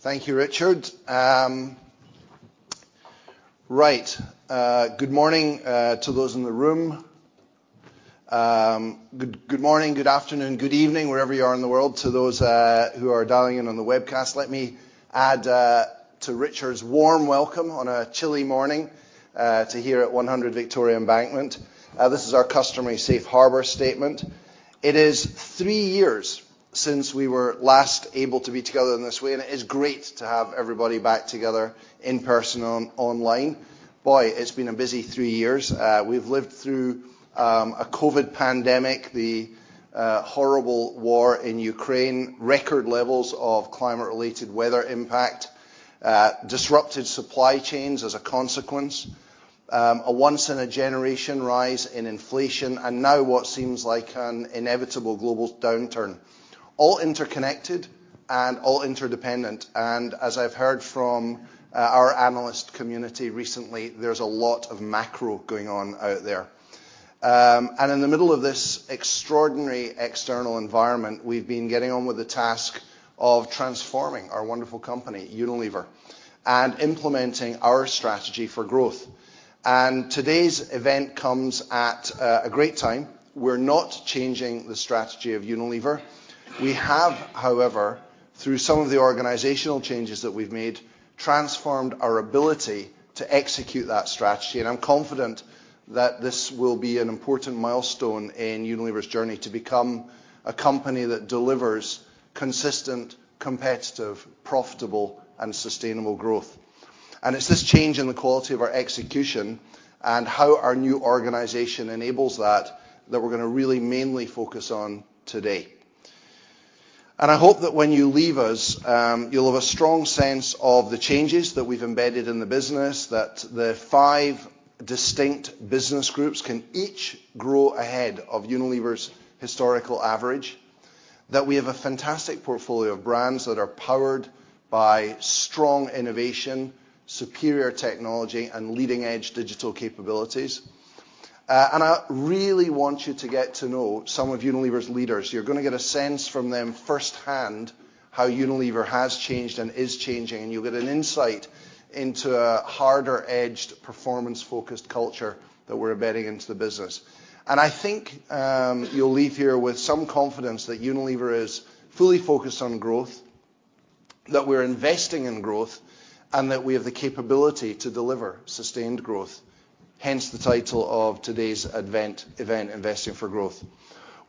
Thank you, Richard. Right. Good morning to those in the room. Good morning, good afternoon, good evening, wherever you are in the world to those who are dialing in on the webcast. Let me add to Richard's warm welcome on a chilly morning to here at 100 Victoria Embankment. This is our customary safe harbor statement. It is three years since we were last able to be together in this way, and it is great to have everybody back together in person online. Boy, it's been a busy three years. We've lived through a COVID pandemic, the horrible war in Ukraine, record levels of climate-related weather impact, disrupted supply chains as a consequence, a once in a generation rise in inflation. Now what seems like an inevitable global downturn, all interconnected and all interdependent. As I've heard from our analyst community recently, there's a lot of macro going on out there. In the middle of this extraordinary external environment, we've been getting on with the task of transforming our wonderful company, Unilever, and implementing our strategy for growth. Today's event comes at a great time. We're not changing the strategy of Unilever. We have, however, through some of the organizational changes that we've made, transformed our ability to execute that strategy. I'm confident that this will be an important milestone in Unilever's journey to become a company that delivers consistent, competitive, profitable, and sustainable growth. It's this change in the quality of our execution and how our new organization enables that we're gonna really mainly focus on today. I hope that when you leave us, you'll have a strong sense of the changes that we've embedded in the business. That the five distinct business groups can each grow ahead of Unilever's historical average. That we have a fantastic portfolio of brands that are powered by strong innovation, superior technology, and leading-edge digital capabilities. I really want you to get to know some of Unilever's leaders. You're gonna get a sense from them firsthand how Unilever has changed and is changing, you'll get an insight into a harder edged, performance-focused culture that we're embedding into the business. I think you'll leave here with some confidence that Unilever is fully focused on growth, that we're investing in growth, and that we have the capability to deliver sustained growth, hence the title of today's event, Investing For Growth.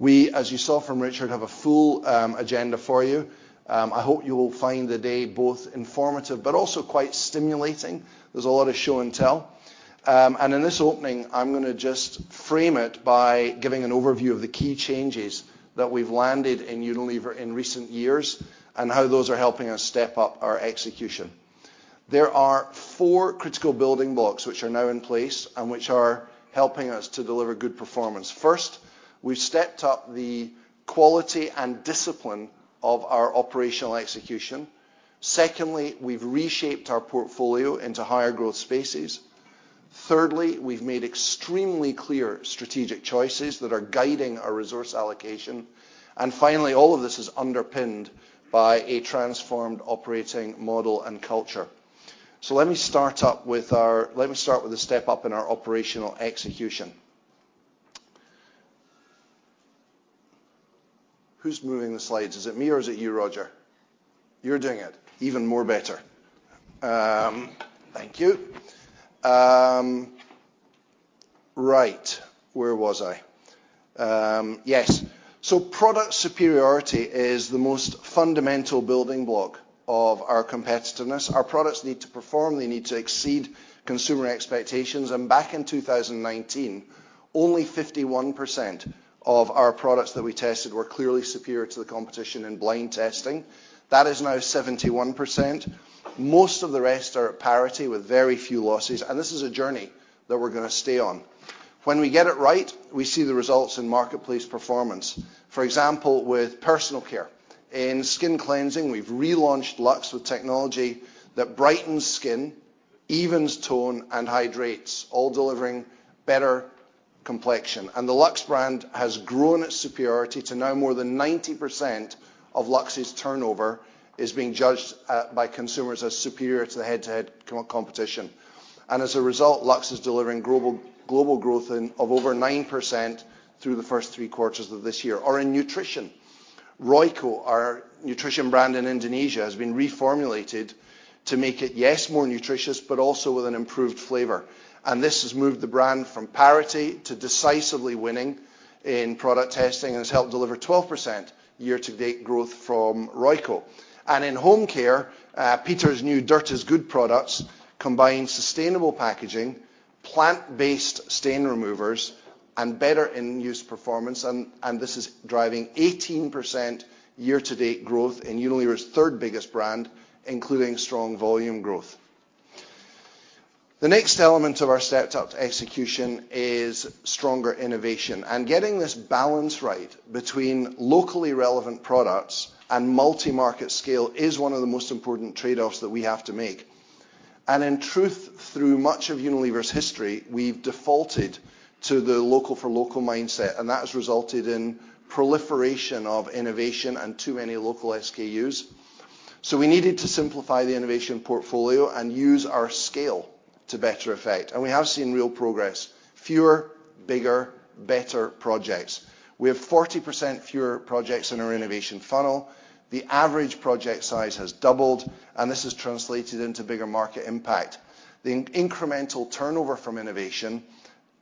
As you saw from Richard, we have a full agenda for you. I hope you will find the day both informative but also quite stimulating. There's a lot of show and tell. In this opening, I'm gonna just frame it by giving an overview of the key changes that we've landed in Unilever in recent years, and how those are helping us step up our execution. There are four critical building blocks, which are now in place and which are helping us to deliver good performance. Secondly, we've reshaped our portfolio into higher growth spaces. Thirdly, we've made extremely clear strategic choices that are guiding our resource allocation. Finally, all of this is underpinned by a transformed operating model and culture. Let me start with a step up in our operational execution. Who's moving the slides? Is it me or is it you, Roger? You're doing it. Even more better. Thank you. Right. Where was I? Yes. Product superiority is the most fundamental building block of our competitiveness. Our products need to perform, they need to exceed consumer expectations. Back in 2019, only 51% of our products that we tested were clearly superior to the competition in blind testing. That is now 71%. Most of the rest are at parity with very few losses, this is a journey that we're gonna stay on. When we get it right, we see the results in marketplace performance. For example, with Personal Care. In skin cleansing, we've relaunched Lux with technology that brightens skin, evens tone, and hydrates, all delivering better complexion. The Lux brand has grown its superiority to now more than 90% of Lux's turnover is being judged by consumers as superior to the head-to-head competition. As a result, Lux is delivering global growth of over 9% through the first three quarters of this year. Or in nutrition, Royco, our nutrition brand in Indonesia, has been reformulated to make it, yes, more nutritious, but also with an improved flavor. This has moved the brand from parity to decisively winning in product testing and has helped deliver 12% year-to-date growth from Royco. In Home Care, Peter's new Dirt Is Good products combine sustainable packaging, plant-based stain removers, and better in-use performance, and this is driving 18% year-to-date growth in Unilever's third biggest brand, including strong volume growth. The next element of our stepped-up execution is stronger innovation. Getting this balance right between locally relevant products and multi-market scale is one of the most important trade-offs that we have to make. In truth, through much of Unilever's history, we've defaulted to the local for local mindset, and that has resulted in proliferation of innovation and too many local SKUs. We needed to simplify the innovation portfolio and use our scale to better effect. We have seen real progress, fewer, bigger, better projects. We have 40% fewer projects in our innovation funnel. The average project size has doubled, and this has translated into bigger market impact. The incremental turnover from innovation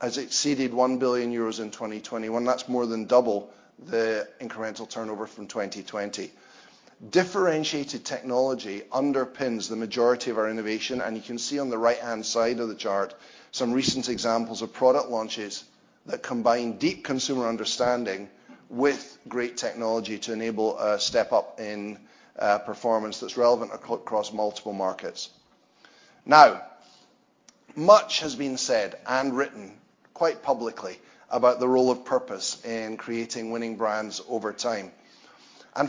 has exceeded 1 billion euros in 2021. That's more than double the incremental turnover from 2020. Differentiated technology underpins the majority of our innovation, and you can see on the right-hand side of the chart some recent examples of product launches that combine deep consumer understanding with great technology to enable a step up in performance that's relevant across multiple markets. Now, much has been said and written quite publicly about the role of purpose in creating winning brands over time.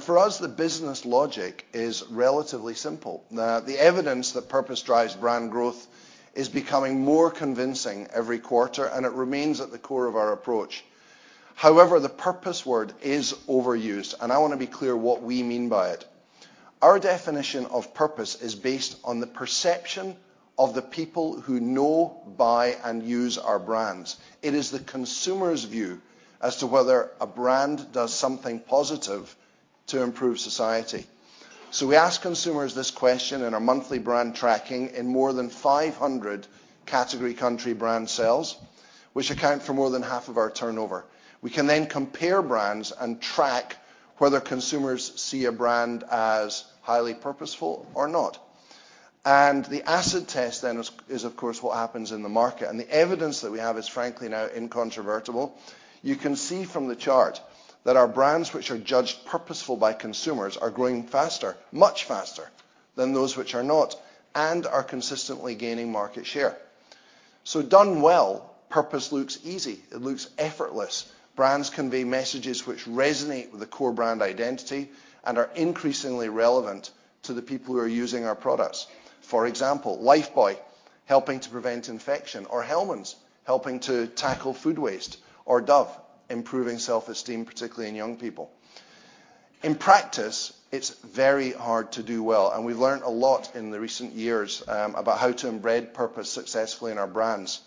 For us, the business logic is relatively simple. The evidence that purpose drives brand growth is becoming more convincing every quarter, and it remains at the core of our approach. However, the purpose word is overused, and I wanna be clear what we mean by it. Our definition of purpose is based on the perception of the people who know, buy, and use our brands. It is the consumer's view as to whether a brand does something positive to improve society. We ask consumers this question in our monthly brand tracking in more than 500 category country brand sales, which account for more than half of our turnover. We can then compare brands and track whether consumers see a brand as highly purposeful or not. The acid test then is of course, what happens in the market. The evidence that we have is frankly now incontrovertible. You can see from the chart that our brands which are judged purposeful by consumers are growing faster, much faster than those which are not, and are consistently gaining market share. Done well, purpose looks easy, it looks effortless. Brands convey messages which resonate with the core brand identity and are increasingly relevant to the people who are using our products. For example, Lifebuoy helping to prevent infection, or Hellmann's helping to tackle food waste, or Dove improving self-esteem, particularly in young people. In practice, it's very hard to do well, and we've learned a lot in the recent years about how to embed purpose successfully in our brands.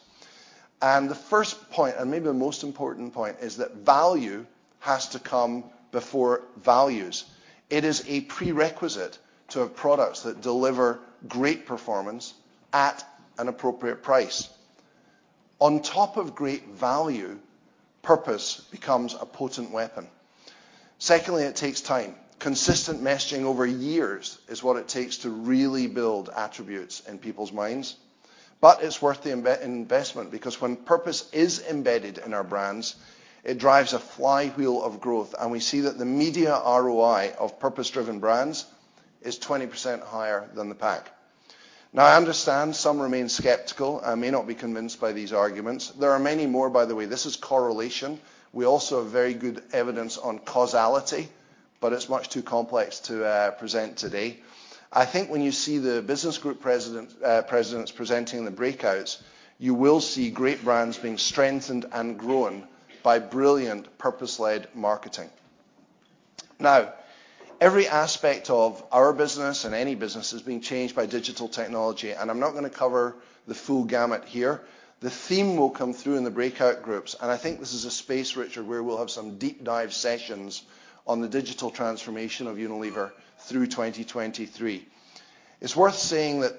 The first point, and maybe the most important point, is that value has to come before values. It is a prerequisite to have products that deliver great performance at an appropriate price. On top of great value, purpose becomes a potent weapon. Secondly, it takes time. Consistent messaging over years is what it takes to really build attributes in people's minds. It's worth the investment because when purpose is embedded in our brands, it drives a flywheel of growth, and we see that the media ROI of purpose-driven brands is 20% higher than the pack. I understand some remain skeptical and may not be convinced by these arguments. There are many more by the way, this is correlation. We also have very good evidence on causality, it's much too complex to present today. I think when you see the business group presidents presenting the breakouts, you will see great brands being strengthened and grown by brilliant purpose-led marketing. Now, every aspect of our business and any business is being changed by digital technology, and I'm not gonna cover the full gamut here. The theme will come through in the breakout groups, and I think this is a space, Richard, where we'll have some deep dive sessions on the digital transformation of Unilever through 2023. It's worth saying that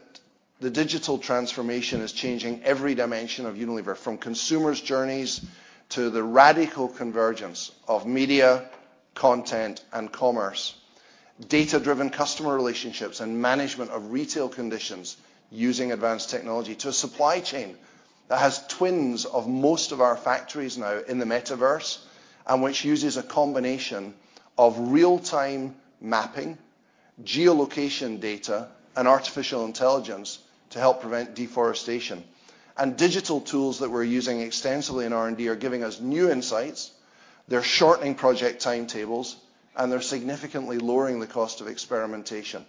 the digital transformation is changing every dimension of Unilever, from consumers' journeys to the radical convergence of media, content, and commerce, data-driven customer relationships, and management of retail conditions using advanced technology to a supply chain that has twins of most of our factories now in the metaverse, and which uses a combination of real-time mapping, geolocation data, and artificial intelligence to help prevent deforestation. Digital tools that we're using extensively in R&D are giving us new insights, they're shortening project timetables, and they're significantly lowering the cost of experimentation.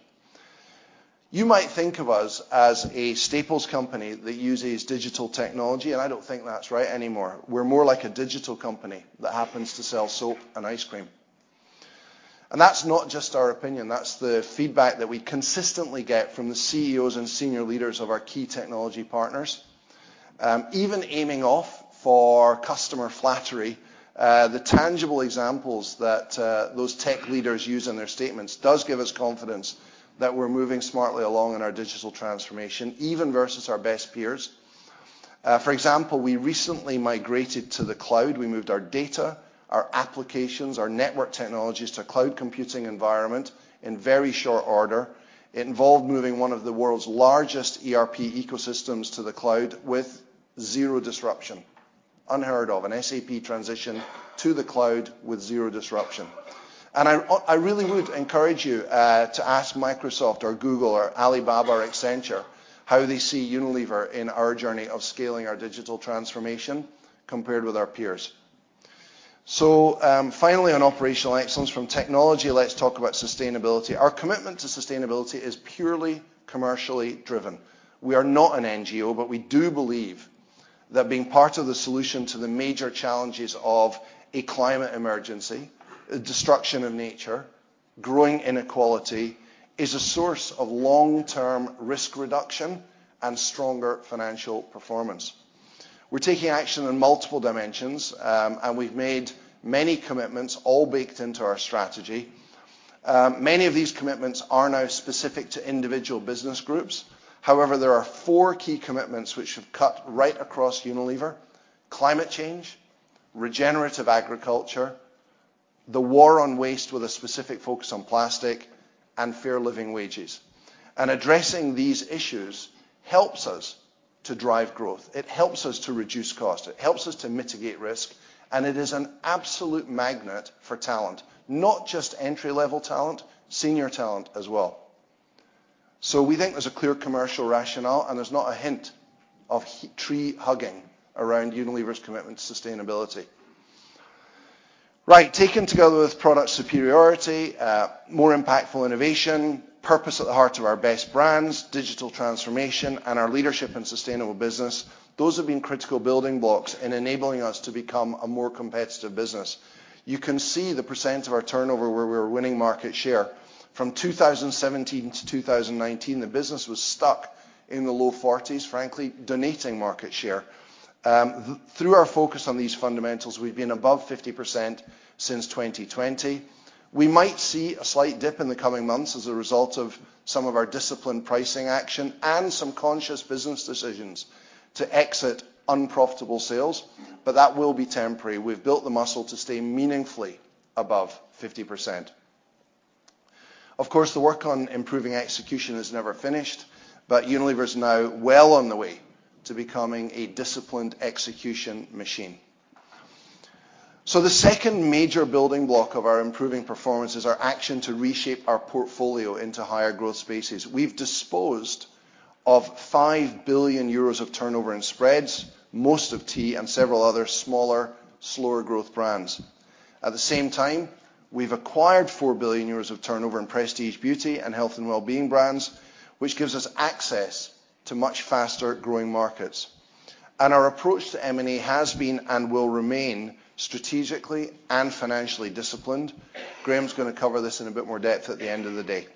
You might think of us as a staples company that uses digital technology, and I don't think that's right anymore. We're more like a digital company that happens to sell soap and ice cream. That's not just our opinion, that's the feedback that we consistently get from the CEOs and senior leaders of our key technology partners. Even aiming off for customer flattery, the tangible examples that those tech leaders use in their statements does give us confidence that we're moving smartly along in our digital transformation, even versus our best peers. For example, we recently migrated to the cloud. We moved our data, our applications, our network technologies to cloud computing environment in very short order. It involved moving one of the world's largest ERP ecosystems to the cloud with zero disruption. Unheard of, an SAP transition to the cloud with zero disruption. I really would encourage you to ask Microsoft or Google or Alibaba or Accenture how they see Unilever in our journey of scaling our digital transformation compared with our peers. Finally, on operational excellence from technology, let's talk about sustainability. Our commitment to sustainability is purely commercially driven. We are not an NGO, but we do believe that being part of the solution to the major challenges of a climate emergency, a destruction of nature, growing inequality, is a source of long-term risk reduction and stronger financial performance. We're taking action on multiple dimensions, and we've made many commitments all baked into our strategy. Many of these commitments are now specific to individual business groups. There are four key commitments which have cut right across Unilever: climate change, regenerative agriculture, the war on waste with a specific focus on plastic, and fair living wages. Addressing these issues helps us to drive growth. It helps us to reduce cost, it helps us to mitigate risk, and it is an absolute magnet for talent. Not just entry-level talent, senior talent as well. We think there's a clear commercial rationale, and there's not a hint of tree hugging around Unilever's commitment to sustainability. Right. Taken together with product superiority, more impactful innovation, purpose at the heart of our best brands, digital transformation, and our leadership in sustainable business, those have been critical building blocks in enabling us to become a more competitive business. You can see the percent of our turnover where we're winning market share. From 2017 to 2019, the business was stuck in the low 40s, frankly, donating market share. Through our focus on these fundamentals, we've been above 50% since 2020. We might see a slight dip in the coming months as a result of some of our disciplined pricing action and some conscious business decisions to exit unprofitable sales, but that will be temporary. We've built the muscle to stay meaningfully above 50%. Of course, the work on improving execution is never finished, but Unilever's now well on the way to becoming a disciplined execution machine. The second major building block of our improving performance is our action to reshape our portfolio into higher growth spaces. We've disposed of 5 billion euros of turnover in spreads, most of tea, and several other smaller, slower growth brands. At the same time, we've acquired 4 billion euros of turnover in Prestige Beauty and Health & Wellbeing brands, which gives us access to much faster growing markets. Our approach to M&A has been and will remain strategically and financially disciplined. Graeme's gonna cover this in a bit more depth at the end of the day.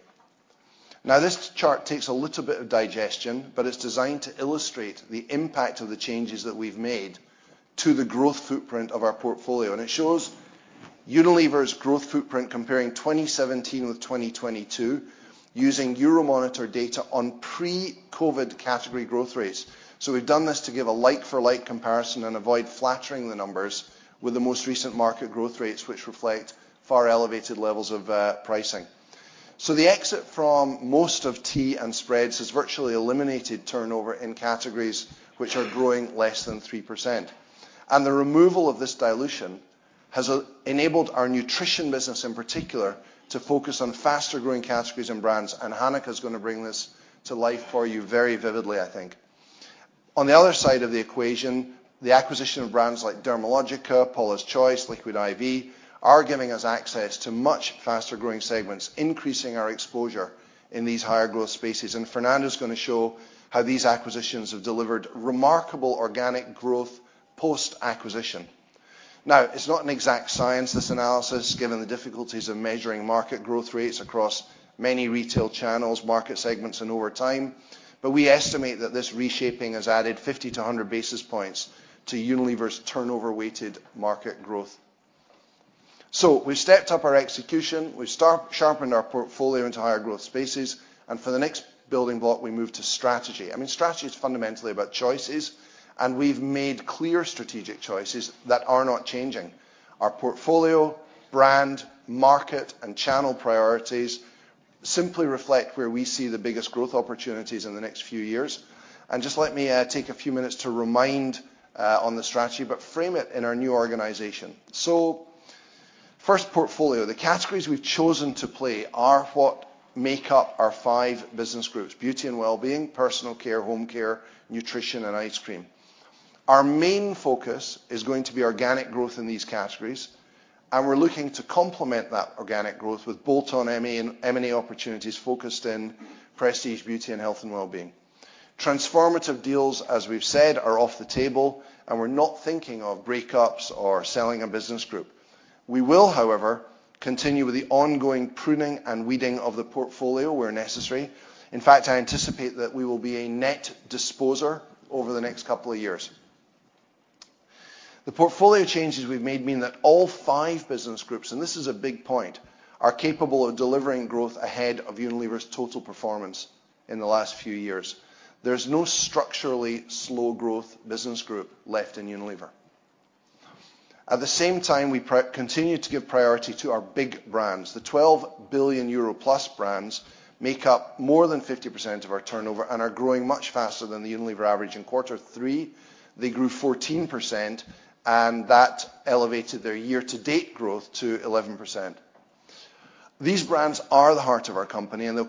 This chart takes a little bit of digestion, but it's designed to illustrate the impact of the changes that we've made to the growth footprint of our portfolio, and it shows Unilever's growth footprint comparing 2017 with 2022 using Euromonitor data on pre-COVID category growth rates. We've done this to give a like-for-like comparison and avoid flattering the numbers with the most recent market growth rates, which reflect far elevated levels of pricing. The exit from most of tea and spreads has virtually eliminated turnover in categories which are growing less than 3%. The removal of this dilution has enabled our Nutrition business in particular to focus on faster growing categories and brands, and Hanneke is gonna bring this to life for you very vividly, I think. On the other side of the equation, the acquisition of brands like Dermalogica, Paula's Choice, Liquid I.V. are giving us access to much faster growing segments, increasing our exposure in these higher growth spaces, and Fernando's gonna show how these acquisitions have delivered remarkable organic growth post-acquisition. It's not an exact science, this analysis, given the difficulties of measuring market growth rates across many retail channels, market segments and over time, but we estimate that this reshaping has added 50 to 100 basis points to Unilever's turnover weighted market growth. We've stepped up our execution, we've sharpened our portfolio into higher growth spaces, and for the next building block, we move to strategy. I mean, strategy is fundamentally about choices, and we've made clear strategic choices that are not changing. Our portfolio, brand, market, and channel priorities simply reflect where we see the biggest growth opportunities in the next few years. Just let me take a few minutes to remind on the strategy, but frame it in our new organization. First, portfolio. The categories we've chosen to play are what make up our five business groups, Beauty & Wellbeing, Personal Care, Home Care, Nutrition, and Ice Cream. Our main focus is going to be organic growth in these categories, and we're looking to complement that organic growth with bolt-on M&A opportunities focused in Prestige Beauty and Health & Wellbeing. Transformative deals, as we've said, are off the table. We're not thinking of breakups or selling a business group. We will, however, continue with the ongoing pruning and weeding of the portfolio where necessary. In fact, I anticipate that we will be a net disposer over the next couple of years. The portfolio changes we've made mean that all five business groups, and this is a big point, are capable of delivering growth ahead of Unilever's total performance in the last few years. There's no structurally slow growth business group left in Unilever. At the same time, we continue to give priority to our big brands. The 12 billion euro+ brands make up more than 50% of our turnover and are growing much faster than the Unilever average. In quarter three, they grew 14%. That elevated their year to date growth to 11%. These brands are the heart of our company, and we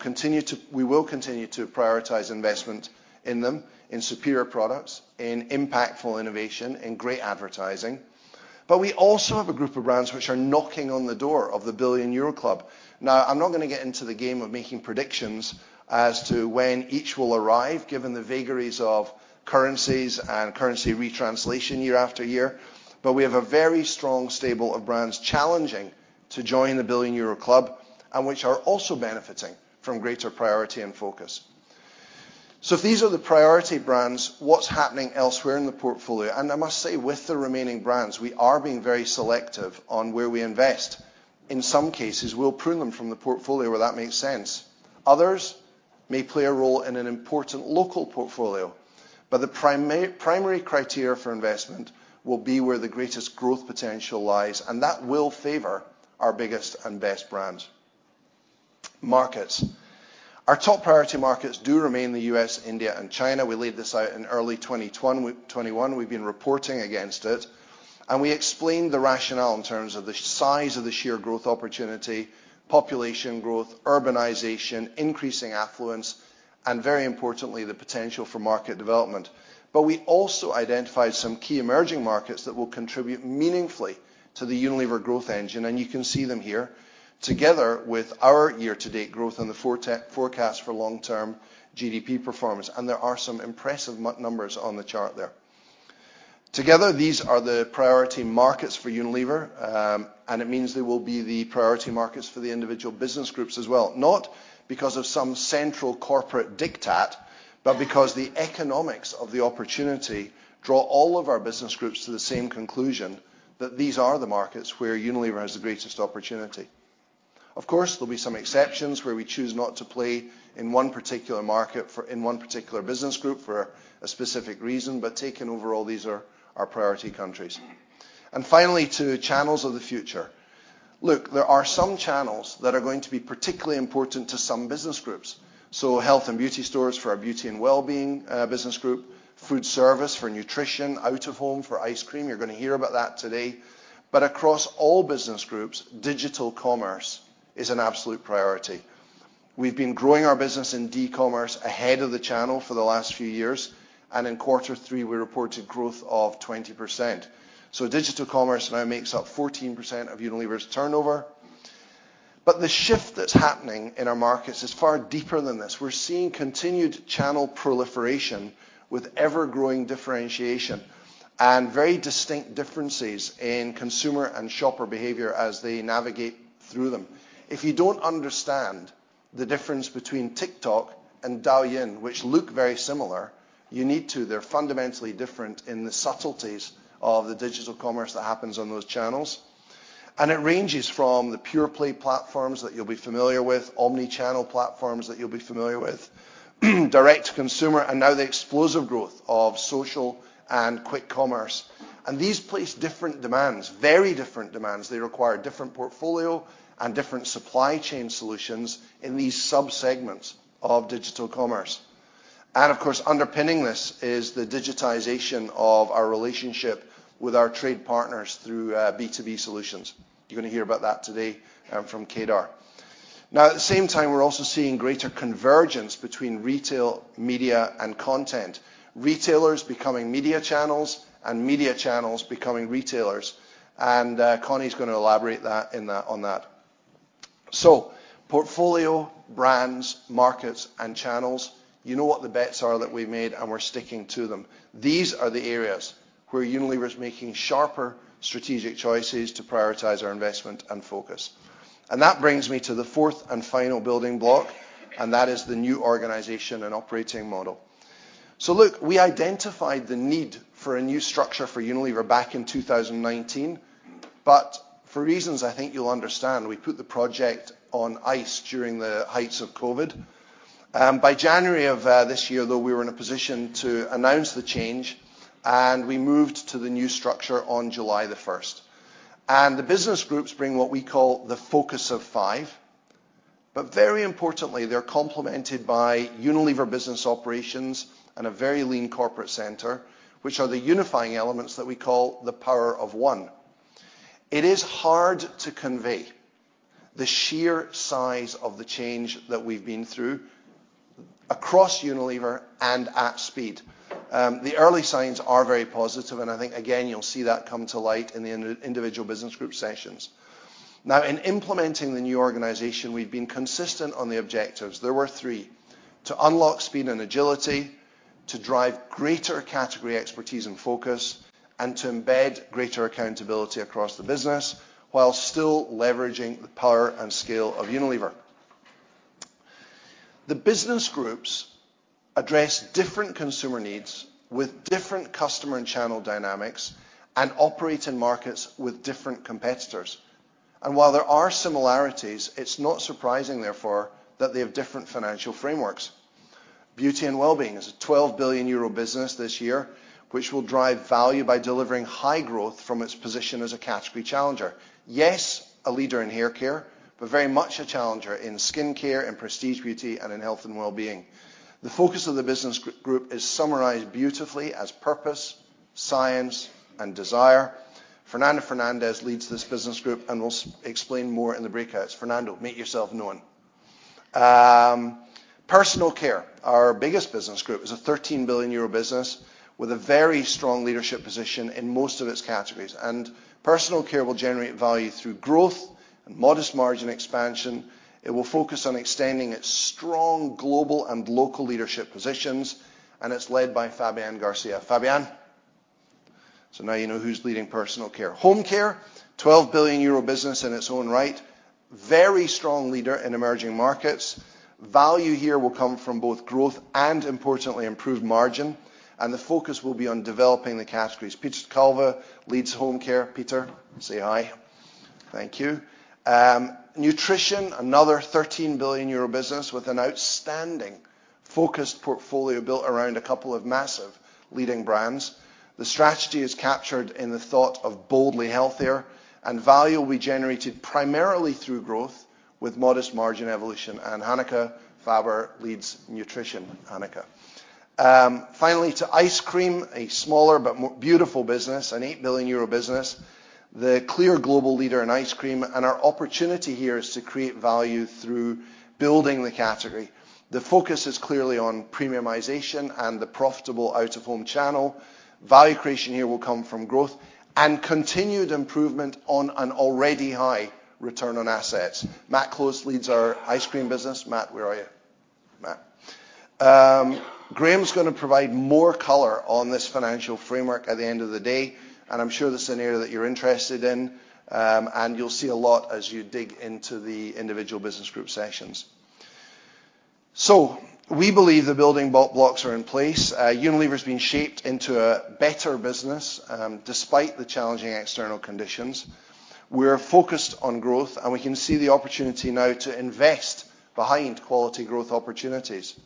will continue to prioritize investment in them, in superior products, in impactful innovation, in great advertising. We also have a group of brands which are knocking on the door of the billion-euro club. I'm not gonna get into the game of making predictions as to when each will arrive, given the vagaries of currencies and currency retranslation year after year. We have a very strong stable of brands challenging to join the billion-euro club, and which are also benefiting from greater priority and focus. If these are the priority brands, what's happening elsewhere in the portfolio. I must say, with the remaining brands, we are being very selective on where we invest. In some cases, we'll prune them from the portfolio where that makes sense. Others may play a role in an important local portfolio, but the primary criteria for investment will be where the greatest growth potential lies, and that will favor our biggest and best brands. Markets. Our top priority markets do remain the U.S., India, and China. We laid this out in early 2021. We've been reporting against it. We explained the rationale in terms of the size of the sheer growth opportunity, population growth, urbanization, increasing affluence, and very importantly, the potential for market development. We also identified some key emerging markets that will contribute meaningfully to the Unilever growth engine, and you can see them here, together with our year-to-date growth and the forecast for long-term GDP performance. There are some impressive numbers on the chart there. Together, these are the priority markets for Unilever, and it means they will be the priority markets for the individual business groups as well. Not because of some central corporate diktat, but because the economics of the opportunity draw all of our business groups to the same conclusion that these are the markets where Unilever has the greatest opportunity. Of course, there'll be some exceptions where we choose not to play in one particular market in one particular business group for a specific reason, but taken overall, these are our priority countries. Finally, to channels of the future. Look, there are some channels that are going to be particularly important to some business groups. Health and beauty stores for our Beauty & Wellbeing business group, food service for Nutrition, out of home for Ice Cream. You're gonna hear about that today. Across all business groups, digital commerce is an absolute priority. We've been growing our business in dCommerce ahead of the channel for the last few years, and in quarter three, we reported growth of 20%. Digital commerce now makes up 14% of Unilever's turnover. The shift that's happening in our markets is far deeper than this. We're seeing continued channel proliferation with ever-growing differentiation and very distinct differences in consumer and shopper behavior as they navigate through them. If you don't understand the difference between TikTok and Douyin, which look very similar, you need to. They're fundamentally different in the subtleties of the digital commerce that happens on those channels. It ranges from the pure play platforms that you'll be familiar with, omni-channel platforms that you'll be familiar with, direct to consumer, and now the explosive growth of social and quick commerce. These place different demands, very different demands. They require different portfolio and different supply chain solutions in these subsegments of digital commerce. Of course, underpinning this is the digitization of our relationship with our trade partners through B2B solutions. You're gonna hear about that today from Kedar. At the same time, we're also seeing greater convergence between retail, media, and content. Retailers becoming media channels and media channels becoming retailers. Conny is gonna elaborate on that. Portfolio, brands, markets, and channels, you know what the bets are that we made, and we're sticking to them. These are the areas where Unilever is making sharper strategic choices to prioritize our investment and focus. That brings me to the fourth and final building block, and that is the new organization and operating model. Look, we identified the need for a new structure for Unilever back in 2019, but for reasons I think you'll understand, we put the project on ice during the heights of COVID. By January of this year, though, we were in a position to announce the change, and we moved to the new structure on July the 1st. The business groups bring what we call the focus of five, but very importantly, they're complemented by Unilever Business Operations and a very lean corporate center, which are the unifying elements that we call the power of one. It is hard to convey the sheer size of the change that we've been through across Unilever and at speed. The early signs are very positive, and I think again, you'll see that come to light in the individual business group sessions. Now, in implementing the new organization, we've been consistent on the objectives. There were three, to unlock speed and agility, to drive greater category expertise and focus, and to embed greater accountability across the business while still leveraging the power and scale of Unilever. The business groups address different consumer needs with different customer and channel dynamics and operate in markets with different competitors. While there are similarities, it's not surprising, therefore, that they have different financial frameworks. Beauty & Wellbeing is a 12 billion euro business this year, which will drive value by delivering high growth from its position as a category challenger. Yes, a leader in hair care, but very much a challenger in skincare, in Prestige Beauty, and in Health & Wellbeing. The focus of the business group is summarized beautifully as purpose, science and desire. Fernando Fernandez leads this business group and will explain more in the breakouts. Fernando, make yourself known. Personal Care, our biggest business group, is a 13 billion euro business with a very strong leadership position in most of its categories, and Personal Care will generate value through growth and modest margin expansion. It will focus on extending its strong global and local leadership positions, and it's led by Fabian Garcia. Fabian. Now you know who's leading Personal Care. Home Care, 12 billion euro business in its own right, very strong leader in emerging markets. Value here will come from both growth and importantly improved margin, and the focus will be on developing the categories. Peter ter Kulve leads Home Care. Peter, say hi. Thank you. Nutrition, another 13 billion euro business with an outstanding focused portfolio built around a couple of massive leading brands. The strategy is captured in the thought of boldly healthier and value will be generated primarily through growth with modest margin evolution. Hanneke Faber leads Nutrition. Hanneke. Finally to Ice Cream, a smaller but beautiful business, an 8 billion euro business, the clear global leader in Ice Cream and our opportunity here is to create value through building the category. The focus is clearly on premiumization and the profitable out of home channel. Value creation here will come from growth and continued improvement on an already high return on assets. Matt Close leads our Ice Cream business. Matt, where are you? Matt. Graeme is gonna provide more color on this financial framework at the end of the day, and I'm sure this is an area that you're interested in, and you'll see a lot as you dig into the individual business group sessions. We believe the building blocks are in place. Unilever has been shaped into a better business, despite the challenging external conditions. We're focused on growth, and we can see the opportunity now to invest behind quality growth opportunities.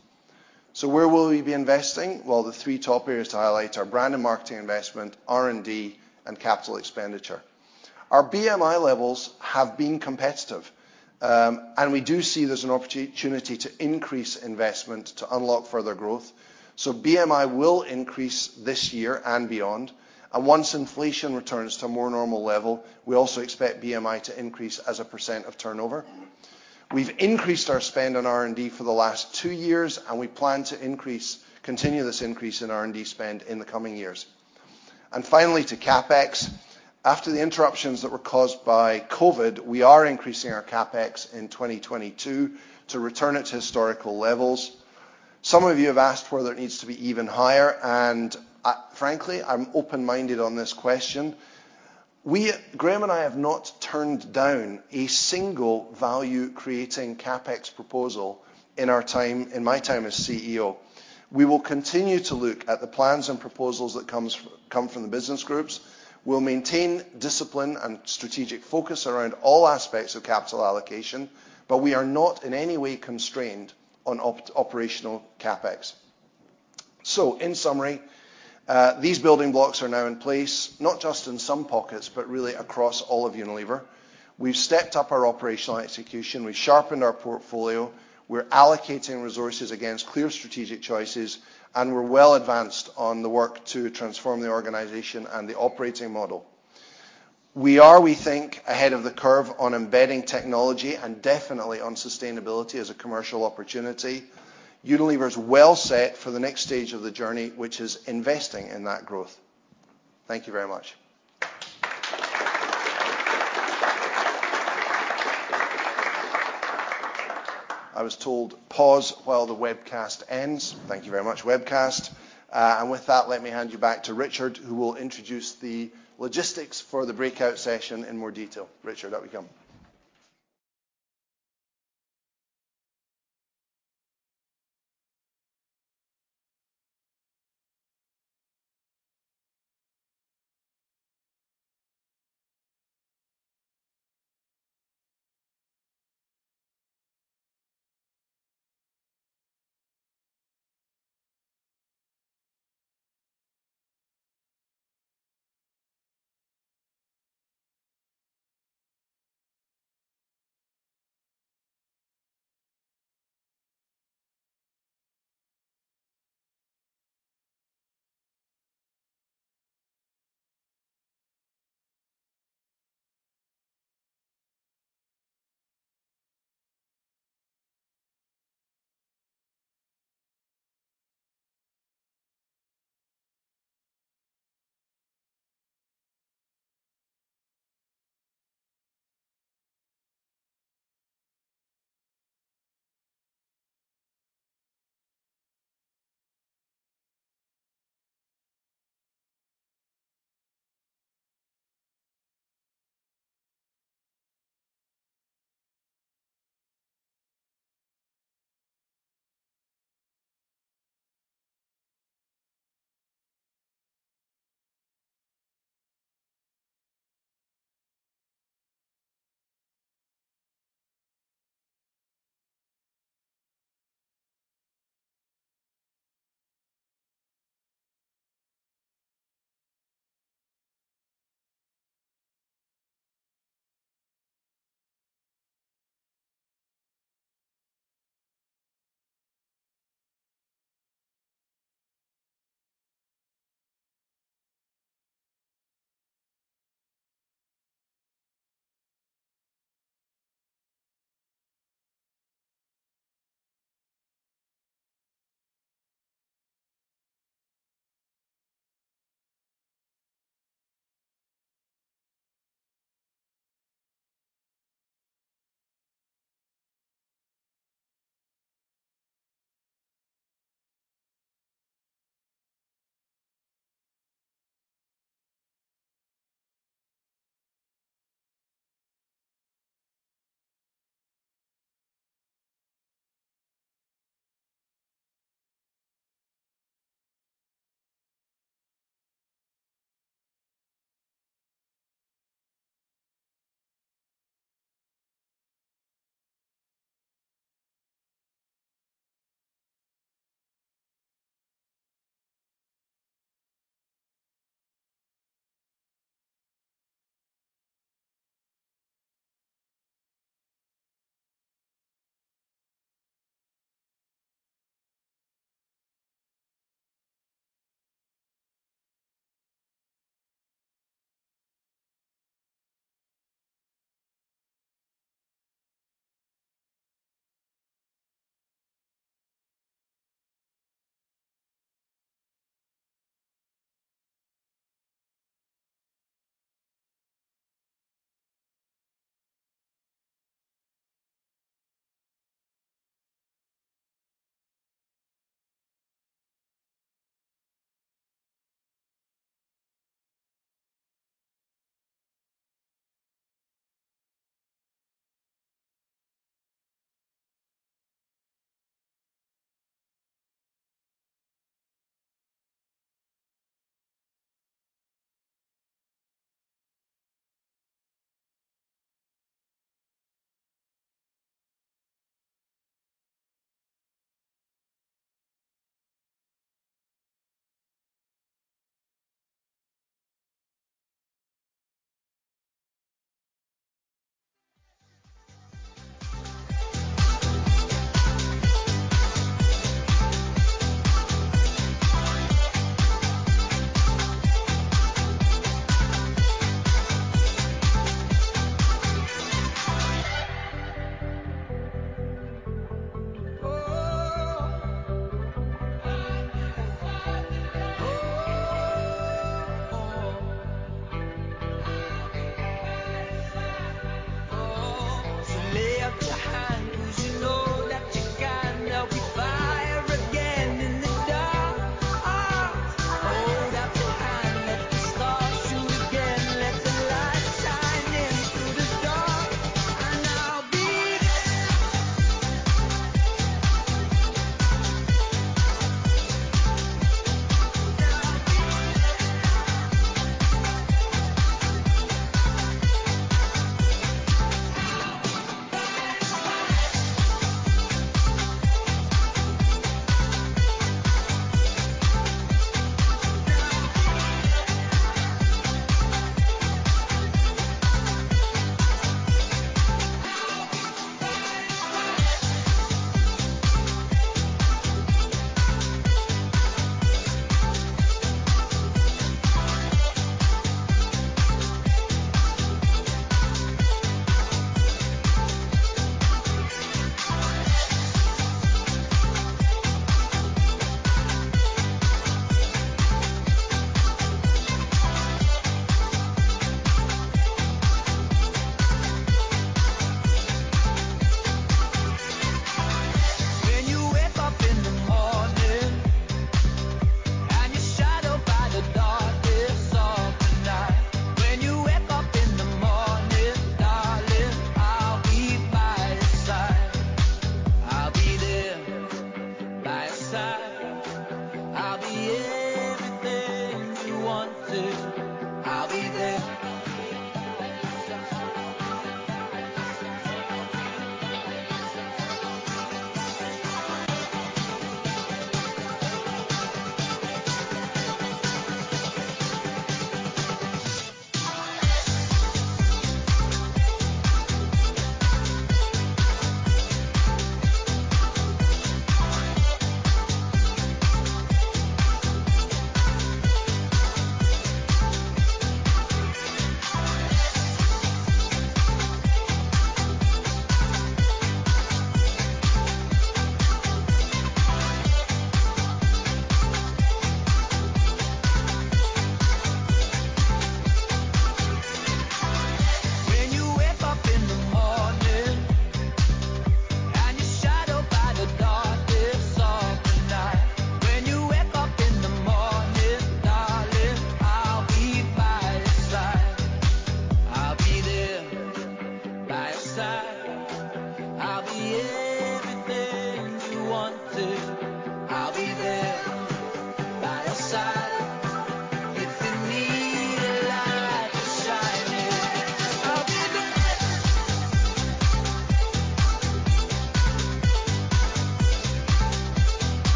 Where will we be investing? Well, the three top areas to highlight are brand and marketing investment, R&D, and capital expenditure. Our BMI levels have been competitive, and we do see there's an opportunity to increase investment to unlock further growth. BMI will increase this year and beyond, and once inflation returns to a more normal level, we also expect BMI to increase as a percent of turnover. We've increased our spend on R&D for the last two years, and we plan to continue this increase in R&D spend in the coming years. Finally, to CapEx. After the interruptions that were caused by COVID, we are increasing our CapEx in 2022 to return it to historical levels. Some of you have asked whether it needs to be even higher, frankly, I'm open-minded on this question. Graeme and I have not turned down a single value-creating CapEx proposal in my time as CEO. We will continue to look at the plans and proposals that come from the business groups. We'll maintain discipline and strategic focus around all aspects of capital allocation, we are not in any way constrained on operational CapEx. In summary, these building blocks are now in place, not just in some pockets, but really across all of Unilever. We've stepped up our operational execution, we've sharpened our portfolio, we're allocating resources against clear strategic choices. We're well advanced on the work to transform the organization and the operating model. We are, we think, ahead of the curve on embedding technology and definitely on sustainability as a commercial opportunity. Unilever is well set for the next stage of the journey, which is investing in that growth. Thank you very much. I was told pause while the webcast ends. Thank you very much, webcast. With that, let me hand you back to Richard, who will introduce the logistics for the breakout session in more detail. Richard, up we come.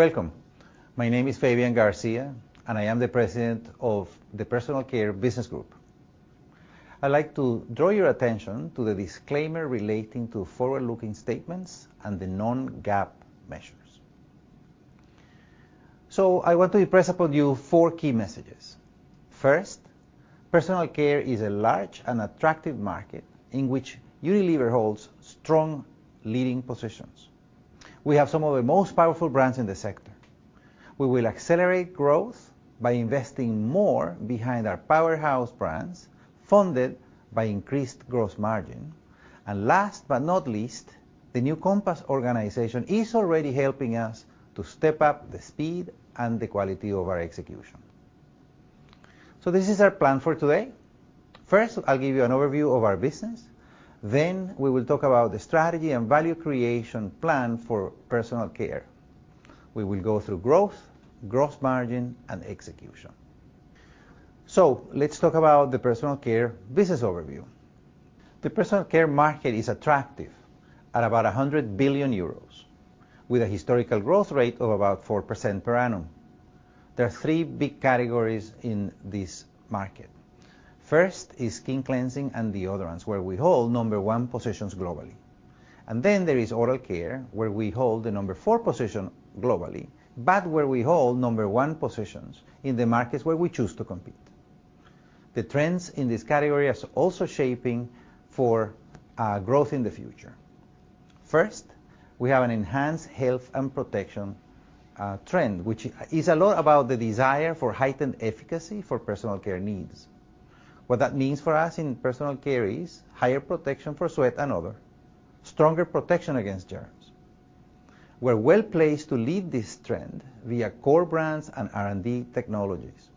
Welcome. My name is Fabian Garcia, and I am the President of the Personal Care business group. I'd like to draw your attention to the disclaimer relating to forward-looking statements and the non-GAAP measures. I want to impress upon you four key messages. First, Personal Care is a large and attractive market in which Unilever holds strong leading positions. We have some of the most powerful brands in the sector. We will accelerate growth by investing more behind our powerhouse brands, funded by increased gross margin. Last but not least, the new Compass organization is already helping us to step up the speed and the quality of our execution. This is our plan for today. First, I'll give you an overview of our business. We will talk about the strategy and value creation plan for Personal Care. We will go through growth, gross margin, and execution. Let's talk about the Personal Care business overview. The Personal Care market is attractive at about 100 billion euros with a historical growth rate of about 4% per annum. There are three big categories in this market. First is skin cleansing and deodorants, where we hold number one positions globally. Then there is oral care, where we hold the number four position globally, but where we hold number one positions in the markets where we choose to compete. The trends in this category are also shaping for growth in the future. First, we have an enhanced health and protection trend, which is a lot about the desire for heightened efficacy for Personal Care needs. What that means for us in Personal Care is higher protection for sweat and odor, stronger protection against germs. We're well-placed to lead this trend via core brands and R&D technologies.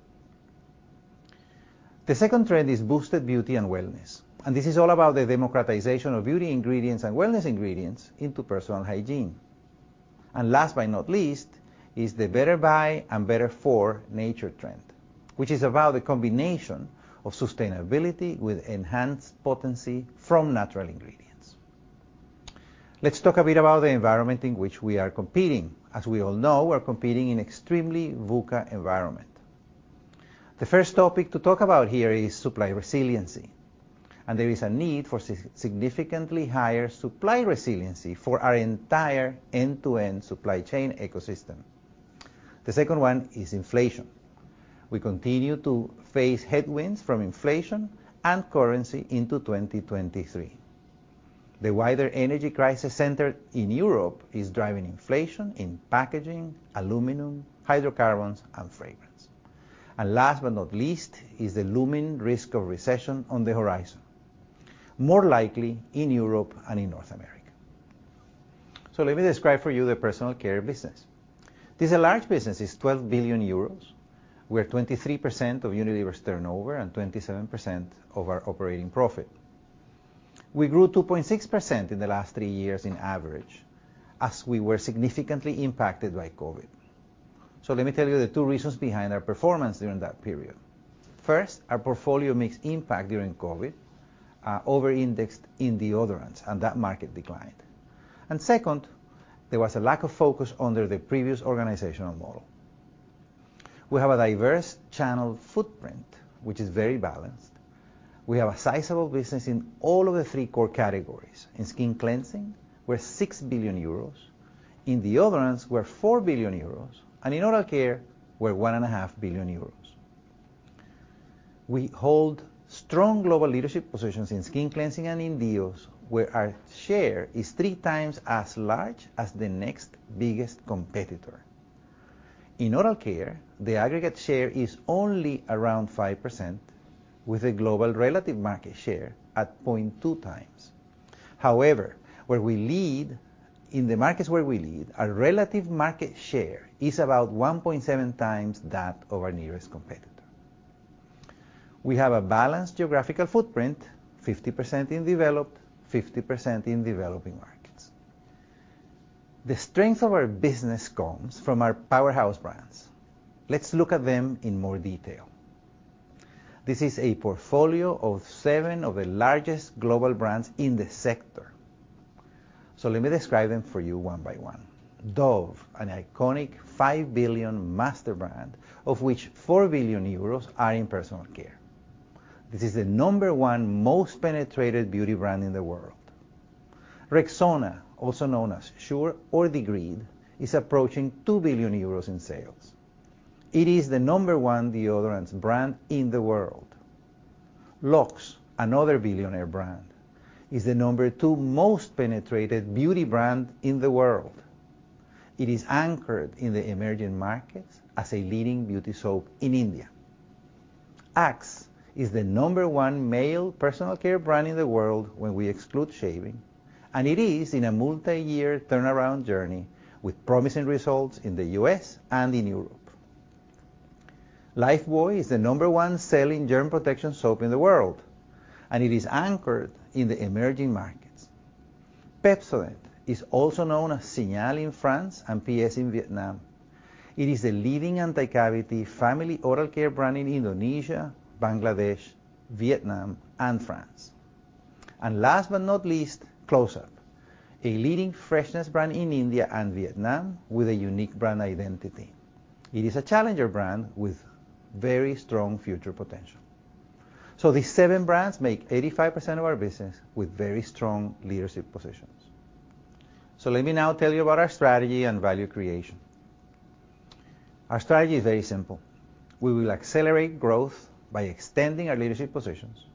The second trend is boosted beauty and wellness, and this is all about the democratization of beauty ingredients and wellness ingredients into personal hygiene. Last but not least is the better by and better for nature trend, which is about the combination of sustainability with enhanced potency from natural ingredients. Let's talk a bit about the environment in which we are competing. As we all know, we're competing in extremely VUCA environment. The first topic to talk about here is supply resiliency, and there is a need for significantly higher supply resiliency for our entire end-to-end supply chain ecosystem. The second one is inflation. We continue to face headwinds from inflation and currency into 2023. The wider energy crisis centered in Europe is driving inflation in packaging, aluminum, hydrocarbons, and fragrance. Last but not least is the looming risk of recession on the horizon, more likely in Europe and in North America. Let me describe for you the Personal Care business. This is a large business. It's 12 billion euros. We're 23% of Unilever's turnover and 27% of our operating profit. We grew 2.6% in the last three years in average as we were significantly impacted by COVID. Let me tell you the two reasons behind our performance during that period. First, our portfolio mixed impact during COVID, over-indexed in deodorants, and that market declined. Second, there was a lack of focus under the previous organizational model. We have a diverse channel footprint, which is very balanced. We have a sizable business in all of the three core categories. In skin cleansing, we're 6 billion euros. In deodorants, we're 4 billion euros. In oral care, we're 1.5 billion euros. We hold strong global leadership positions in skin cleansing and in deos, where our share is 3x as large as the next biggest competitor. In oral care, the aggregate share is only around 5% with a global relative market share at 0.2x. However, in the markets where we lead, our relative market share is about 1.7x that of our nearest competitor. We have a balanced geographical footprint, 50% in developed, 50% in developing markets. The strength of our business comes from our powerhouse brands. Let's look at them in more detail. This is a portfolio of seven of the largest global brands in this sector. Let me describe them for you one by one. Dove, an iconic 5 billion master brand, of which 4 billion euros are in Personal Care. This is the number one most penetrated beauty brand in the world. Rexona, also known as Sure or Degree, is approaching 2 billion euros in sales. It is the number one deodorants brand in the world. Lux, another billionaire brand, is the number two most penetrated beauty brand in the world. It is anchored in the emerging markets as a leading beauty soap in India. Axe is the number one male Personal Care brand in the world when we exclude shaving, and it is in a multiyear turnaround journey with promising results in the U.S. and in Europe. Lifebuoy is the number one selling germ protection soap in the world, and it is anchored in the emerging markets. Pepsodent is also known Signal in France and P/S in Vietnam. It is the leading anti-cavity family oral care brand in Indonesia, Bangladesh, Vietnam, and France. Last but not least, Closeup, a leading freshness brand in India and Vietnam with a unique brand identity. It is a challenger brand with very strong future potential. These seven brands make 85% of our business with very strong leadership positions. Let me now tell you about our strategy and value creation. Our strategy is very simple. We will accelerate growth by extending our leadership positions.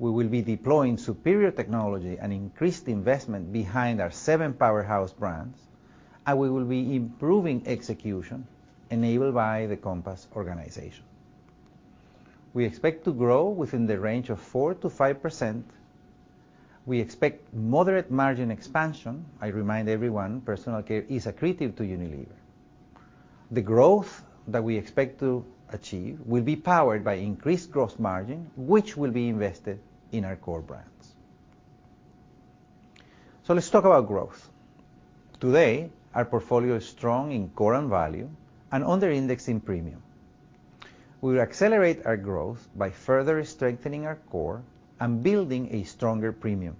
We will be deploying superior technology and increased investment behind our seven powerhouse brands, and we will be improving execution enabled by the Compass organization. We expect to grow within the range of 4%-5%. We expect moderate margin expansion. I remind everyone, Personal Care is accretive to Unilever. The growth that we expect to achieve will be powered by increased growth margin, which will be invested in our core brands. Let's talk about growth. Today, our portfolio is strong in core and value and under-indexed in premium. We will accelerate our growth by further strengthening our core and building a stronger premium.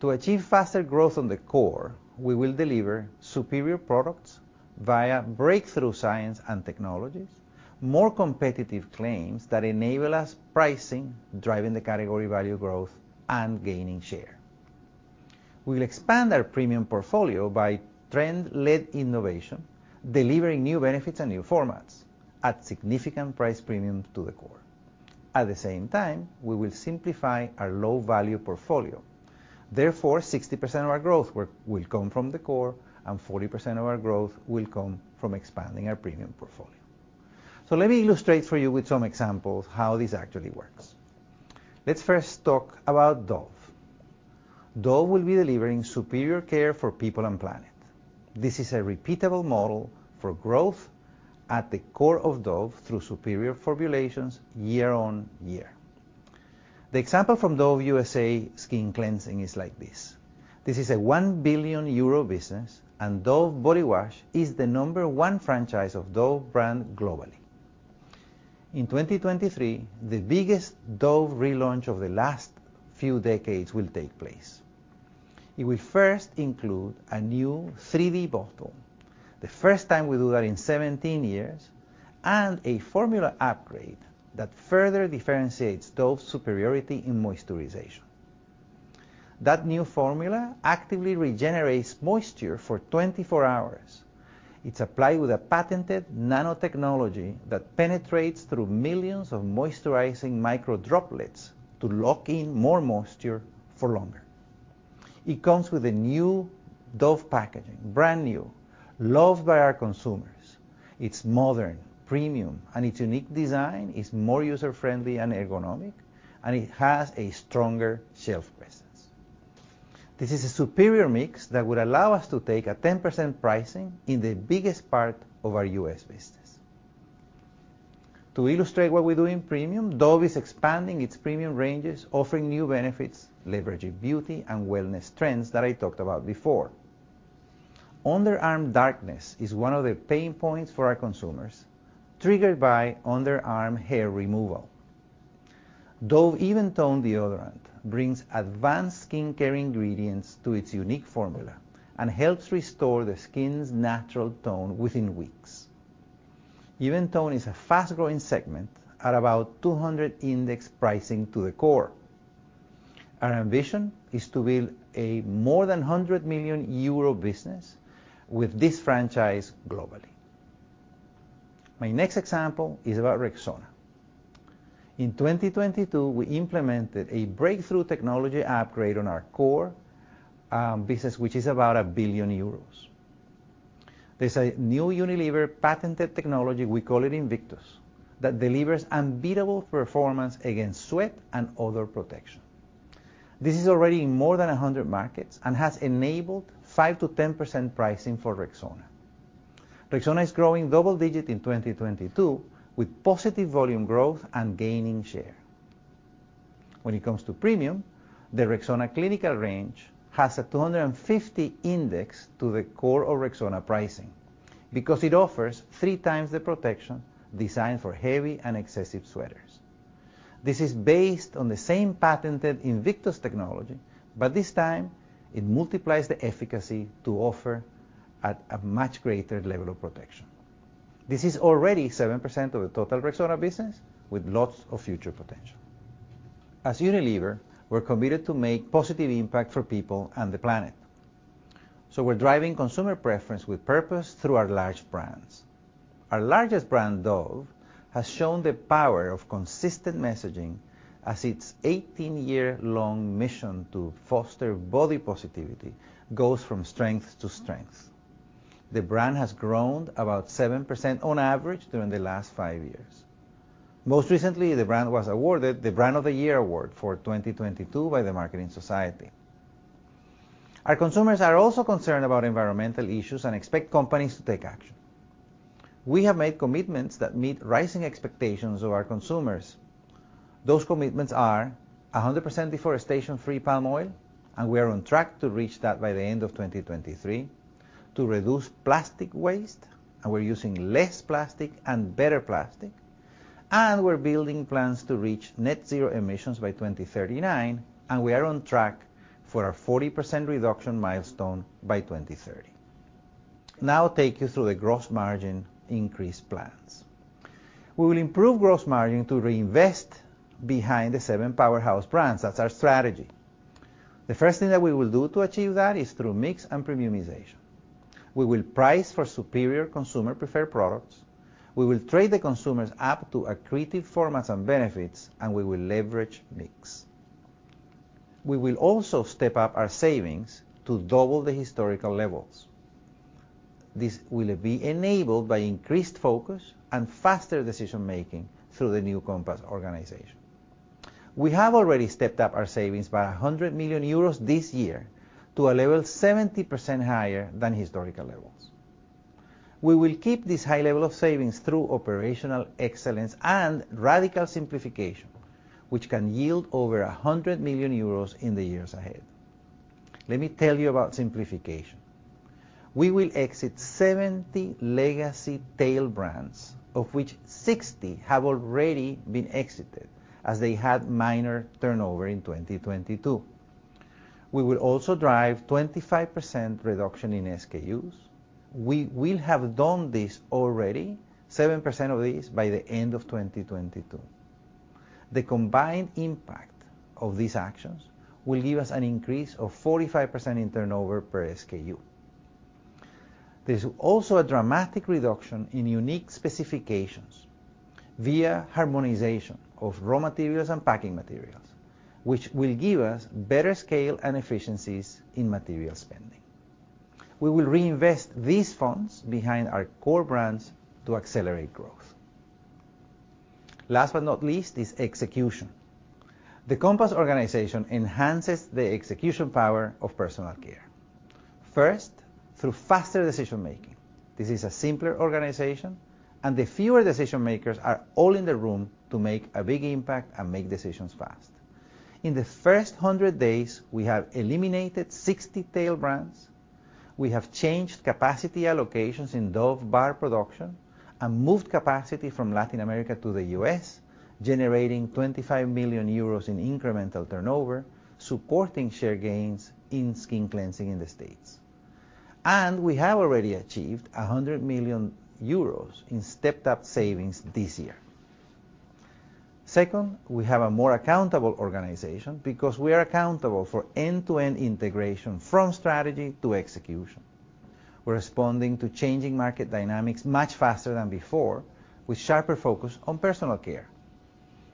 To achieve faster growth on the core, we will deliver superior products via breakthrough science and technologies, more competitive claims that enable us pricing, driving the category value growth, and gaining share. We will expand our premium portfolio by trend-led innovation, delivering new benefits and new formats at significant price premium to the core. At the same time, we will simplify our low-value portfolio. 60% of our growth work will come from the core, and 40% of our growth will come from expanding our premium portfolio. Let me illustrate for you with some examples how this actually works. Let's first talk about Dove. Dove will be delivering superior care for people and planet. This is a repeatable model for growth at the core of Dove through superior formulations year-on-year. The example from Dove U.S.A. skin cleansing is like this. This is a 1 billion euro business, and Dove body wash is the number one franchise of Dove brand globally. In 2023, the biggest Dove relaunch of the last few decades will take place. It will first include a new 3D bottle, the first time we do that in 17 years, and a formula upgrade that further differentiates Dove's superiority in moisturization. That new formula actively regenerates moisture for 24 hours. It's applied with a patented nanotechnology that penetrates through millions of moisturizing micro droplets to lock in more moisture for longer. It comes with a new Dove packaging, brand new, loved by our consumers. It's modern, premium, and its unique design is more user-friendly and ergonomic, and it has a stronger shelf presence. This is a superior mix that will allow us to take a 10% pricing in the biggest part of our U.S. business. To illustrate what we do in premium, Dove is expanding its premium ranges, offering new benefits, leveraging beauty and wellness trends that I talked about before. Underarm darkness is one of the pain points for our consumers, triggered by underarm hair removal. Dove Even Tone deodorant brings advanced skincare ingredients to its unique formula and helps restore the skin's natural tone within weeks. Even Tone is a fast-growing segment at about 200 index pricing to the core. Our ambition is to build a more than 100 million euro business with this franchise globally. My next example is about Rexona. In 2022, we implemented a breakthrough technology upgrade on our core business, which is about 1 billion euros. There's a new Unilever patented technology, we call it Invictus, that delivers unbeatable performance against sweat and odor protection. This is already in more than 100 markets and has enabled 5%-10% pricing for Rexona. Rexona is growing double-digit in 2022 with positive volume growth and gaining share. When it comes to premium, the Rexona Clinical range has a 250 index to the core of Rexona pricing because it offers three times the protection designed for heavy and excessive sweaters. This is based on the same patented Invictus technology, but this time it multiplies the efficacy to offer at a much greater level of protection. This is already 7% of the total Rexona business, with lots of future potential. As Unilever, we're committed to make positive impact for people and the planet. We're driving consumer preference with purpose through our large brands. Our largest brand, Dove, has shown the power of consistent messaging as its 18-year-long mission to foster body positivity goes from strength to strength. The brand has grown about 7% on average during the last five years. Most recently, the brand was awarded the Brand of the Year award for 2022 by The Marketing Society. Our consumers are also concerned about environmental issues and expect companies to take action. We have made commitments that meet rising expectations of our consumers. Those commitments are 100% deforestation-free palm oil. We are on track to reach that by the end of 2023, to reduce plastic waste. We're using less plastic and better plastic. We're building plans to reach net zero emissions by 2039. We are on track for a 40% reduction milestone by 2030. Now I'll take you through the gross margin increase plans. We will improve gross margin to reinvest behind the seven powerhouse brands. That's our strategy. The first thing that we will do to achieve that is through mix and premiumization. We will price for superior consumer preferred products. We will trade the consumers up to accretive formats and benefits. We will leverage mix. We will also step up our savings to double the historical levels. This will be enabled by increased focus and faster decision-making through the new Compass organization. We have already stepped up our savings by 100 million euros this year to a level 70% higher than historical levels. We will keep this high level of savings through operational excellence and radical simplification, which can yield over 100 million euros in the years ahead. Let me tell you about simplification. We will exit 70 legacy tail brands, of which 60 have already been exited as they had minor turnover in 2022. We will also drive 25% reduction in SKUs. We will have done this already, 7% of these by the end of 2022. The combined impact of these actions will give us an increase of 45% in turnover per SKU. There's also a dramatic reduction in unique specifications via harmonization of raw materials and packing materials, which will give us better scale and efficiencies in material spending. We will reinvest these funds behind our core brands to accelerate growth. Last but not least is execution. The Compass organization enhances the execution power of Personal Care. First, through faster decision-making. This is a simpler organization. The fewer decision-makers are all in the room to make a big impact and make decisions fast. In the first 100 days, we have eliminated 60 tail brands. We have changed capacity allocations in Dove bar production and moved capacity from Latin America to the U.S., generating 25 million euros in incremental turnover, supporting share gains in skin cleansing in the States. We have already achieved 100 million euros in stepped up savings this year. Second, we have a more accountable organization because we are accountable for end-to-end integration from strategy to execution. We're responding to changing market dynamics much faster than before, with sharper focus on Personal Care.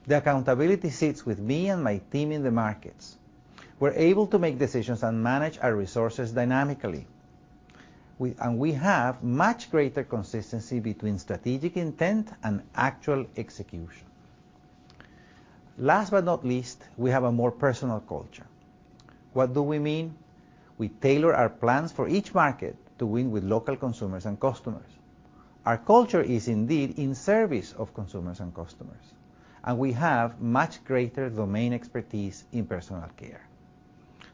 The accountability sits with me and my team in the markets. We're able to make decisions and manage our resources dynamically. We have much greater consistency between strategic intent and actual execution. Last but not least, we have a more personal culture. What do we mean? We tailor our plans for each market to win with local consumers and customers. Our culture is indeed in service of consumers and customers, and we have much greater domain expertise in Personal Care.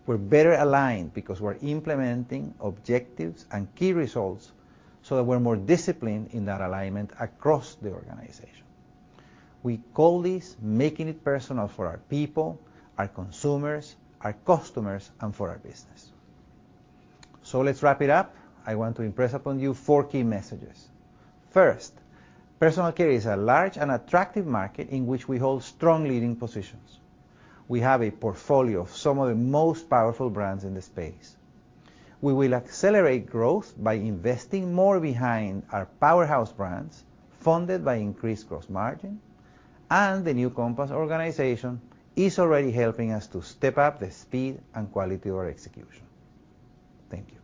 We're better aligned because we're implementing objectives and key results so that we're more disciplined in that alignment across the organization. We call this making it personal for our people, our consumers, our customers, and for our business. Let's wrap it up. I want to impress upon you four key messages. First, Personal Care is a large and attractive market in which we hold strong leading positions. We have a portfolio of some of the most powerful brands in the space. We will accelerate growth by investing more behind our powerhouse brands, funded by increased gross margin, and the new Compass organization is already helping us to step up the speed and quality of our execution. Thank you.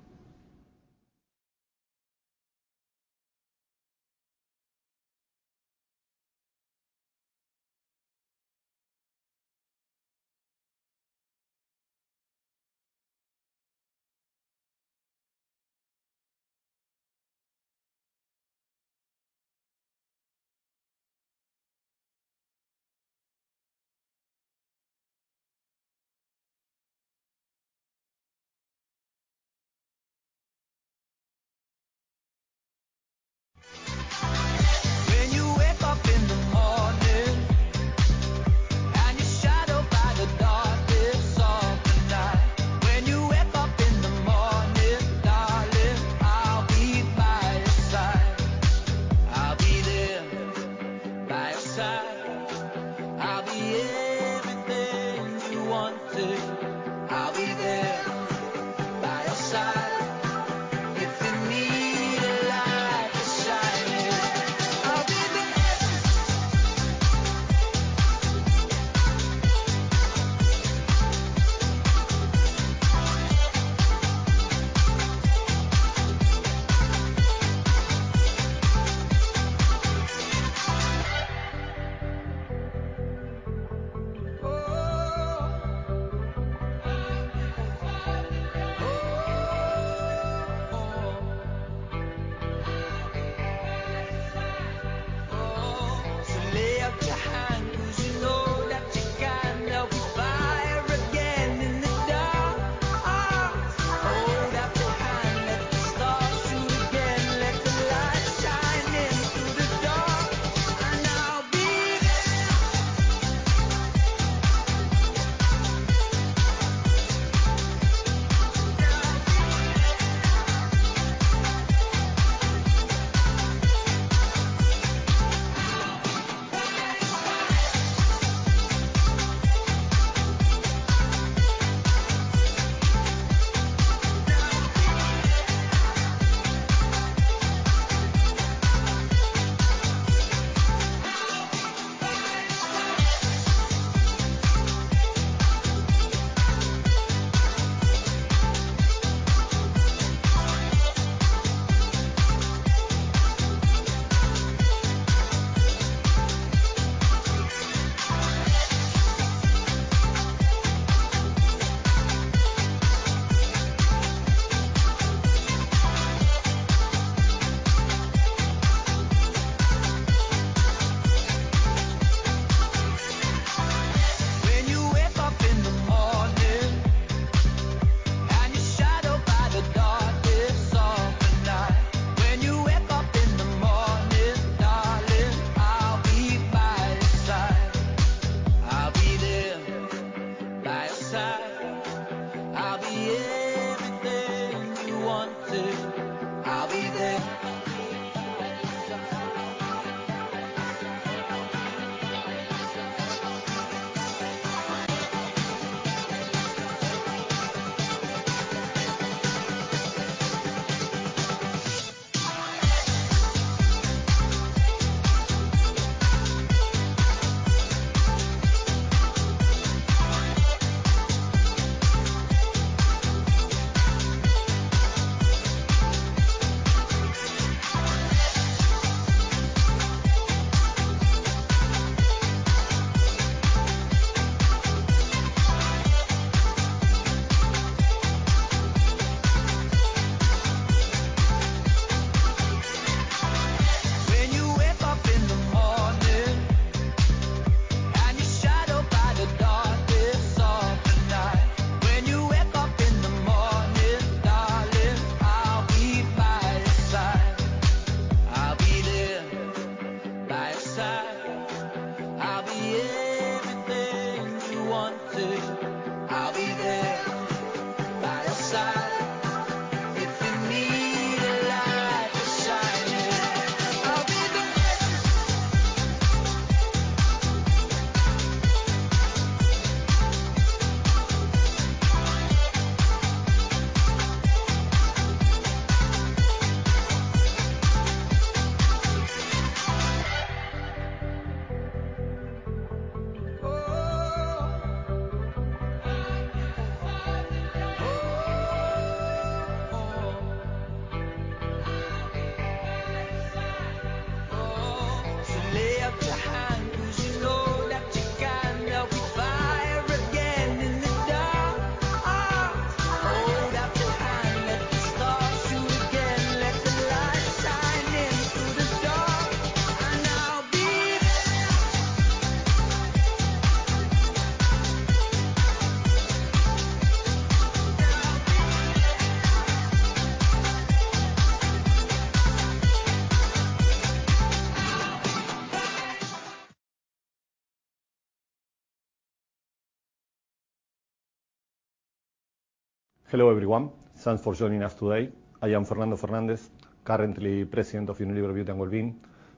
Hello, everyone. Thanks for joining us today. I am Fernando Fernandez, currently President of Unilever Beauty & Wellbeing.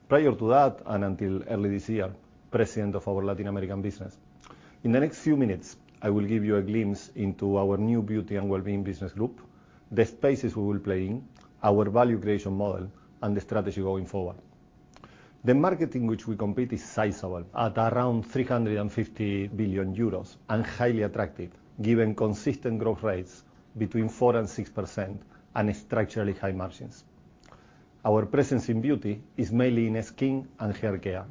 Prior to that, and until early this year, President of our Latin American business. In the next few minutes, I will give you a glimpse into our new Beauty & Wellbeing business group, the spaces we will play in, our value creation model, and the strategy going forward. The market in which we compete is sizable, at around 350 billion euros, and highly attractive, given consistent growth rates between 4% and 6% and structurally high margins. Our presence in beauty is mainly in skin and hair care,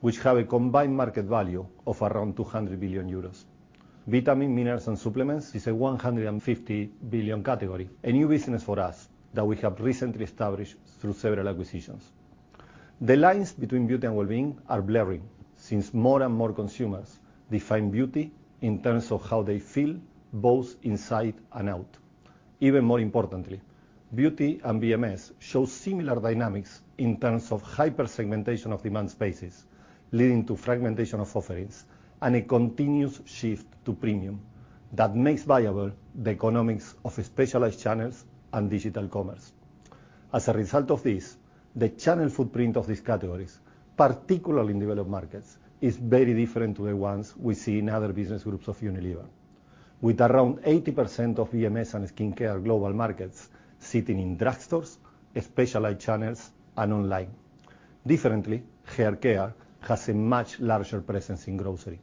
which have a combined market value of around 200 billion euros. Vitamin, minerals, and supplements is a 150 billion category, a new business for us that we have recently established through several acquisitions. The lines between Beauty & Wellbeing are blurring since more and more consumers define beauty in terms of how they feel both inside and out. Even more importantly, beauty and VMS show similar dynamics in terms of hyper-segmentation of demand spaces, leading to fragmentation of offerings and a continuous shift to premium that makes viable the economics of specialized channels and digital commerce. As a result of this, the channel footprint of these categories, particularly in developed markets, is very different to the ones we see in other business groups of Unilever. With around 80% of VMS and skincare global markets sitting in drugstores, specialized channels, and online. Differently, hair care has a much larger presence in grocery.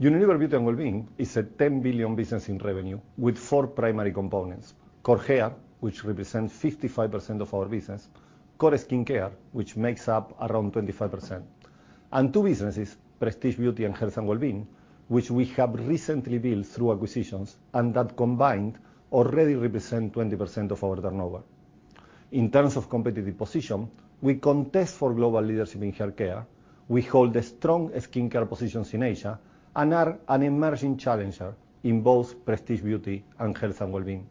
Unilever Beauty & Wellbeing is a 10 billion business in revenue with four primary components: core hair, which represents 55% of our business, core skincare, which makes up around 25%, and two businesses, Prestige Beauty and Health & Wellbeing, which we have recently built through acquisitions and that combined already represent 20% of our turnover. In terms of competitive position, we contest for global leadership in hair care, we hold strong skincare positions in Asia, and are an emerging challenger in both Prestige Beauty and Health & Wellbeing.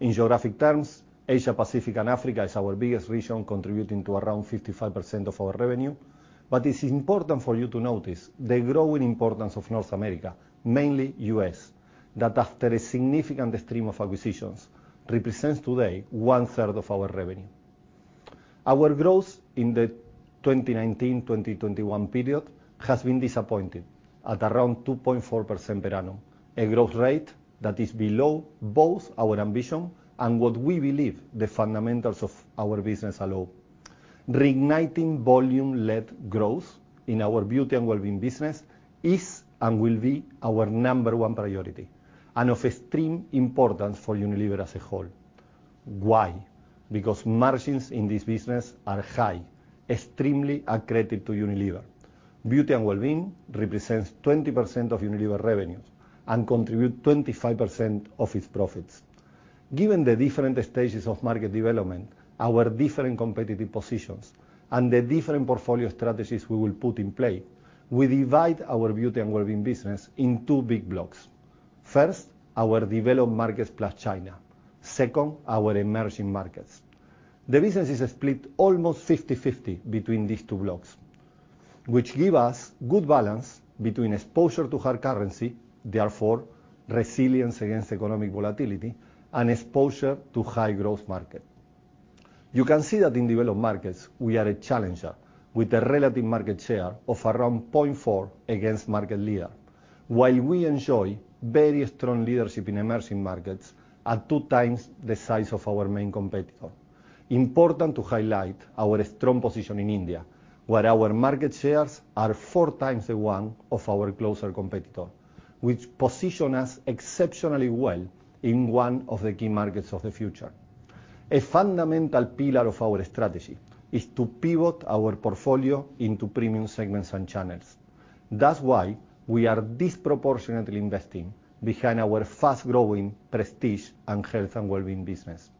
In geographic terms, Asia-Pacific and Africa is our biggest region, contributing to around 55% of our revenue. It's important for you to notice the growing importance of North America, mainly U.S., that after a significant stream of acquisitions, represents today 1/3 of our revenue. Our growth in the 2019-2021 period has been disappointing at around 2.4% per annum, a growth rate that is below both our ambition and what we believe the fundamentals of our business allow. Reigniting volume-led growth in our Beauty & Wellbeing business is and will be our number one priority and of extreme importance for Unilever as a whole. Why? Because margins in this business are high, extremely accretive to Unilever. Beauty & Wellbeing represents 20% of Unilever revenues and contribute 25% of its profits. Given the different stages of market development, our different competitive positions, and the different portfolio strategies we will put in play, we divide our Beauty & Wellbeing business in two big blocks. First, our developed markets plus China. Second, our emerging markets. The business is split almost 50/50 between these two blocks, which give us good balance between exposure to hard currency, therefore resilience against economic volatility, and exposure to high-growth market. You can see that in developed markets, we are a challenger with a relative market share of around 0.4 against market leader. While we enjoy very strong leadership in emerging markets at 2x the size of our main competitor. Important to highlight our strong position in India, where our market shares are 4x the one of our closer competitor, which position us exceptionally well in one of the key markets of the future. A fundamental pillar of our strategy is to pivot our portfolio into premium segments and channels. That's why we are disproportionately investing behind our fast-growing Prestige and Health & Wellbeing business.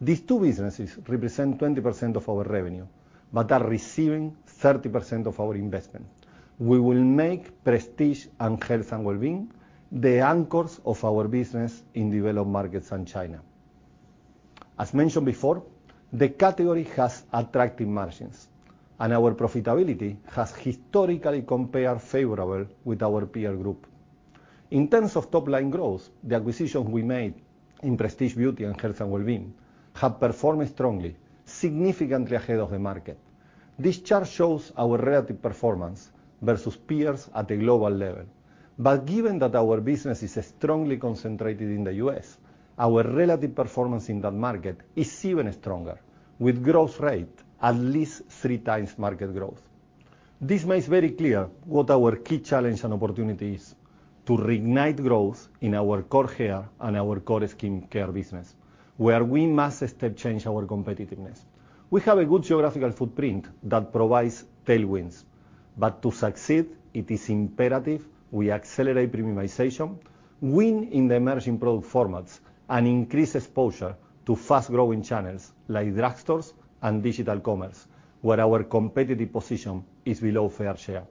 These two businesses represent 20% of our revenue, but are receiving 30% of our investment. We will make Prestige and Health & Wellbeing the anchors of our business in developed markets and China. As mentioned before, the category has attractive margins, and our profitability has historically compared favorable with our peer group. In terms of top line growth, the acquisitions we made in Prestige Beauty and Health & Wellbeing have performed strongly, significantly ahead of the market. This chart shows our relative performance versus peers at a global level. Given that our business is strongly concentrated in the U.S., our relative performance in that market is even stronger with growth rate at least 3x market growth. This makes very clear what our key challenge and opportunity is to reignite growth in our core hair and our core skincare business, where we must step change our competitiveness. We have a good geographical footprint that provides tailwinds. To succeed, it is imperative we accelerate premiumization, win in the emerging product formats, and increase exposure to fast-growing channels like drugstores and digital commerce, where our competitive position is below fair share.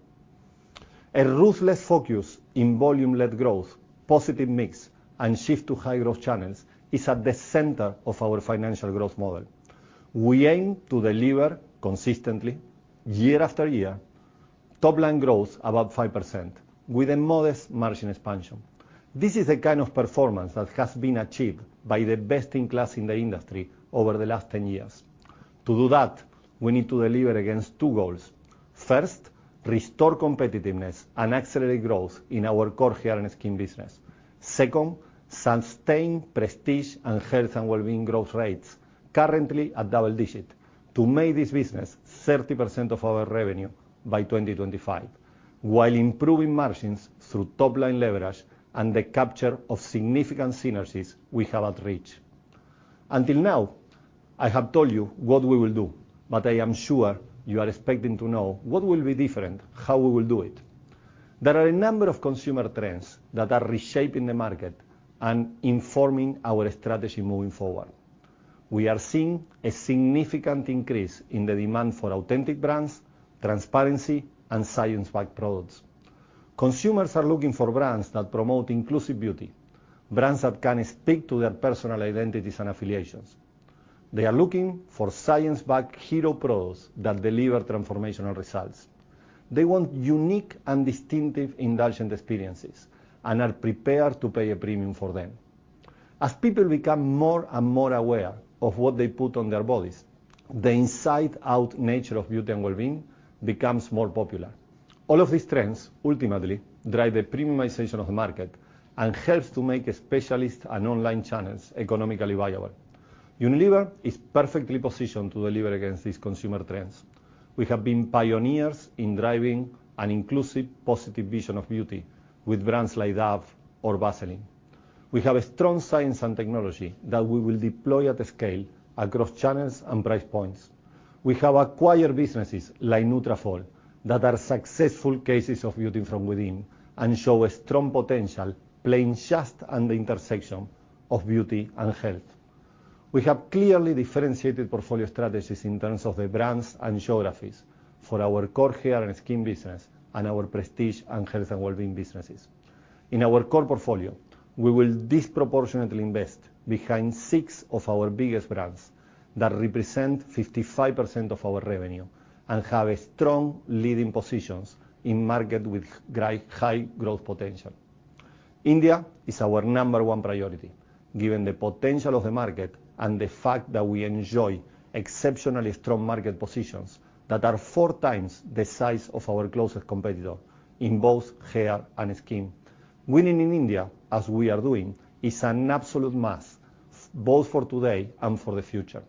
A ruthless focus in volume-led growth, positive mix, and shift to high-growth channels is at the center of our financial growth model. We aim to deliver consistently year after year top line growth above 5% with a modest margin expansion. This is the kind of performance that has been achieved by the best in class in the industry over the last 10 years. To do that, we need to deliver against two goals. First, restore competitiveness and accelerate growth in our core hair and skin business. Second, sustain Prestige and Health & Wellbeing growth rates currently at double-digit to make this business 30% of our revenue by 2025, while improving margins through top-line leverage and the capture of significant synergies we have at reach. Until now, I have told you what we will do, but I am sure you are expecting to know what will be different, how we will do it. There are a number of consumer trends that are reshaping the market and informing our strategy moving forward. We are seeing a significant increase in the demand for authentic brands, transparency, and science-backed products. Consumers are looking for brands that promote inclusive beauty, brands that can speak to their personal identities and affiliations. They are looking for science-backed hero products that deliver transformational results. They want unique and distinctive indulgent experiences and are prepared to pay a premium for them. As people become more and more aware of what they put on their bodies, the inside out nature of Beauty & Wellbeing becomes more popular. All of these trends ultimately drive the premiumization of the market and helps to make specialist and online channels economically viable. Unilever is perfectly positioned to deliver against these consumer trends. We have been pioneers in driving an inclusive, positive vision of beauty with brands like Dove or Vaseline. We have a strong science and technology that we will deploy at scale across channels and price points. We have acquired businesses like Nutrafol that are successful cases of beauty from within and show a strong potential playing just on the intersection of beauty and health. We have clearly differentiated portfolio strategies in terms of the brands and geographies for our core hair and skin business and our Prestige and Health & Wellbeing businesses. In our core portfolio, we will disproportionately invest behind six of our biggest brands that represent 55% of our revenue and have strong leading positions in market with high growth potential. India is our number one priority, given the potential of the market and the fact that we enjoy exceptionally strong market positions that are 4x the size of our closest competitor in both hair and skin. Winning in India, as we are doing, is an absolute must both for today and for the future.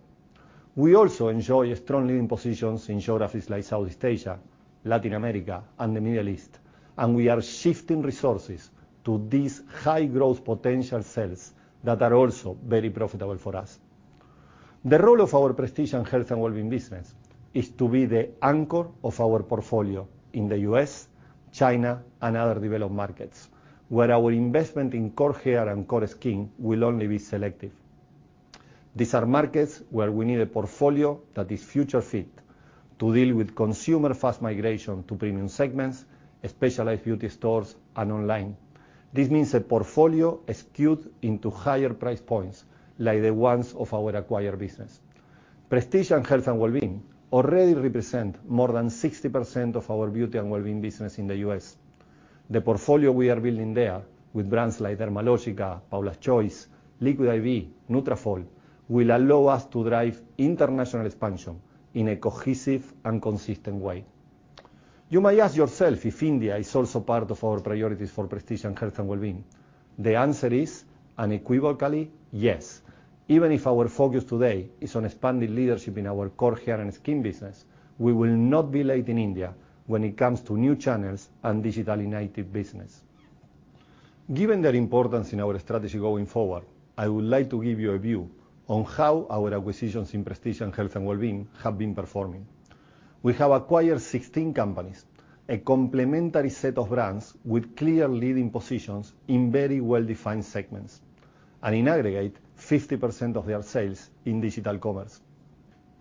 We also enjoy strong leading positions in geographies like Southeast Asia, Latin America, and the Middle East. We are shifting resources to these high growth potential sales that are also very profitable for us. The role of our Prestige and Health & Wellbeing business is to be the anchor of our portfolio in the U.S., China, and other developed markets, where our investment in core hair and core skin will only be selective. These are markets where we need a portfolio that is future-fit to deal with consumer fast migration to premium segments, specialized beauty stores, and online. This means a portfolio skewed into higher price points like the ones of our acquired business. Prestige and Health & Wellbeing already represent more than 60% of our Beauty & Wellbeing business in the U.S. The portfolio we are building there with brands like Dermalogica, Paula's Choice, Liquid I.V., Nutrafol will allow us to drive international expansion in a cohesive and consistent way. You may ask yourself if India is also part of our priorities for Prestige and Health & Wellbeing. The answer is unequivocally yes. Even if our focus today is on expanding leadership in our core hair and skin business, we will not be late in India when it comes to new channels and digitally native business. Given their importance in our strategy going forward, I would like to give you a view on how our acquisitions in Prestige and Health & Wellbeing have been performing. We have acquired 16 companies, a complementary set of brands with clear leading positions in very well-defined segments, and in aggregate, 50% of their sales in digital commerce.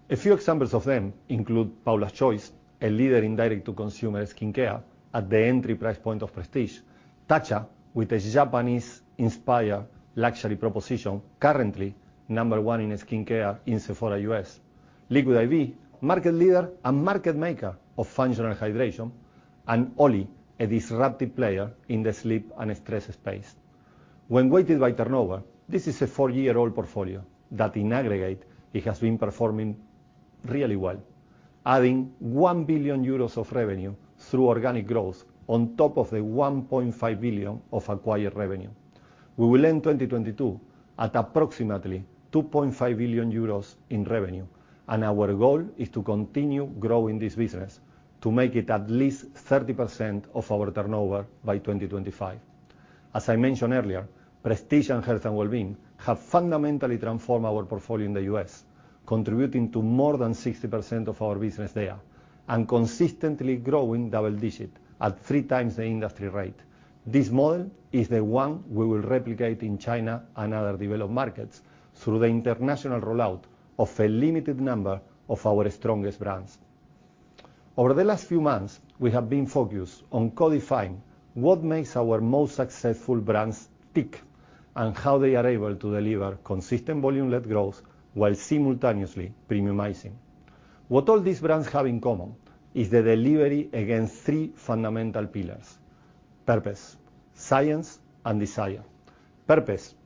A few examples of them include Paula's Choice, a leader in direct-to-consumer skincare at the entry price point of Prestige, Tatcha, with a Japanese inspired luxury proposition, currently number one in skincare in Sephora U.S. Liquid I.V., market leader and market maker of functional hydration, and OLLY, a disruptive player in the sleep and stress space. When weighted by turnover, this is a four-year-old portfolio that in aggregate, it has been performing really well, adding 1 billion euros of revenue through organic growth on top of the 1.5 billion of acquired revenue. We will end 2022 at approximately 2.5 billion euros in revenue. Our goal is to continue growing this business to make it at least 30% of our turnover by 2025. As I mentioned earlier, Prestige and Health & Wellbeing have fundamentally transformed our portfolio in the U.S., contributing to more than 60% of our business there, and consistently growing double-digit at 3x the industry rate. This model is the one we will replicate in China and other developed markets through the international rollout of a limited number of our strongest brands. Over the last few months, we have been focused on codifying what makes our most successful brands tick and how they are able to deliver consistent volume-led growth while simultaneously premiumizing. What all these brands have in common is the delivery against three fundamental pillars: purpose, science, and desire. Purpose,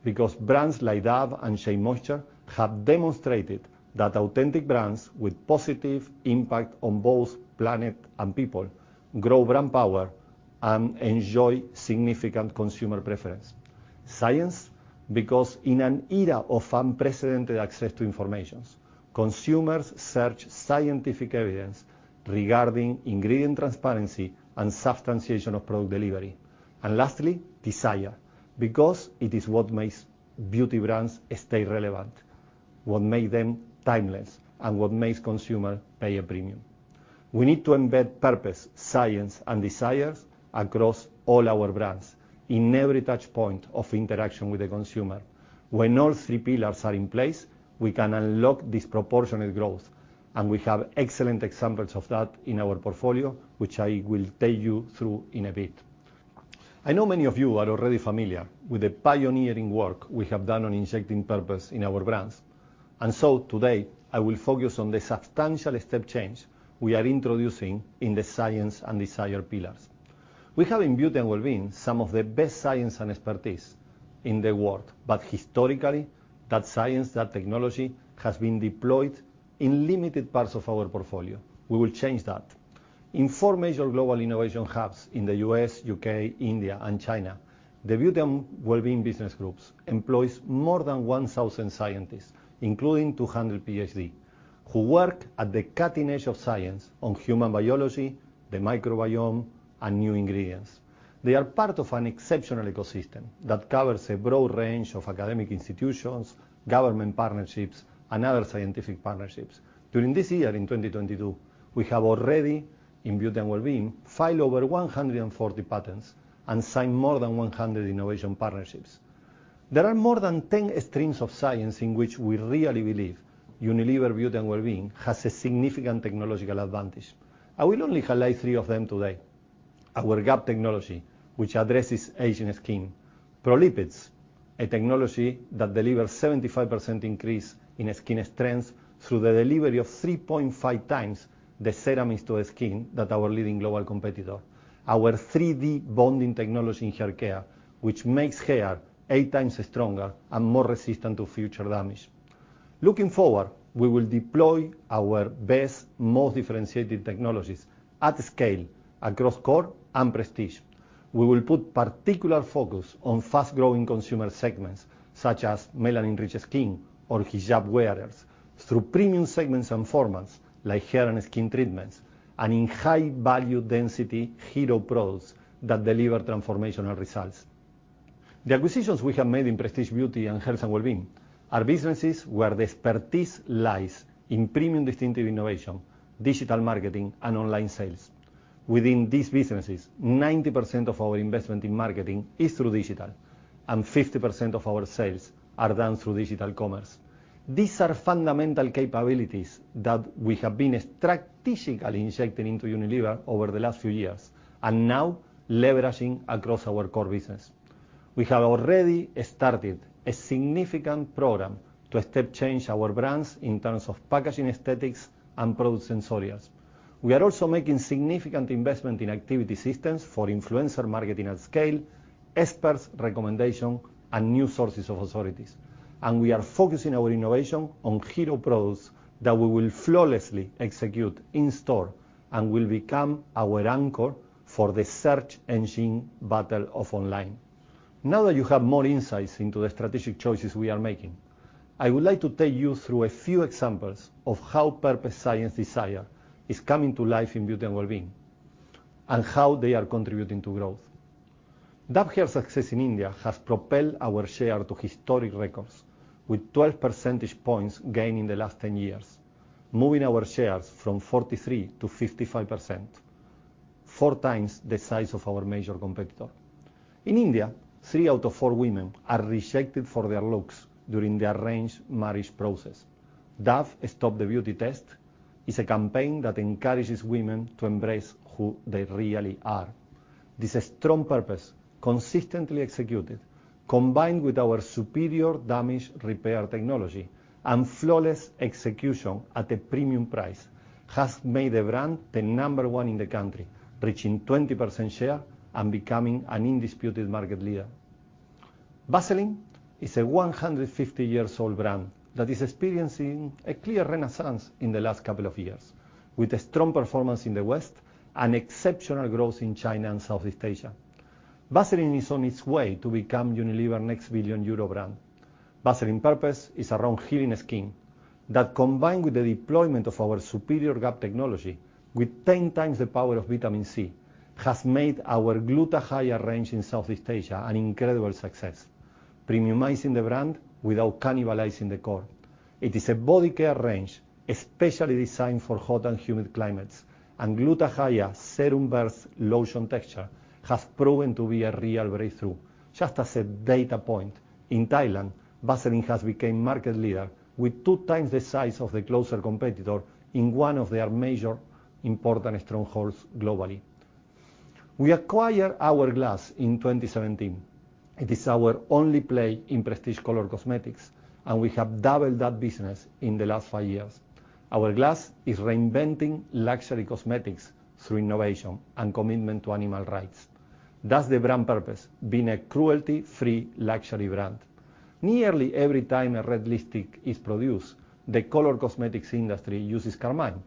because brands like Dove and SheaMoisture have demonstrated that authentic brands with positive impact on both planet and people grow brand power and enjoy significant consumer preference. Science, because in an era of unprecedented access to information, consumers search scientific evidence regarding ingredient transparency and substantiation of product delivery. Lastly, desire, because it is what makes beauty brands stay relevant, what makes them timeless, and what makes consumers pay a premium. We need to embed purpose, science, and desire across all our brands in every touchpoint of interaction with the consumer. When all three pillars are in place, we can unlock disproportionate growth, and we have excellent examples of that in our portfolio, which I will take you through in a bit. I know many of you are already familiar with the pioneering work we have done on injecting purpose in our brands. Today, I will focus on the substantial step change we are introducing in the science and desire pillars. We have in Beauty & Wellbeing some of the best science and expertise in the world, but historically, that science, that technology, has been deployed in limited parts of our portfolio. We will change that. In four major global innovation hubs in the U.S., U.K., India, and China, the Beauty & Wellbeing business groups employs more than 1,000 scientists, including 200 PhD, who work at the cutting edge of science on human biology, the microbiome, and new ingredients. They are part of an exceptional ecosystem that covers a broad range of academic institutions, government partnerships, and other scientific partnerships. During this year, in 2022, we have already in Beauty & Wellbeing, filed over 140 patents and signed more than 100 innovation partnerships. There are more than 10 streams of science in which we really believe Unilever Beauty & Wellbeing has a significant technological advantage. I will only highlight three of them today. Our GAP technology, which addresses aging skin. Prolipids, a technology that delivers 75% increase in skin strength through the delivery of 3.5x the serums to skin that our leading global competitor. Our 3D bonding technology in hair care, which makes hair 8x stronger and more resistant to future damage. Looking forward, we will deploy our best, most differentiated technologies at scale across core and Prestige. We will put particular focus on fast-growing consumer segments such as melanin-rich skin or hijab wearers through premium segments and formats like hair and skin treatments, in high value density hero products that deliver transformational results. The acquisitions we have made in Prestige Beauty and Health & Wellbeing are businesses where the expertise lies in premium distinctive innovation, digital marketing, and online sales. Within these businesses, 90% of our investment in marketing is through digital, and 50% of our sales are done through digital commerce. These are fundamental capabilities that we have been strategically injecting into Unilever over the last few years, and now leveraging across our core business. We have already started a significant program to step change our brands in terms of packaging aesthetics and product sensorials. We are also making significant investment in activity systems for influencer marketing at scale, experts' recommendation, and new sources of authorities. We are focusing our innovation on hero products that we will flawlessly execute in store and will become our anchor for the search engine battle of online. Now that you have more insights into the strategic choices we are making, I would like to take you through a few examples of how purpose science desire is coming to life in Beauty & Wellbeing and how they are contributing to growth. Dove Hair success in India has propelled our share to historic records with 12 percentage points gained in the last 10 years, moving our shares from 43% to 55%, four times the size of our major competitor. In India, three out of four women are rejected for their looks during the arranged marriage process. Dove Stop The Beauty Test, it's a campaign that encourages women to embrace who they really are. This strong purpose, consistently executed, combined with our superior damage repair technology and flawless execution at a premium price, has made the brand the number one in the country, reaching 20% share and becoming an undisputed market leader. Vaseline is a 150 years old brand that is experiencing a clear renaissance in the last couple of years, with a strong performance in the West and exceptional growth in China and Southeast Asia. Vaseline is on its way to become Unilever next billion-euro brand. Vaseline purpose is around healing skin that combined with the deployment of our superior GAP technology with 10x the power of vitamin C, has made our Gluta-Hya range in Southeast Asia an incredible success, premiumizing the brand without cannibalizing the core. It is a body care range, especially designed for hot and humid climates, and Gluta-Hya serum-based lotion texture has proven to be a real breakthrough. Just as a data point, in Thailand, Vaseline has became market leader with 2x the size of the closer competitor in one of their major important strongholds globally. We acquired Hourglass in 2017. It is our only play in Prestige color cosmetics, and we have doubled that business in the last five years. Hourglass is reinventing luxury cosmetics through innovation and commitment to animal rights. That's the brand purpose, being a cruelty-free luxury brand. Nearly every time a red lipstick is produced, the color cosmetics industry uses carmine,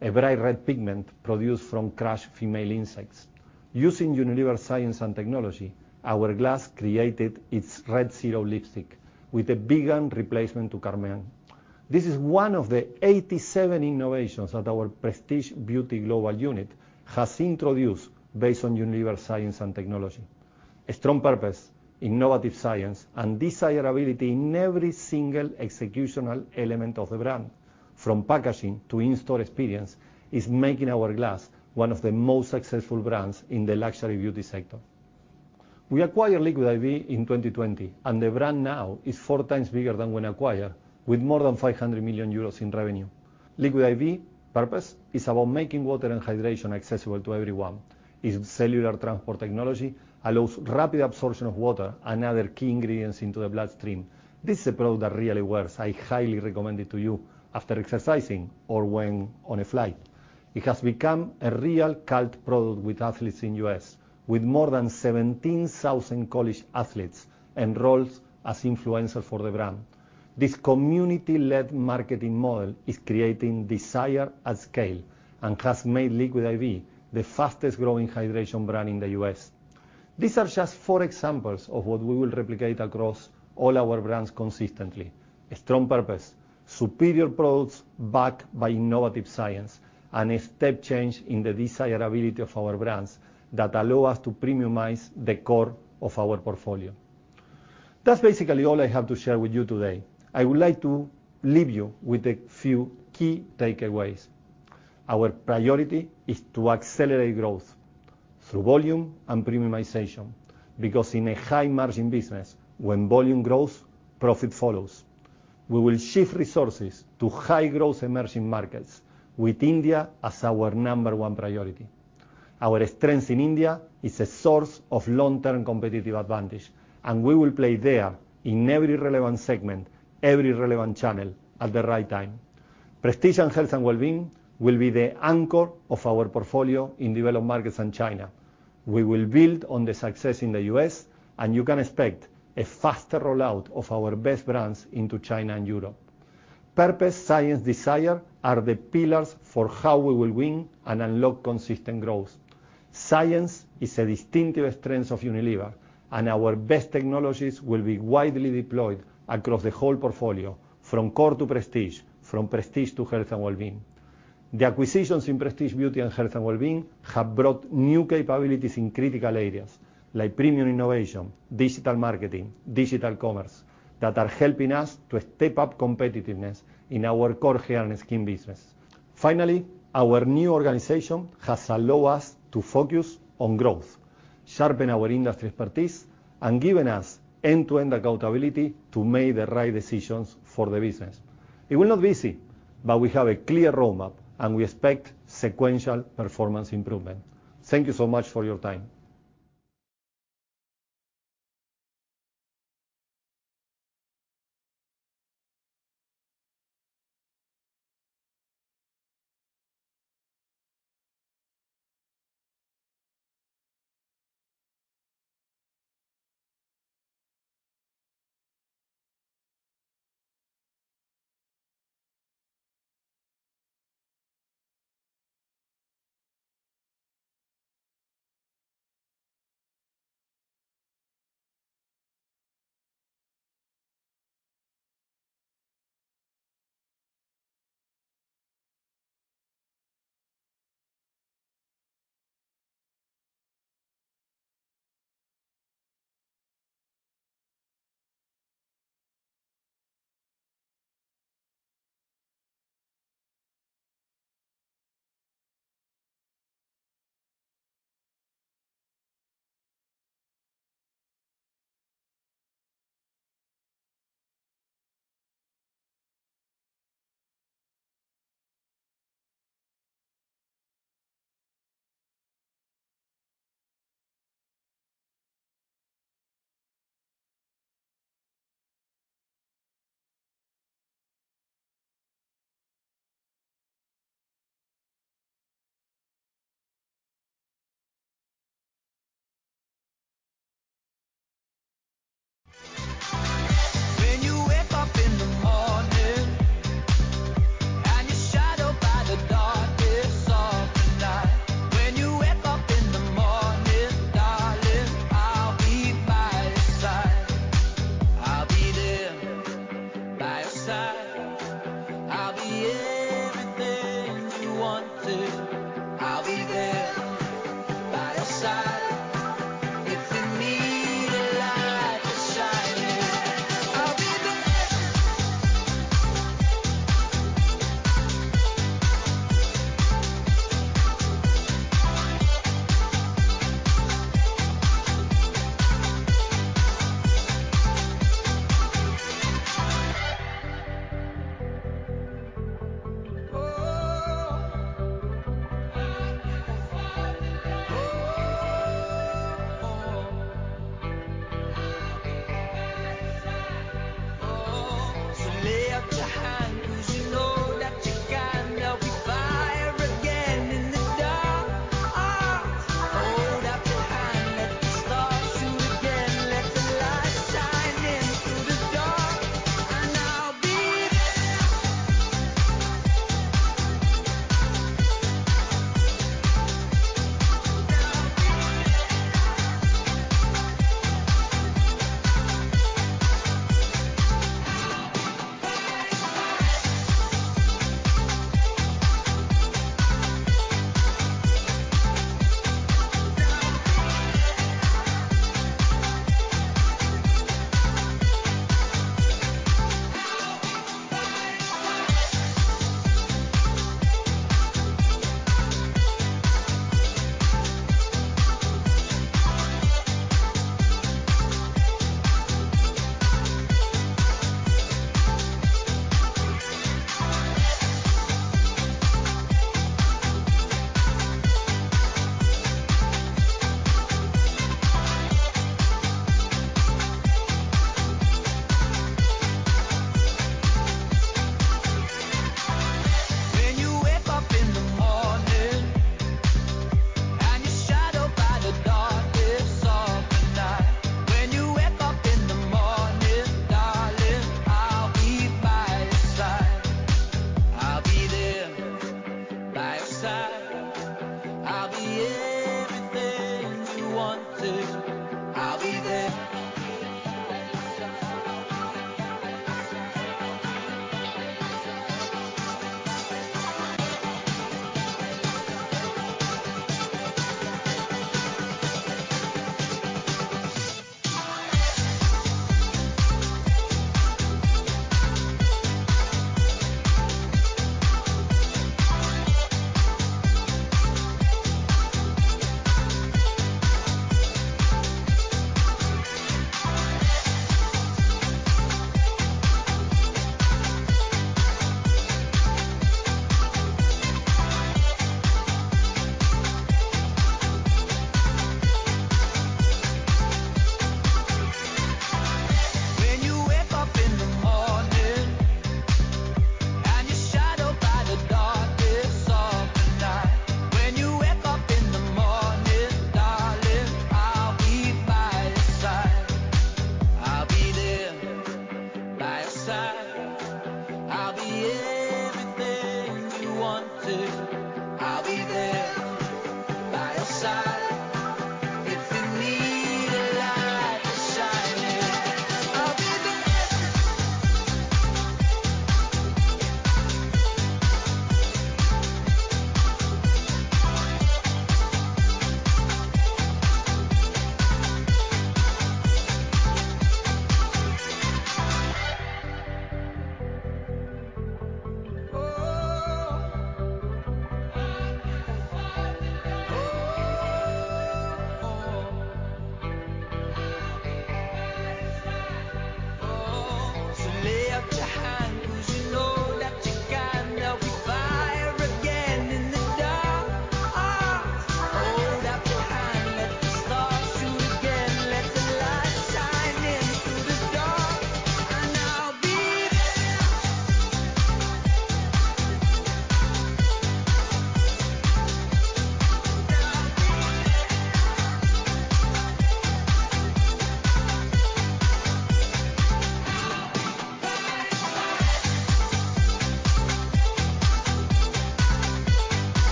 a bright red pigment produced from crushed female insects. Using Unilever science and technology, Hourglass created its Red 0 lipstick with a vegan replacement to carmine. This is one of the 87 innovations that our Prestige Beauty global unit has introduced based on Unilever Science and Technology. A strong purpose, innovative science, and desirability in every single executional element of the brand, from packaging to in-store experience, is making Hourglass one of the most successful brands in the luxury beauty sector. We acquired Liquid I.V. in 2020, and the brand now is 4x bigger than when acquired with more than 500 million euros in revenue. Liquid I.V. purpose is about making water and hydration accessible to everyone. Its cellular transport technology allows rapid absorption of water and other key ingredients into the bloodstream. This is a product that really works. I highly recommend it to you after exercising or when on a flight. It has become a real cult product with athletes in the U.S., with more than 17,000 college athletes enrolled as influencers for the brand. This community-led marketing model is creating desire at scale and has made Liquid I.V. the fastest growing hydration brand in the U.S. These are just four examples of what we will replicate across all our brands consistently. A strong purpose, superior products backed by innovative science, and a step change in the desirability of our brands that allow us to premiumize the core of our portfolio. That's basically all I have to share with you today. I would like to leave you with a few key takeaways. Our priority is to accelerate growth through volume and premiumization, because in a high margin business, when volume grows, profit follows. We will shift resources to high growth emerging markets with India as our number one priority. Our strength in India is a source of long-term competitive advantage, and we will play there in every relevant segment, every relevant channel at the right time. Prestige and Health & Wellbeing will be the anchor of our portfolio in developed markets and China. We will build on the success in the U.S., and you can expect a faster rollout of our best brands into China and Europe. Purpose, science, desire are the pillars for how we will win and unlock consistent growth. Science is a distinctive strength of Unilever, and our best technologies will be widely deployed across the whole portfolio from core to Prestige, from Prestige to Health & Wellbeing. The acquisitions in Prestige Beauty and Health & Wellbeing have brought new capabilities in critical areas like premium innovation, digital marketing, digital commerce that are helping us to step up competitiveness in our core hair and skin business. Finally, our new organization has allow us to focus on growth, sharpen our industry expertise, and given us end-to-end accountability to make the right decisions for the business. It will not be easy, but we have a clear roadmap and we expect sequential performance improvement. Thank you so much for your time.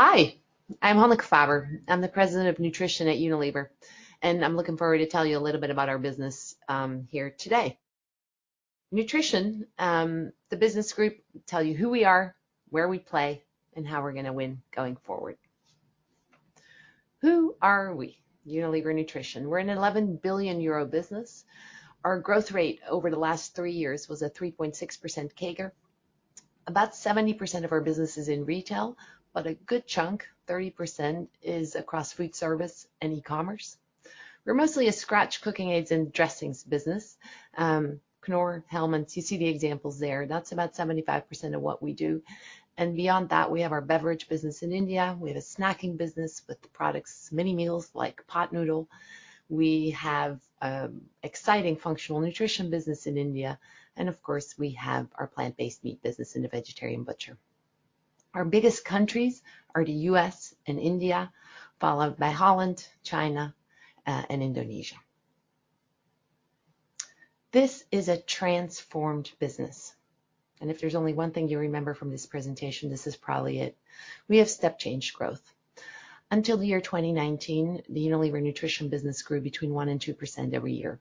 Hi, I'm Hanneke Faber. I'm the President of Nutrition at Unilever. I'm looking forward to tell you a little bit about our business here today. Nutrition, the business group, tell you who we are, where we play, and how we're gonna win going forward. Who are we? Unilever Nutrition. We're an 11 billion euro business. Our growth rate over the last three years was a 3.6% CAGR. About 70% of our business is in retail, a good chunk, 30%, is across food service and e-commerce. We're mostly a scratch cooking aids and dressings business. Knorr, Hellmann's, you see the examples there. That's about 75% of what we do. Beyond that, we have our beverage business in India, we have a snacking business with the products, many meals like Pot Noodle. We have exciting functional Nutrition business in India, and of course, we have our plant-based meat business in The Vegetarian Butcher. Our biggest countries are the U.S. and India, followed by Holland, China, and Indonesia. This is a transformed business, and if there's only one thing you remember from this presentation, this is probably it. We have step change growth. Until the year 2019, the Unilever Nutrition business grew between 1% and 2% every year.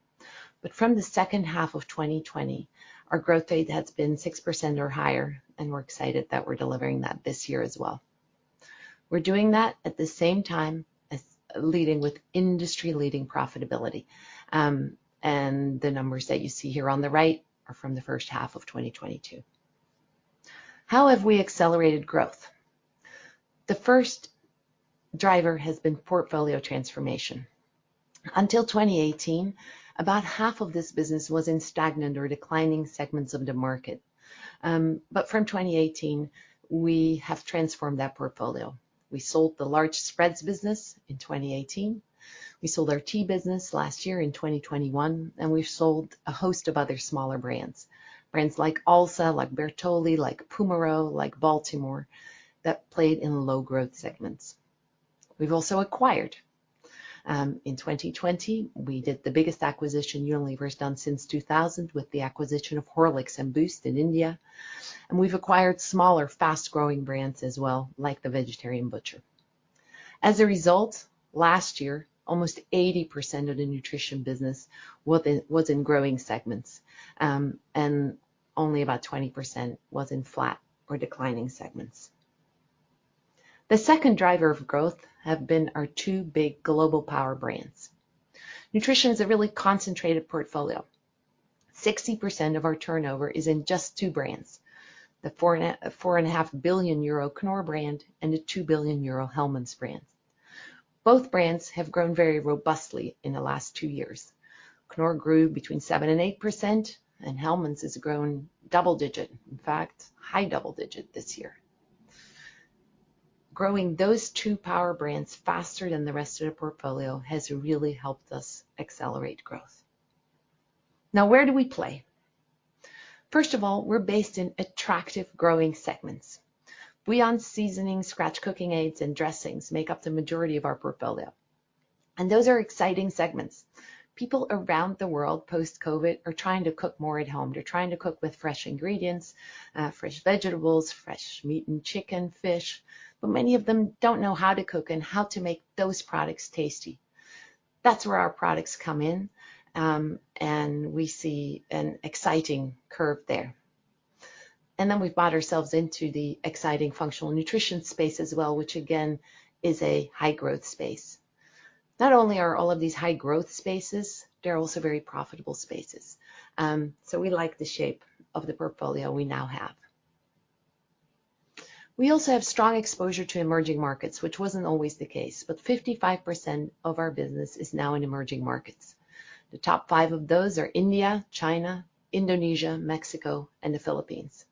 From the second half of 2020, our growth rate has been 6% or higher, and we're excited that we're delivering that this year as well. We're doing that at the same time as leading with industry-leading profitability, and the numbers that you see here on the right are from the first half of 2022. How have we accelerated growth? The first driver has been portfolio transformation. Until 2018, about half of this business was in stagnant or declining segments of the market. From 2018, we have transformed that portfolio. We sold the large spreads business in 2018. We sold our tea business last year in 2021, we've sold a host of other smaller brands. Brands like Alsa, like Bertolli, like Pummaro, like Baltimor, that played in low growth segments. We've also acquired. In 2020, we did the biggest acquisition Unilever has done since 2000 with the acquisition of Horlicks and Boost in India, we've acquired smaller, fast-growing brands as well, like The Vegetarian Butcher. As a result, last year, almost 80% of the nutrition business was in growing segments, only about 20% was in flat or declining segments. The second driver of growth have been our two big global power brands. Nutrition is a really concentrated portfolio. 60% of our turnover is in just two brands, the 4.5 billion euro Knorr brand and the 2 billion euro Hellmann's brand. Both brands have grown very robustly in the last two years. Knorr grew between 7% and 8%, and Hellmann's has grown double-digit, in fact, high double-digit this year. Growing those two power brands faster than the rest of the portfolio has really helped us accelerate growth. Where do we play? First of all, we're based in attractive growing segments. Beyond seasoning, scratch cooking aids and dressings make up the majority of our portfolio. Those are exciting segments. People around the world post-COVID are trying to cook more at home. They're trying to cook with fresh ingredients, fresh vegetables, fresh meat and chicken, fish, but many of them don't know how to cook and how to make those products tasty. That's where our products come in. We see an exciting curve there. We've bought ourselves into the exciting functional nutrition space as well, which again is a high-growth space. Not only are all of these high-growth spaces, they're also very profitable spaces. We like the shape of the portfolio we now have. We also have strong exposure to emerging markets, which wasn't always the case, but 55% of our business is now in emerging markets. The top five of those are India, China, Indonesia, Mexico, and the Philippines.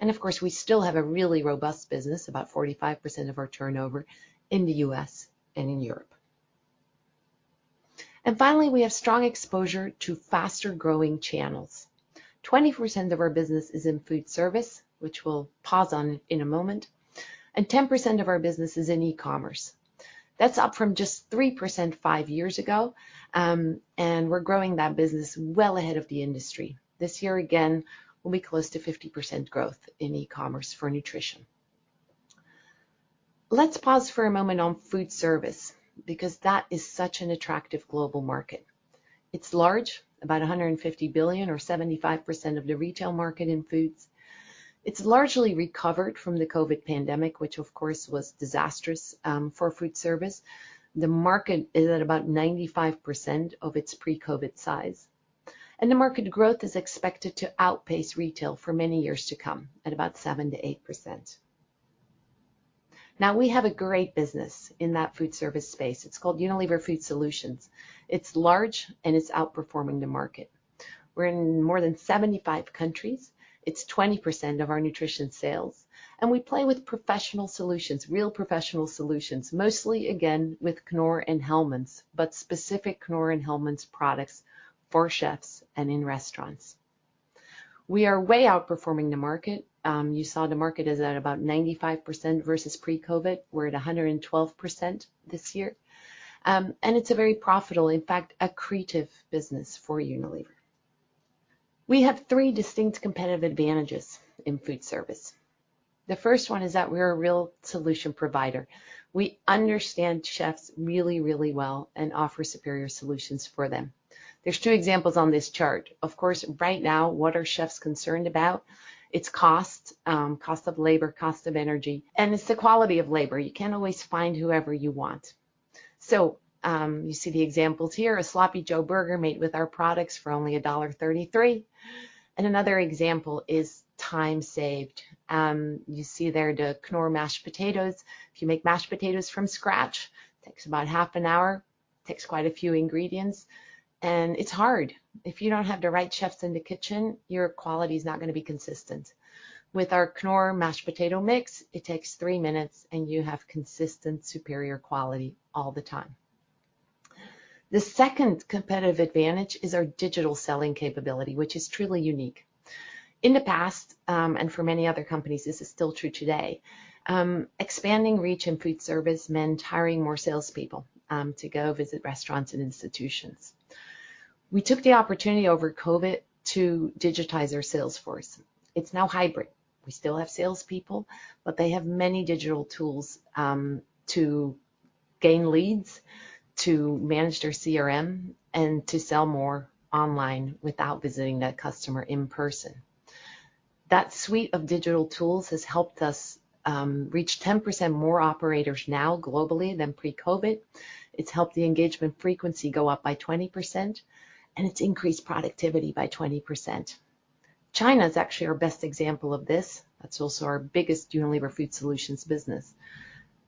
Of course, we still have a really robust business, about 45% of our turnover in the U.S. and in Europe. Finally, we have strong exposure to faster-growing channels. 20% of our business is in food service, which we'll pause on in a moment, and 10% of our business is in e-commerce. That's up from just 3% five years ago, and we're growing that business well ahead of the industry. This year, again, we'll be close to 50% growth in e-commerce for Nutrition. Let's pause for a moment on food service because that is such an attractive global market. It's large, about 150 billion or 75% of the retail market in foods. It's largely recovered from the COVID pandemic, which of course, was disastrous for food service. The market is at about 95% of its pre-COVID size, and the market growth is expected to outpace retail for many years to come at about 7%-8%. We have a great business in that food service space. It's called Unilever Food Solutions. It's large, and it's outperforming the market. We're in more than 75 countries, it's 20% of our nutrition sales, and we play with professional solutions, real professional solutions, mostly again, with Knorr and Hellmann's, but specific Knorr and Hellmann's products for chefs and in restaurants. We are way outperforming the market. You saw the market is at about 95% versus pre-COVID. We're at 112% this year. It's a very profitable, in fact, accretive business for Unilever. We have three distinct competitive advantages in food service. The first one is that we're a real solution provider. We understand chefs really, really well and offer superior solutions for them. There's two examples on this chart. Of course, right now, what are chefs concerned about? It's cost of labor, cost of energy, and it's the quality of labor. You can't always find whoever you want. So, you see the examples here, a sloppy Joe burger made with our products for only $1.33. Another example is time saved. You see there the Knorr mashed potatoes. If you make mashed potatoes from scratch, takes about half an hour, takes quite a few ingredients, and it's hard. If you don't have the right chefs in the kitchen, your quality is not going to be consistent. With our Knorr mashed potato mix, it takes three minutes, and you have consistent, superior quality all the time. The second competitive advantage is our digital selling capability, which is truly unique. In the past, and for many other companies, this is still true today, expanding reach in foodservice meant hiring more salespeople to go visit restaurants and institutions. We took the opportunity over COVID to digitize our sales force. It's now hybrid. We still have salespeople, but they have many digital tools to gain leads, to manage their CRM, and to sell more online without visiting that customer in person. That suite of digital tools has helped us reach 10% more operators now globally than pre-COVID. It's helped the engagement frequency go up by 20%, and it's increased productivity by 20%. China is actually our best example of this. That's also our biggest Unilever Food Solutions business.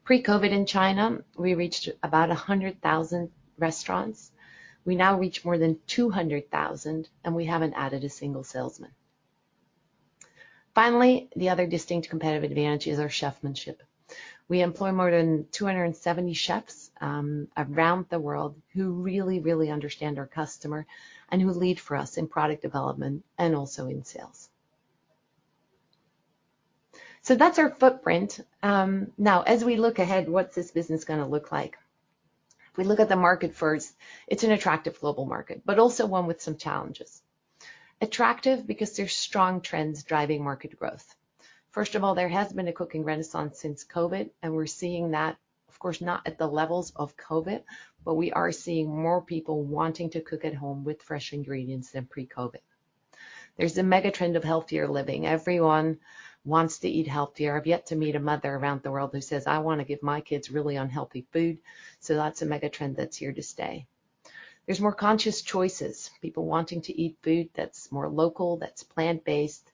Pre-COVID in China, we reached about 100,000 restaurants. We now reach more than 200,000, and we haven't added a single salesman. Finally, the other distinct competitive advantage is our chefmanship. We employ more than 270 chefs around the world who really, really understand our customer and who lead for us in product development and also in sales. That's our footprint. Now, as we look ahead, what's this business going to look like? If we look at the market first, it's an attractive global market, but also one with some challenges. Attractive because there's strong trends driving market growth. First of all, there has been a cooking renaissance since COVID, and we're seeing that, of course, not at the levels of COVID, but we are seeing more people wanting to cook at home with fresh ingredients than pre-COVID. There's a mega trend of healthier living. Everyone wants to eat healthier. I've yet to meet a mother around the world who says, "I want to give my kids really unhealthy food." That's a mega trend that's here to stay. There's more conscious choices, people wanting to eat food that's more local, that's plant-based,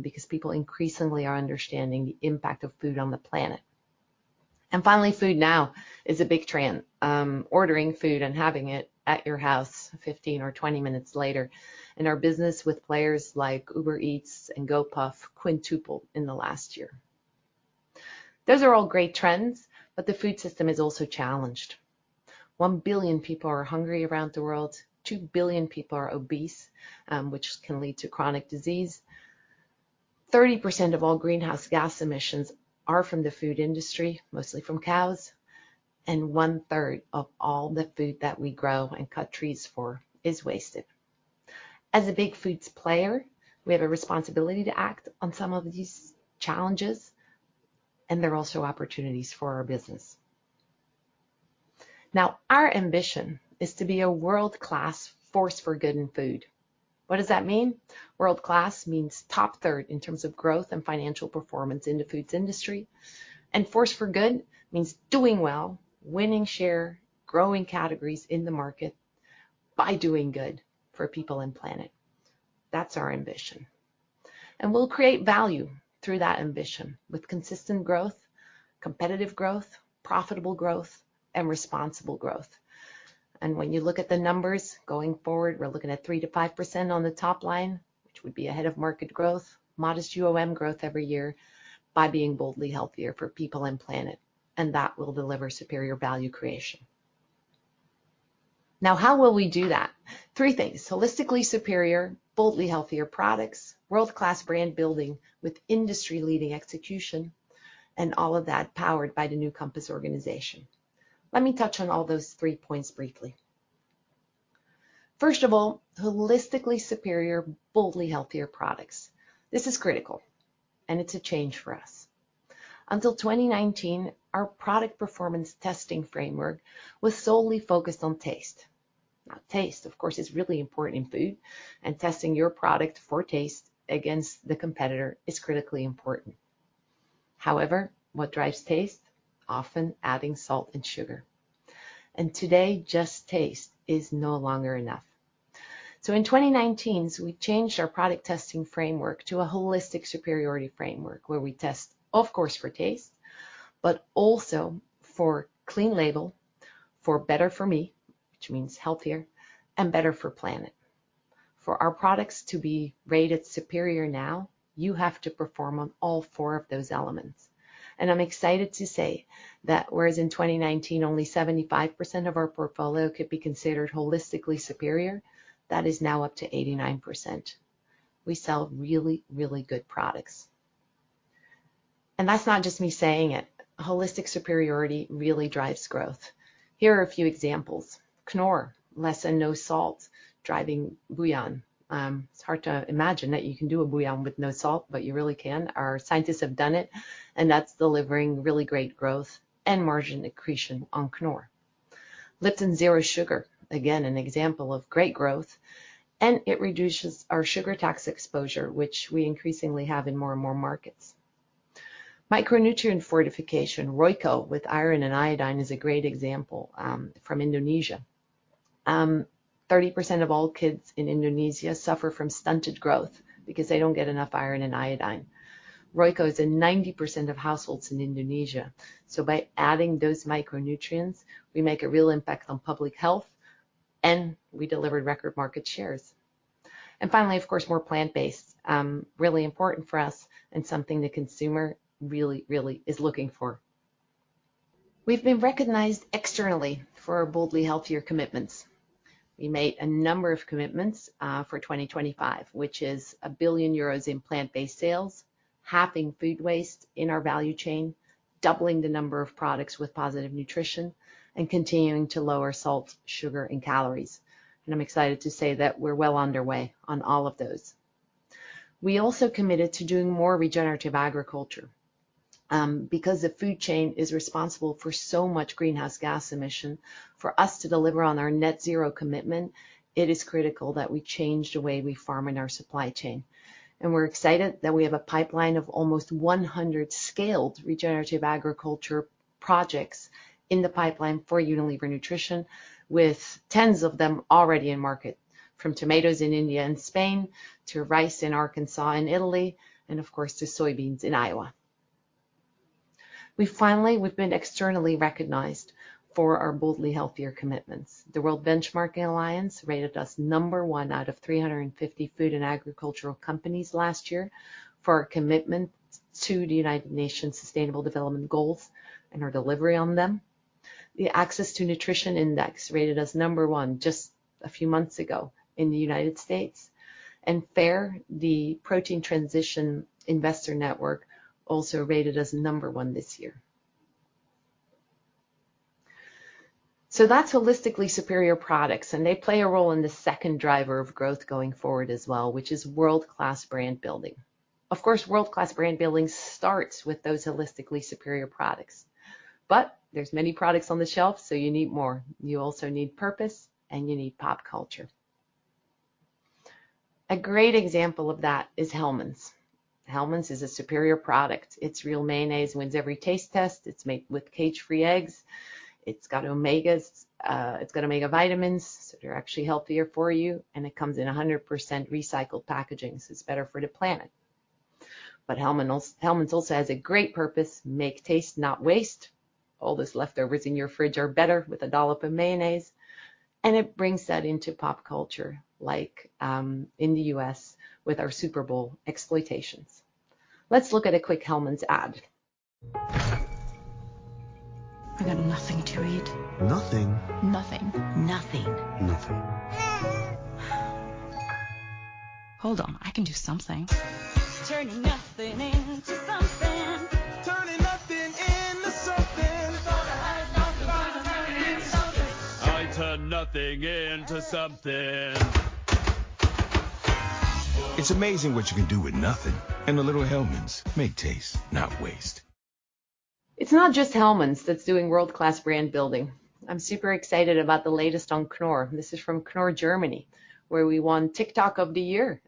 because people increasingly are understanding the impact of food on the planet. Finally, food now is a big trend. Ordering food and having it at your house 15 or 20 minutes later in our business with players like Uber Eats and Gopuff quintuple in the last year. Those are all great trends. The food system is also challenged. 1 billion people are hungry around the world. 2 billion people are obese, which can lead to chronic disease. 30% of all greenhouse gas emissions are from the food industry, mostly from cows, and 1/3 of all the food that we grow and cut trees for is wasted. As a big foods player, we have a responsibility to act on some of these challenges, and they're also opportunities for our business. Our ambition is to be a world-class force for good in food. What does that mean? World-class means top third in terms of growth and financial performance in the foods industry. Force for good means doing well, winning share, growing categories in the market by doing good for people and planet. That's our ambition. We'll create value through that ambition with consistent growth, competitive growth, profitable growth, and responsible growth. When you look at the numbers going forward, we're looking at 3%-5% on the top line, which would be ahead of market growth, modest UOM growth every year by being boldly healthier for people and planet, and that will deliver superior value creation. How will we do that? Three things. Holistically superior, boldly healthier products, world-class brand building with industry-leading execution, and all of that powered by the new Compass organization. Let me touch on all those three points briefly. First of all, holistically superior, boldly healthier products. This is critical, and it's a change for us. Until 2019, our product performance testing framework was solely focused on taste. Taste, of course, is really important in food, and testing your product for taste against the competitor is critically important. What drives taste? Often adding salt and sugar. Today, just taste is no longer enough. In 2019, we changed our product testing framework to a holistic superiority framework where we test, of course, for taste, but also for clean label, for better for me, which means healthier, and better for planet. For our products to be rated superior now, you have to perform on all four of those elements. I'm excited to say that whereas in 2019 only 75% of our portfolio could be considered holistically superior, that is now up to 89%. We sell really, really good products. That's not just me saying it. Holistic superiority really drives growth. Here are a few examples. Knorr, less and no salt, driving bouillon. It's hard to imagine that you can do a bouillon with no salt, but you really can. Our scientists have done it, that's delivering really great growth and margin accretion on Knorr. Lipton Zero Sugar, again, an example of great growth, it reduces our sugar tax exposure, which we increasingly have in more and more markets. Micronutrient fortification, Royco with iron and iodine is a great example from Indonesia. 30% of all kids in Indonesia suffer from stunted growth because they don't get enough iron and iodine. Royco is in 90% of households in Indonesia, by adding those micronutrients, we make a real impact on public health, we delivered record market shares. Finally, of course, more plant-based, really important for us and something the consumer really is looking for. We've been recognized externally for our boldly healthier commitments. We made a number of commitments for 2025, which is 1 billion euros in plant-based sales, halving food waste in our value chain, doubling the number of products with positive nutrition, and continuing to lower salt, sugar, and calories. I'm excited to say that we're well underway on all of those. We also committed to doing more regenerative agriculture because the food chain is responsible for so much greenhouse gas emission. For us to deliver on our net zero commitment, it is critical that we change the way we farm in our supply chain. We're excited that we have a pipeline of almost 100 scaled regenerative agriculture projects in the pipeline for Unilever Nutrition, with tens of them already in market, from tomatoes in India and Spain to rice in Arkansas and Italy, and of course, to soybeans in Iowa. We've been externally recognized for our boldly healthier commitments. The World Benchmarking Alliance rated us number one out of 350 food and agricultural companies last year for our commitment to the United Nations Sustainable Development Goals and our delivery on them. The Access to Nutrition Index rated us number one just a few months ago in the United States. FAIRR, the protein transition investor network, also rated us number one this year. That's holistically superior products, and they play a role in the second driver of growth going forward as well, which is world-class brand building. Of course, world-class brand building starts with those holistically superior products. There's many products on the shelf. You need more. You also need purpose, and you need pop culture. A great example of that is Hellmann's. Hellmann's is a superior product. It's real mayonnaise, wins every taste test. It's made with cage-free eggs. It's got omegas, it's got omega vitamins, so they're actually healthier for you, and it comes in 100% recycled packaging, so it's better for the planet. Hellmann's also has a great purpose, make taste, not waste. All those leftovers in your fridge are better with a dollop of mayonnaise. It brings that into pop culture, like, in the U.S. with our Super Bowl exploitations. Let's look at a quick Hellmann's ad. I got nothing to eat. Nothing? Nothing. Nothing. Nothing. Hold on. I can do something. Turning nothing into something. Turning nothing into something. Thought I had nothing, but I'm turning into something. I turn nothing into something. It's amazing what you can do with nothing. A little Hellmann's make taste, not waste. It's not just Hellmann's that's doing world-class brand building. I'm super excited about the latest on Knorr. This is from Knorr Germany, where we won TikTok of the Year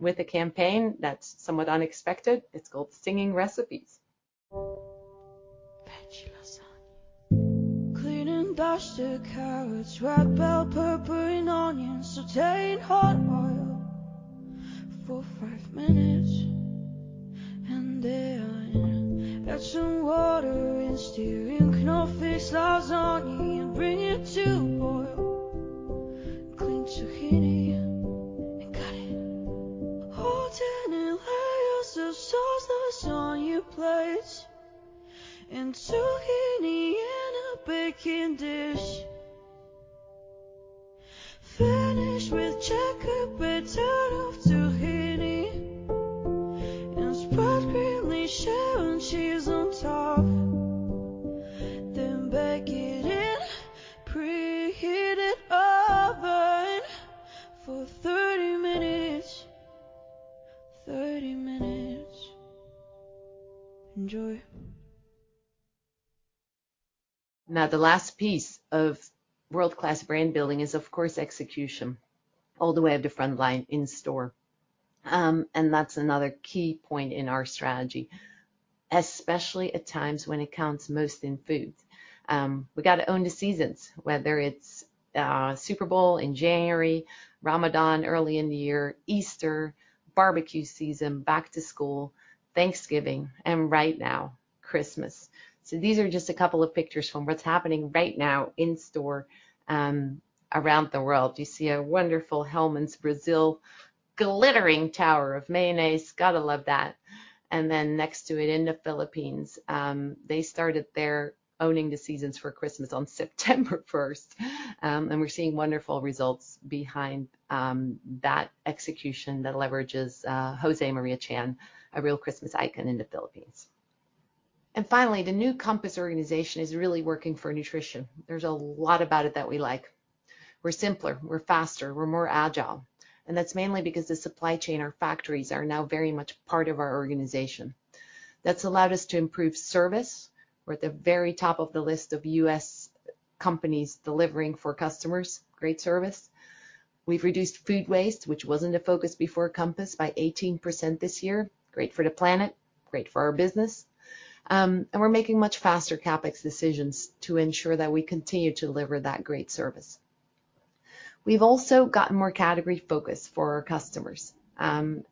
with a campaign that's somewhat unexpected. It's called Singing Recipes. Dash the carrots, red bell pepper and onions. Sauté in hot oil for five minutes. Add some water and stir in cornstarch slowly and bring it to boil. Clean zucchini and cut it. Alternate layers of sauce, lasagna, and bring it to boil. Clean zucchini and cut it. Alternate layers of sauce, lasagna plates, and zucchini in a baking dish. Finish with checker pattern of zucchini and spread creamy champignon cheese on top. Bake it in preheated oven for 30 minutes. Enjoy. The last piece of world-class brand building is, of course, execution all the way up the front line in store. That's another key point in our strategy, especially at times when it counts most in foods. We got to own the seasons, whether it's Super Bowl in January, Ramadan early in the year, Easter, barbecue season, back to school, Thanksgiving, and right now, Christmas. These are just a couple of pictures from what's happening right now in store around the world. You see a wonderful Hellmann's Brazil glittering tower of mayonnaise. Got to love that. Next to it in the Philippines, they started their owning the seasons for Christmas on September 1st. We're seeing wonderful results behind that execution that leverages Jose Mari Chan, a real Christmas icon in the Philippines. Finally, the new Compass organization is really working for Nutrition. There's a lot about it that we like. We're simpler, we're faster, we're more agile, and that's mainly because the supply chain, our factories are now very much part of our organization. That's allowed us to improve service. We're at the very top of the list of U.S. companies delivering for customers great service. We've reduced food waste, which wasn't a focus before Compass, by 18% this year. Great for the planet, great for our business. And we're making much faster CapEx decisions to ensure that we continue to deliver that great service. We've also gotten more category focus for our customers. I'm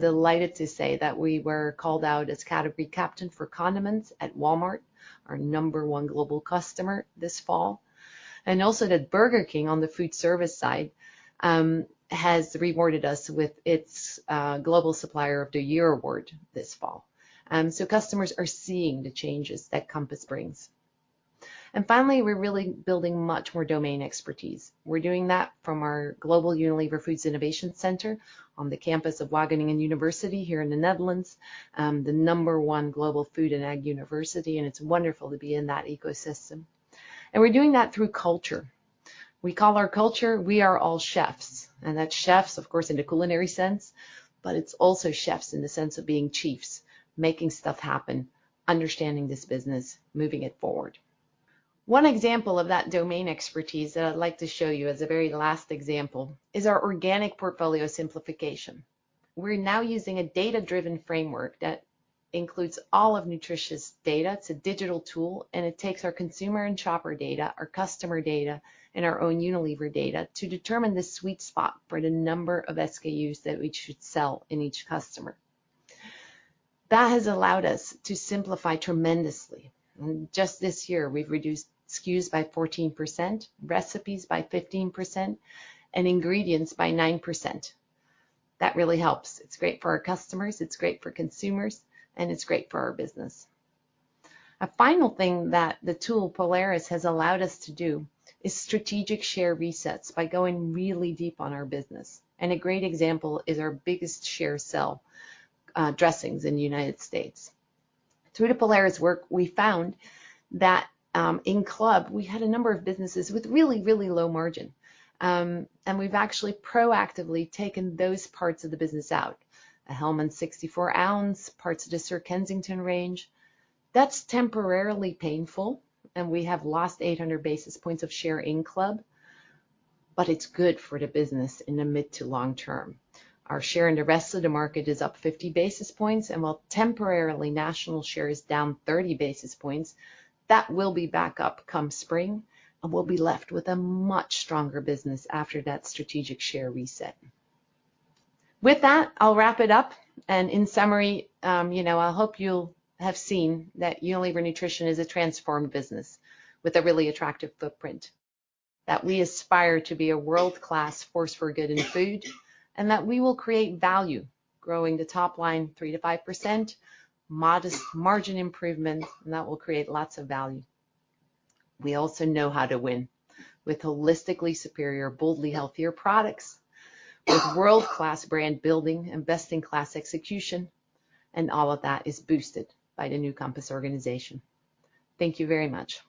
delighted to say that we were called out as category captain for condiments at Walmart, our number one global customer this fall, and also that Burger King on the food service side has rewarded us with its Global Supplier of the Year award this fall. Customers are seeing the changes that Compass brings. Finally, we're really building much more domain expertise. We're doing that from our global Unilever Foods Innovation Center on the campus of Wageningen University here in the Netherlands, the number one global food and ag university. It's wonderful to be in that ecosystem. We're doing that through culture. We call our culture, we are all chefs, and that's chefs, of course, in the culinary sense, but it's also chefs in the sense of being chiefs, making stuff happen, understanding this business, moving it forward. One example of that domain expertise that I'd like to show you as the very last example is our organic portfolio simplification. We're now using a data-driven framework that includes all of nutritious data. It's a digital tool, and it takes our consumer and shopper data, our customer data, and our own Unilever data to determine the sweet spot for the number of SKUs that we should sell in each customer. That has allowed us to simplify tremendously. Just this year, we've reduced SKUs by 14%, recipes by 15%, and ingredients by 9%. That really helps. It's great for our customers, it's great for consumers, and it's great for our business. A final thing that the tool Polaris has allowed us to do is strategic share resets by going really deep on our business. A great example is our biggest share sell, dressings in the United States. Through the Polaris work, we found that in club, we had a number of businesses with really low margin. We've actually proactively taken those parts of the business out. A Hellmann's 64 oz, parts of the Sir Kensington's range. That's temporarily painful, and we have lost 800 basis points of share in club, but it's good for the business in the mid to long term. Our share in the rest of the market is up 50 basis points, and while temporarily national share is down 30 basis points, that will be back up come spring, and we'll be left with a much stronger business after that strategic share reset. With that, I'll wrap it up. In summary, you know, I hope you'll have seen that Unilever Nutrition is a transformed business with a really attractive footprint, that we aspire to be a world-class force for good in food, and that we will create value, growing the top line 3%-5%, modest margin improvements, and that will create lots of value. We also know how to win with holistically superior, boldly healthier products, with world-class brand building and best-in-class execution, and all of that is boosted by the new Compass organization. Thank you very much.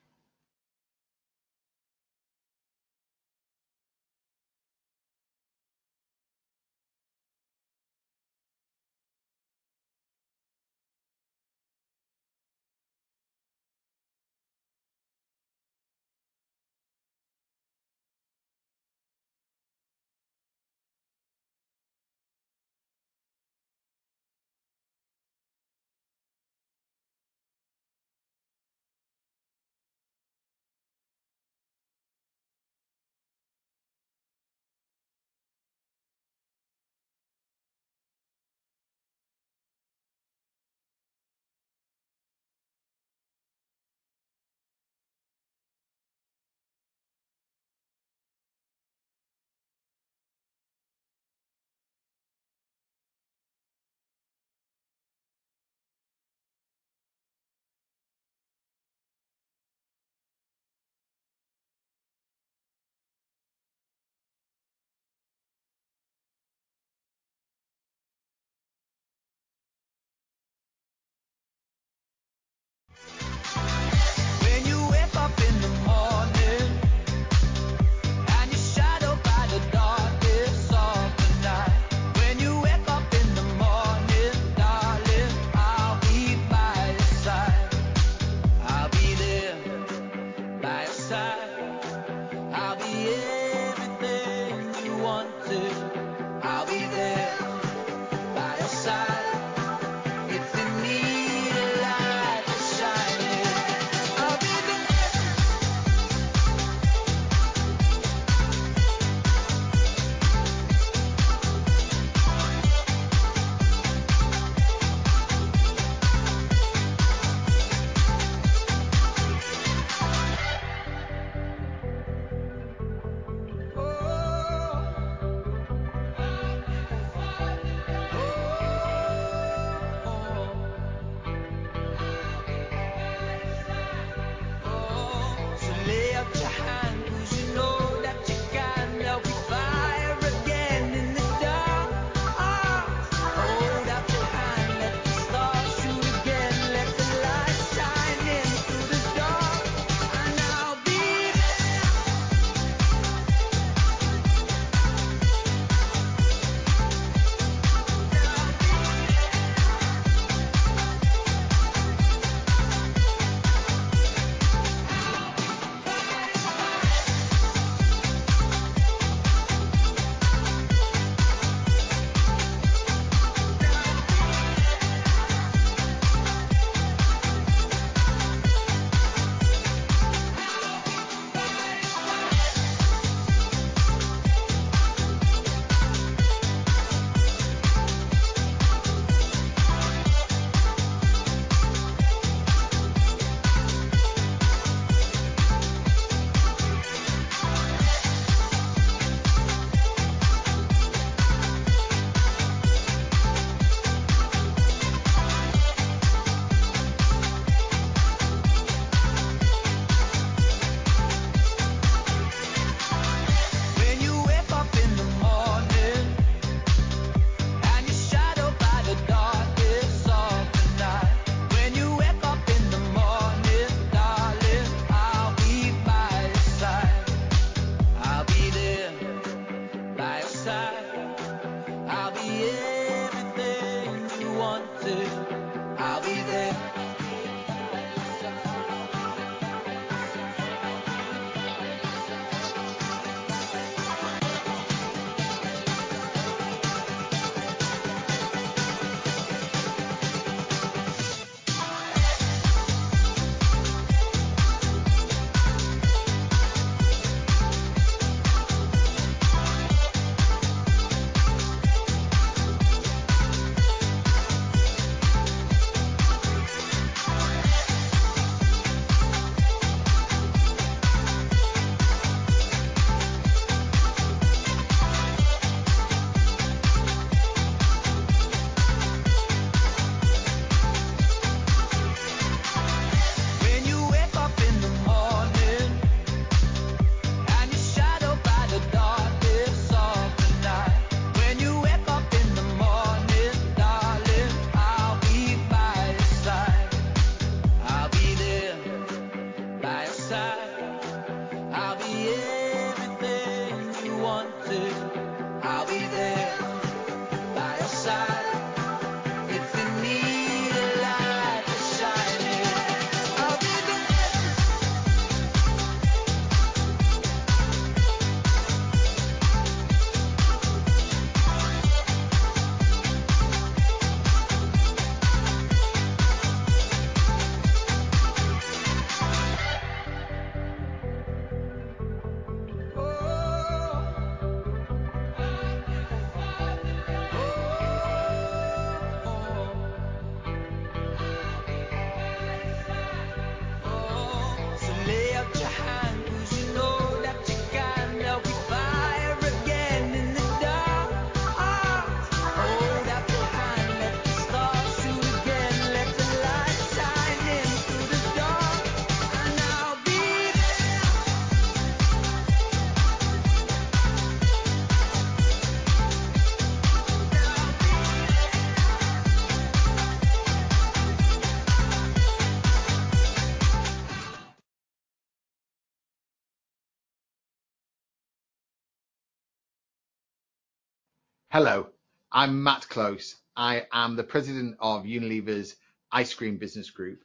Hello, I'm Matt Close. I am the President of Unilever's Ice Cream business group,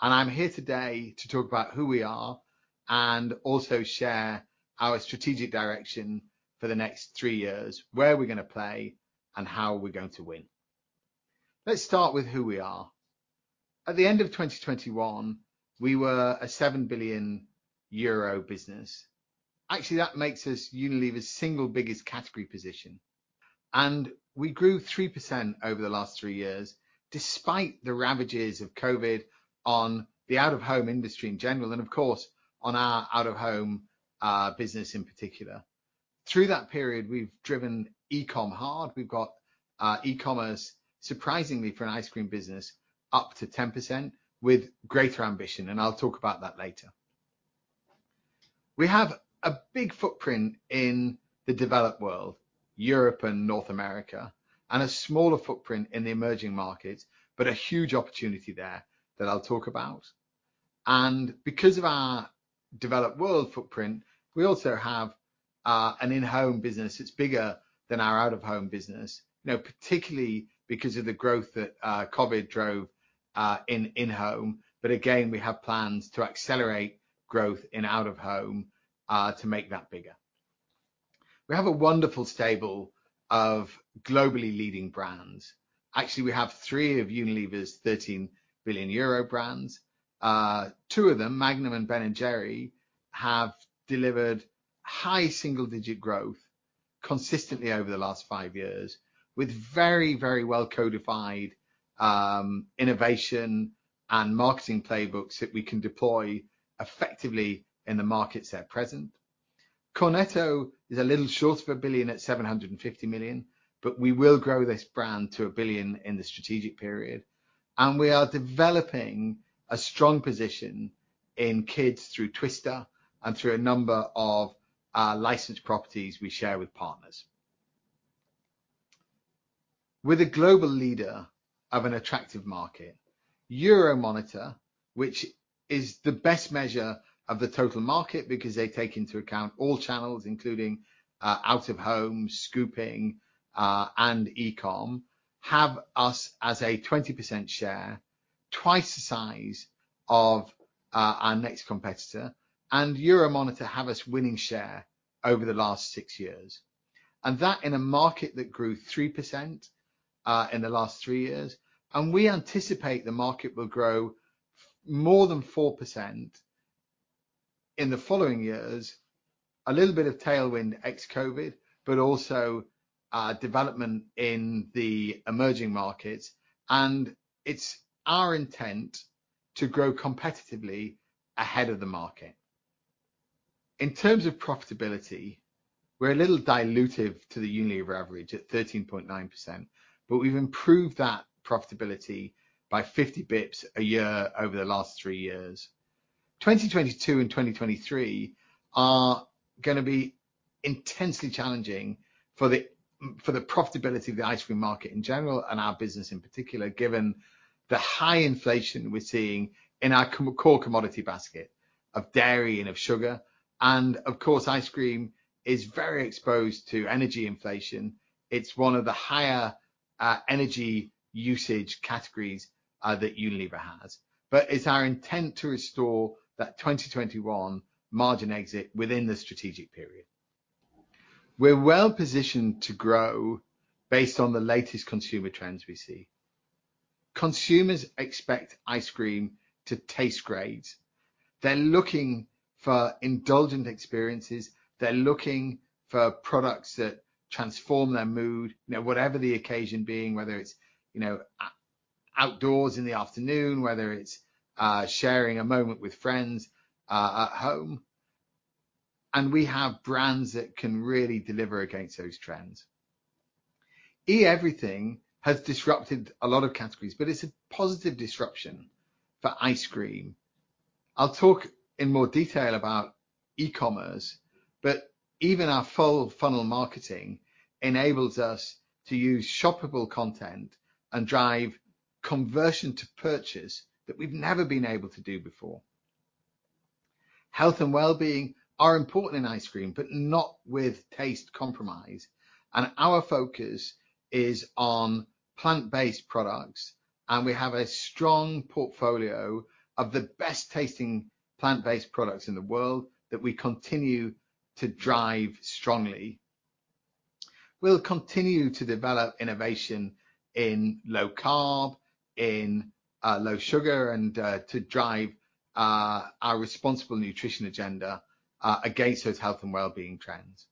and I'm here today to talk about who we are and also share our strategic direction for the next three years, where we're gonna play and how we're going to win. Let's start with who we are. At the end of 2021, we were a 7 billion euro business. Actually, that makes us Unilever's single biggest category position. We grew 3% over the last three years despite the ravages of COVID on the out of home industry in general and of course, on our out of home business in particular. Through that period, we've driven e-com hard. We've got e-commerce, surprisingly for an ice cream business, up to 10% with greater ambition. I'll talk about that later. We have a big footprint in the developed world, Europe and North America, and a smaller footprint in the emerging markets, but a huge opportunity there that I'll talk about. Because of our developed world footprint, we also have an in-home business that's bigger than our out of home business. Now, particularly because of the growth that COVID drove in in-home. Again, we have plans to accelerate growth in out of home to make that bigger. We have a wonderful stable of globally leading brands. Actually, we have three of Unilever's 13 billion euro brands. Two of them, Magnum and Ben & Jerry's, have delivered high single-digit growth consistently over the last five years, with very, very well codified innovation and marketing playbooks that we can deploy effectively in the markets they're present. Cornetto is a little short of 1 billion at 750 million, but we will grow this brand to 1 billion in the strategic period. We are developing a strong position in kids through Twister and through a number of licensed properties we share with partners. We're the global leader of an attractive market. Euromonitor, which is the best measure of the total market because they take into account all channels, including out of home, scooping, and e-com, have us as a 20% share, twice the size of our next competitor. Euromonitor have us winning share over the last six years. That in a market that grew 3%, in the last three years, and we anticipate the market will grow more than 4% in the following years. A little bit of tailwind ex-COVID, development in the emerging markets, it's our intent to grow competitively ahead of the market. In terms of profitability, we're a little dilutive to the Unilever average at 13.9%, we've improved that profitability by 50 basis points a year over the last three years. 2022 and 2023 are gonna be intensely challenging for the profitability of the Ice Cream market in general and our business in particular, given the high inflation we're seeing in our core commodity basket of dairy and of sugar. Of course, Ice Cream is very exposed to energy inflation. It's one of the higher energy usage categories that Unilever has. It's our intent to restore that 2021 margin exit within the strategic period. We're well positioned to grow based on the latest consumer trends we see. Consumers expect ice cream to taste great. They're looking for indulgent experiences. They're looking for products that transform their mood, you know, whatever the occasion being, whether it's, you know, outdoors in the afternoon, whether it's sharing a moment with friends at home. We have brands that can really deliver against those trends. Everything has disrupted a lot of categories, but it's a positive disruption for Ice Cream. I'll talk in more detail about e-commerce, but even our full funnel marketing enables us to use shoppable content and drive conversion to purchase that we've never been able to do before. Health & Wellbeing are important in Ice Cream, but not with taste compromise. Our focus is on plant-based products, and we have a strong portfolio of the best tasting plant-based products in the world that we continue to drive strongly. We'll continue to develop innovation in low carb, in low sugar and to drive our responsible nutrition agenda against those Health & Wellbeing trends.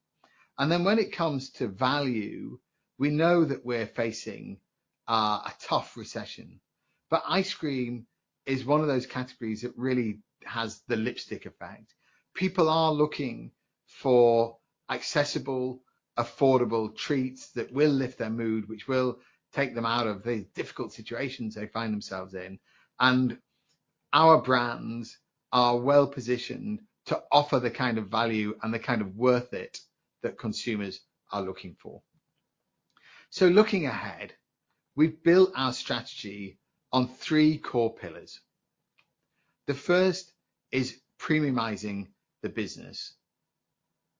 When it comes to value, we know that we're facing a tough recession. Ice Cream is one of those categories that really has the lipstick effect. People are looking for accessible, affordable treats that will lift their mood, which will take them out of the difficult situations they find themselves in. Our brands are well positioned to offer the kind of value and the kind of worth it that consumers are looking for. Looking ahead, we've built our strategy on three core pillars. The first is premiumizing the business.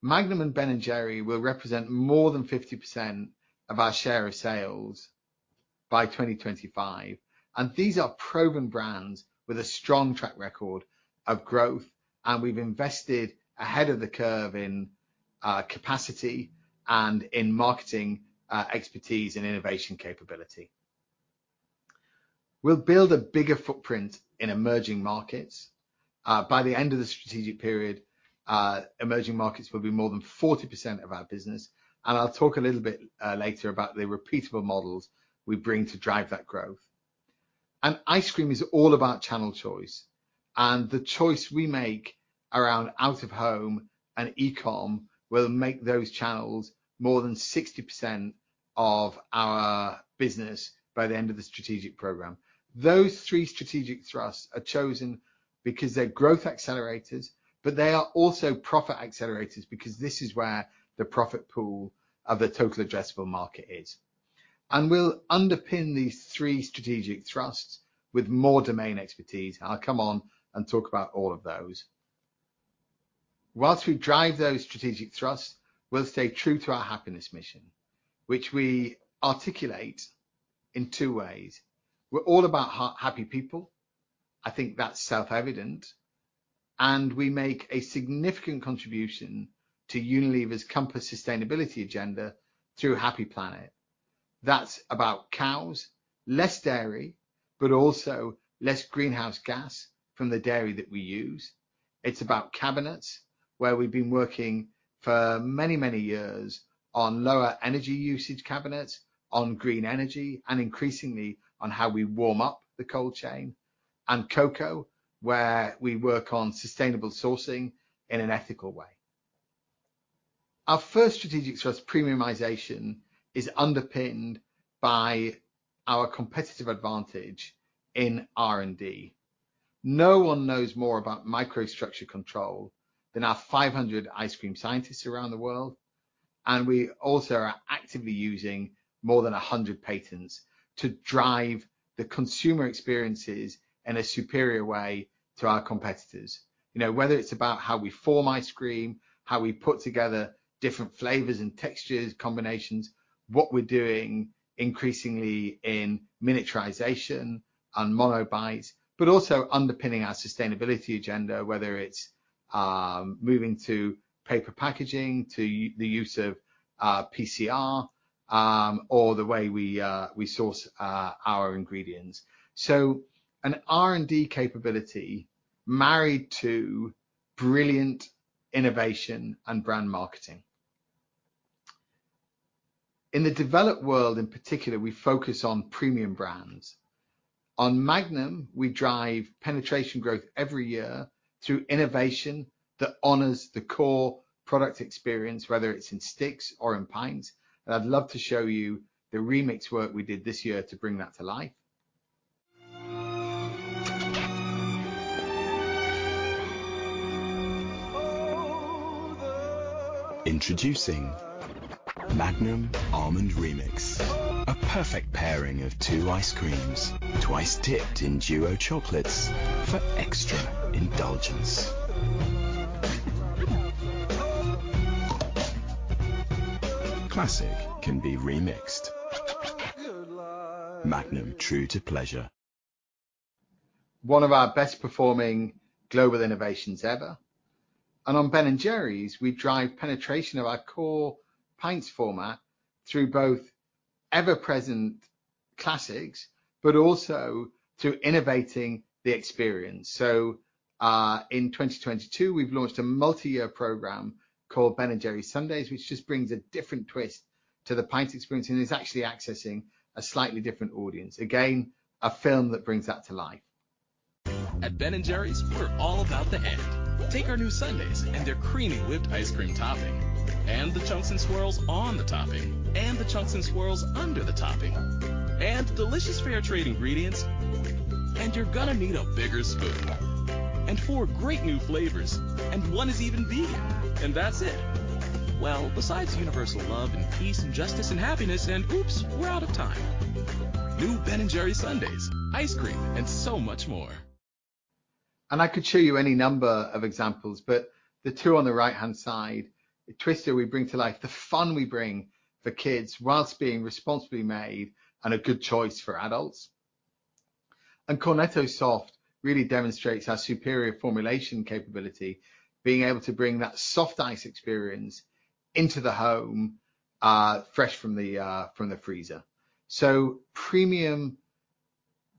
Magnum and Ben & Jerry's will represent more than 50% of our share of sales by 2025, and these are proven brands with a strong track record of growth, and we've invested ahead of the curve in capacity and in marketing expertise and innovation capability. We'll build a bigger footprint in emerging markets. By the end of the strategic period, emerging markets will be more than 40% of our business, and I'll talk a little bit later about the repeatable models we bring to drive that growth. Ice Cream is all about channel choice, and the choice we make around out of home and e-com will make those channels more than 60% of our business by the end of the strategic program. Those three strategic thrusts are chosen because they're growth accelerators, but they are also profit accelerators because this is where the profit pool of the total addressable market is. We'll underpin these three strategic thrusts with more domain expertise. I'll come on and talk about all of those. Whilst we drive those strategic thrusts, we'll stay true to our happiness mission, which we articulate in two ways. We're all about happy people, I think that's self-evident, and we make a significant contribution to Unilever's Compass sustainability agenda through Happy Planet. That's about cows, less dairy, but also less greenhouse gas from the dairy that we use. It's about cabinets, where we've been working for many, many years on lower energy usage cabinets, on green energy, and increasingly on how we warm up the cold chain. Cocoa, where we work on sustainable sourcing in an ethical way. Our first strategic thrust, premiumization, is underpinned by our competitive advantage in R&D. No one knows more about microstructure control than our 500 Ice Cream scientists around the world, and we also are actively using more than 100 patents to drive the consumer experiences in a superior way to our competitors. You know, whether it's about how we form ice cream, how we put together different flavors and textures, combinations, what we're doing increasingly in miniaturization and mono bite, but also underpinning our sustainability agenda, whether it's moving to paper packaging to the use of PCR, or the way we source our ingredients. An R&D capability married to brilliant innovation and brand marketing. In the developed world in particular, we focus on premium brands. On Magnum, we drive penetration growth every year through innovation that honors the core product experience, whether it's in sticks or in pints, and I'd love to show you the remix work we did this year to bring that to life. Introducing Magnum Almond Remix. A perfect pairing of two ice creams, twice dipped in duo chocolates for extra indulgence. Classic can be remixed. Magnum, true to pleasure. One of our best performing global innovations ever. On Ben & Jerry's, we drive penetration of our core pints format through both ever-present classics, but also through innovating the experience. In 2022, we've launched a multi-year program called Ben & Jerry's Sundaes, which just brings a different twist to the pints experience, and it's actually accessing a slightly different audience. Again, a film that brings that to life. At Ben & Jerry's, we're all about the head. Take our new Sundaes and their creamy whipped ice cream topping, and the chunks and swirls on the topping, and the chunks and swirls under the topping, and delicious fair trade ingredients, and you're gonna need a bigger spoon. Four great new flavors, and one is even vegan, and that's it. Well, besides universal love and peace and justice and happiness and- Oops, we're out of time. New Ben & Jerry's Sundaes. Ice cream and so much more. I could show you any number of examples, but the two on the right-hand side, the Twister we bring to life, the fun we bring for kids whilst being responsibly made and a good choice for adults. Cornetto Soft really demonstrates our superior formulation capability, being able to bring that soft ice experience into the home, fresh from the freezer. Premium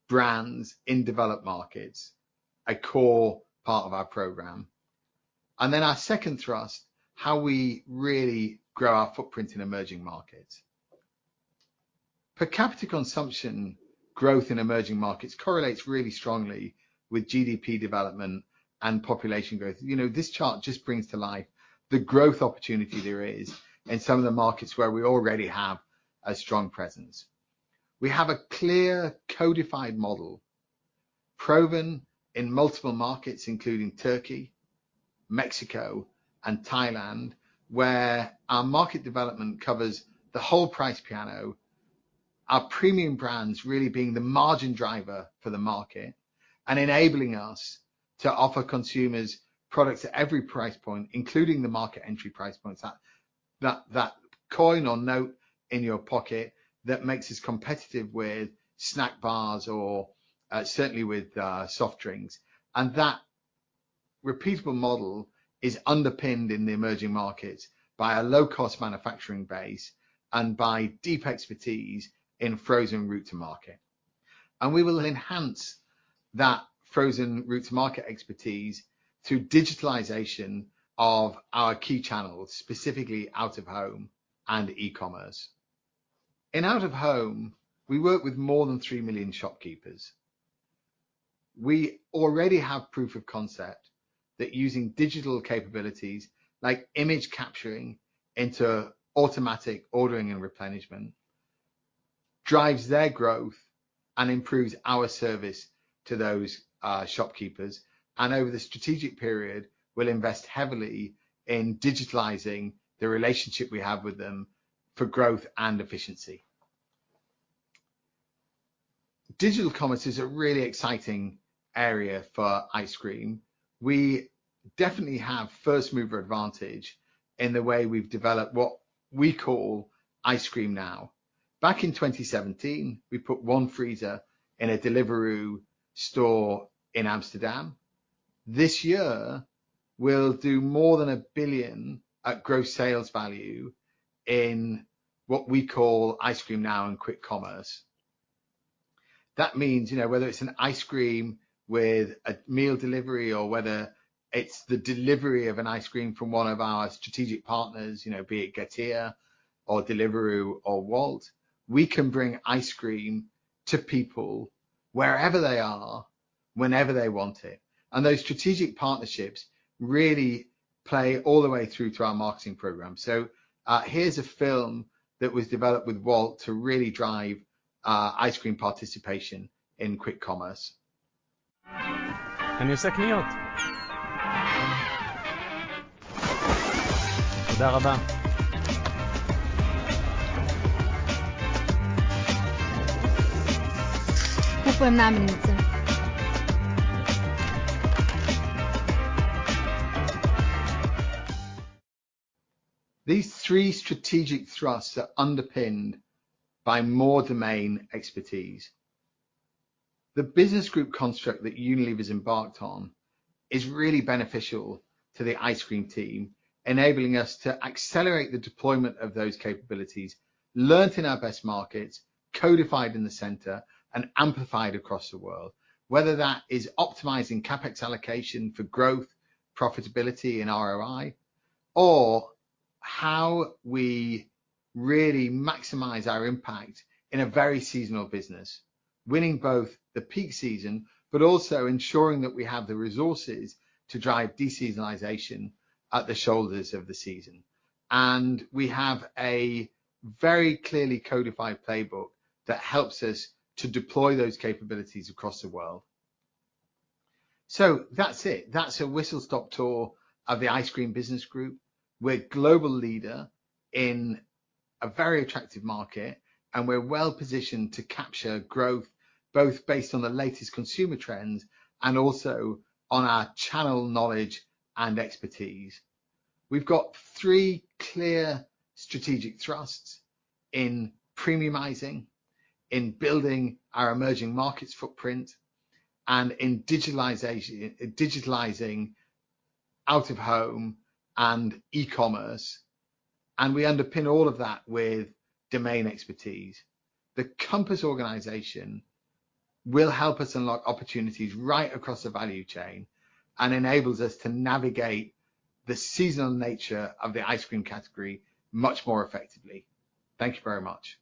brands in developed markets, a core part of our program. Our second thrust, how we really grow our footprint in emerging markets. Per capita consumption growth in emerging markets correlates really strongly with GDP development and population growth. You know, this chart just brings to life the growth opportunity there is in some of the markets where we already have a strong presence. We have a clear codified model, proven in multiple markets, including Turkey, Mexico, and Thailand, where our market development covers the whole price piano. Our premium brands really being the margin driver for the market and enabling us to offer consumers products at every price point, including the market entry price points. That coin or note in your pocket that makes us competitive with snack bars or certainly with soft drinks. That repeatable model is underpinned in the emerging markets by a low-cost manufacturing base and by deep expertise in frozen route to market. We will enhance that frozen route to market expertise through digitalization of our key channels, specifically out of home and e-commerce. In out of home, we work with more than 3 million shopkeepers. We already have proof of concept that using digital capabilities like image capturing into automatic ordering and replenishment drives their growth and improves our service to those shopkeepers. Over the strategic period, we'll invest heavily in digitalizing the relationship we have with them for growth and efficiency. Digital commerce is a really exciting area for ice cream. We definitely have first mover advantage in the way we've developed what we call Ice Cream Now. Back in 2017, we put one freezer in a Deliveroo store in Amsterdam. This year, we'll do more than 1 billion at gross sales value in what we call Ice Cream Now and quick commerce. That means, you know, whether it's an ice cream with a meal delivery or whether it's the delivery of an ice cream from one of our strategic partners, you know, be it Getir or Deliveroo or Wolt, we can bring ice cream to people wherever they are, whenever they want it. Those strategic partnerships really play all the way through to our marketing program. Here's a film that was developed with Wolt to really drive Ice Cream participation in quick commerce. These three strategic thrusts are underpinned by more domain expertise. The business group construct that Unilever's embarked on is really beneficial to the Ice Cream team, enabling us to accelerate the deployment of those capabilities learnt in our best markets, codified in the center and amplified across the world. Whether that is optimizing CapEx allocation for growth, profitability and ROI, or how we really maximize our impact in a very seasonal business, winning both the peak season, but also ensuring that we have the resources to drive deseasonalization at the shoulders of the season. We have a very clearly codified playbook that helps us to deploy those capabilities across the world. That's it. That's a whistle-stop tour of the Ice Cream business group. We're a global leader in a very attractive market, and we're well positioned to capture growth both based on the latest consumer trends and also on our channel knowledge and expertise. We've got three clear strategic thrusts in premiumizing, in building our emerging markets footprint, and in digitalizing out of home and e-commerce, and we underpin all of that with domain expertise. The Compass organization will help us unlock opportunities right across the value chain and enables us to navigate the seasonal nature of the Ice Cream category much more effectively. Thank you very much.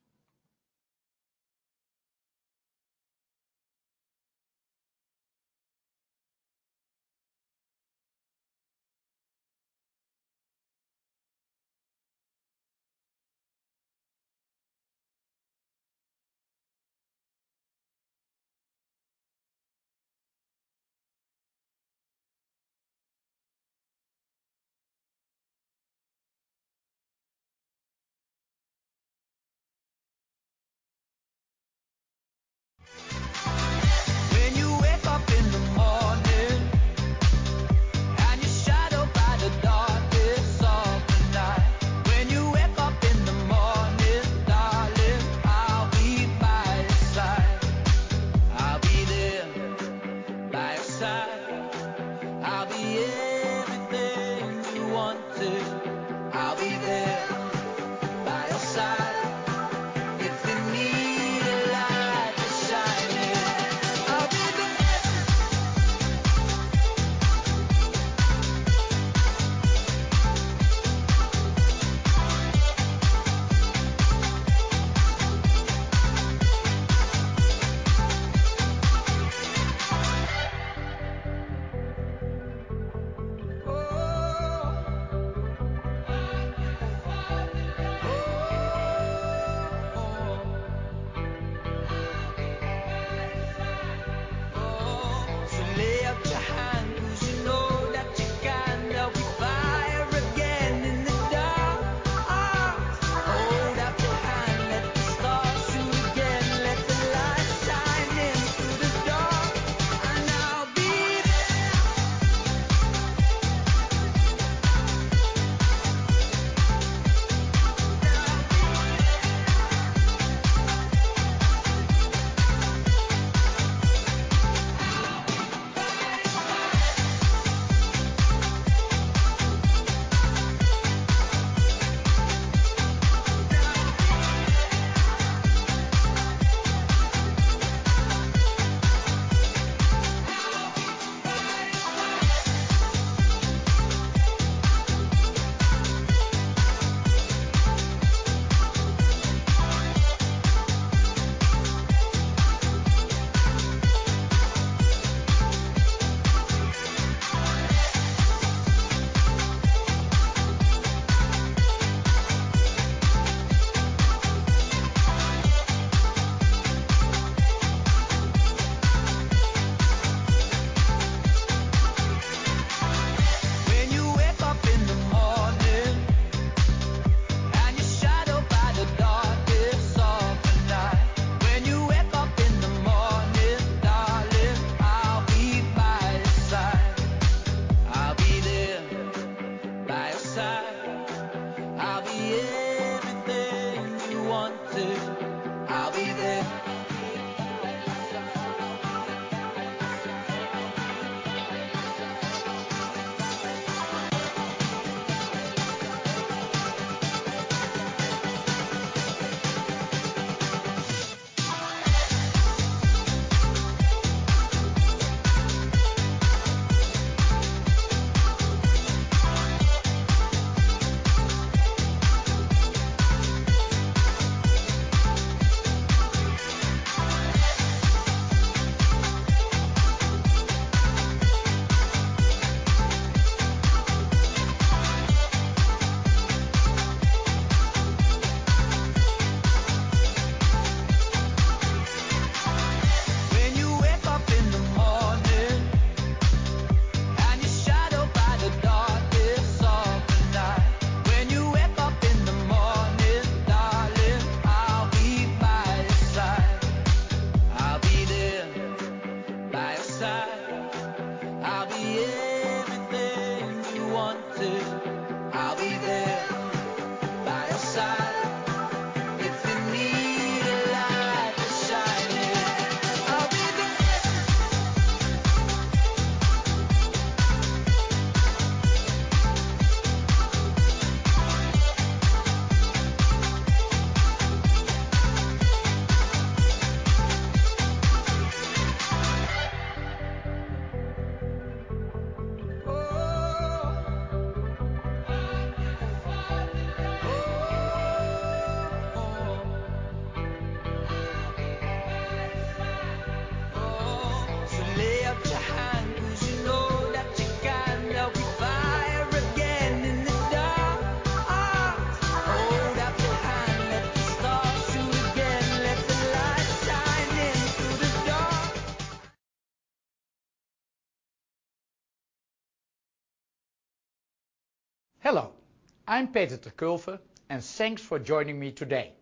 Hello, I'm Peter ter Kulve. Thanks for joining me today.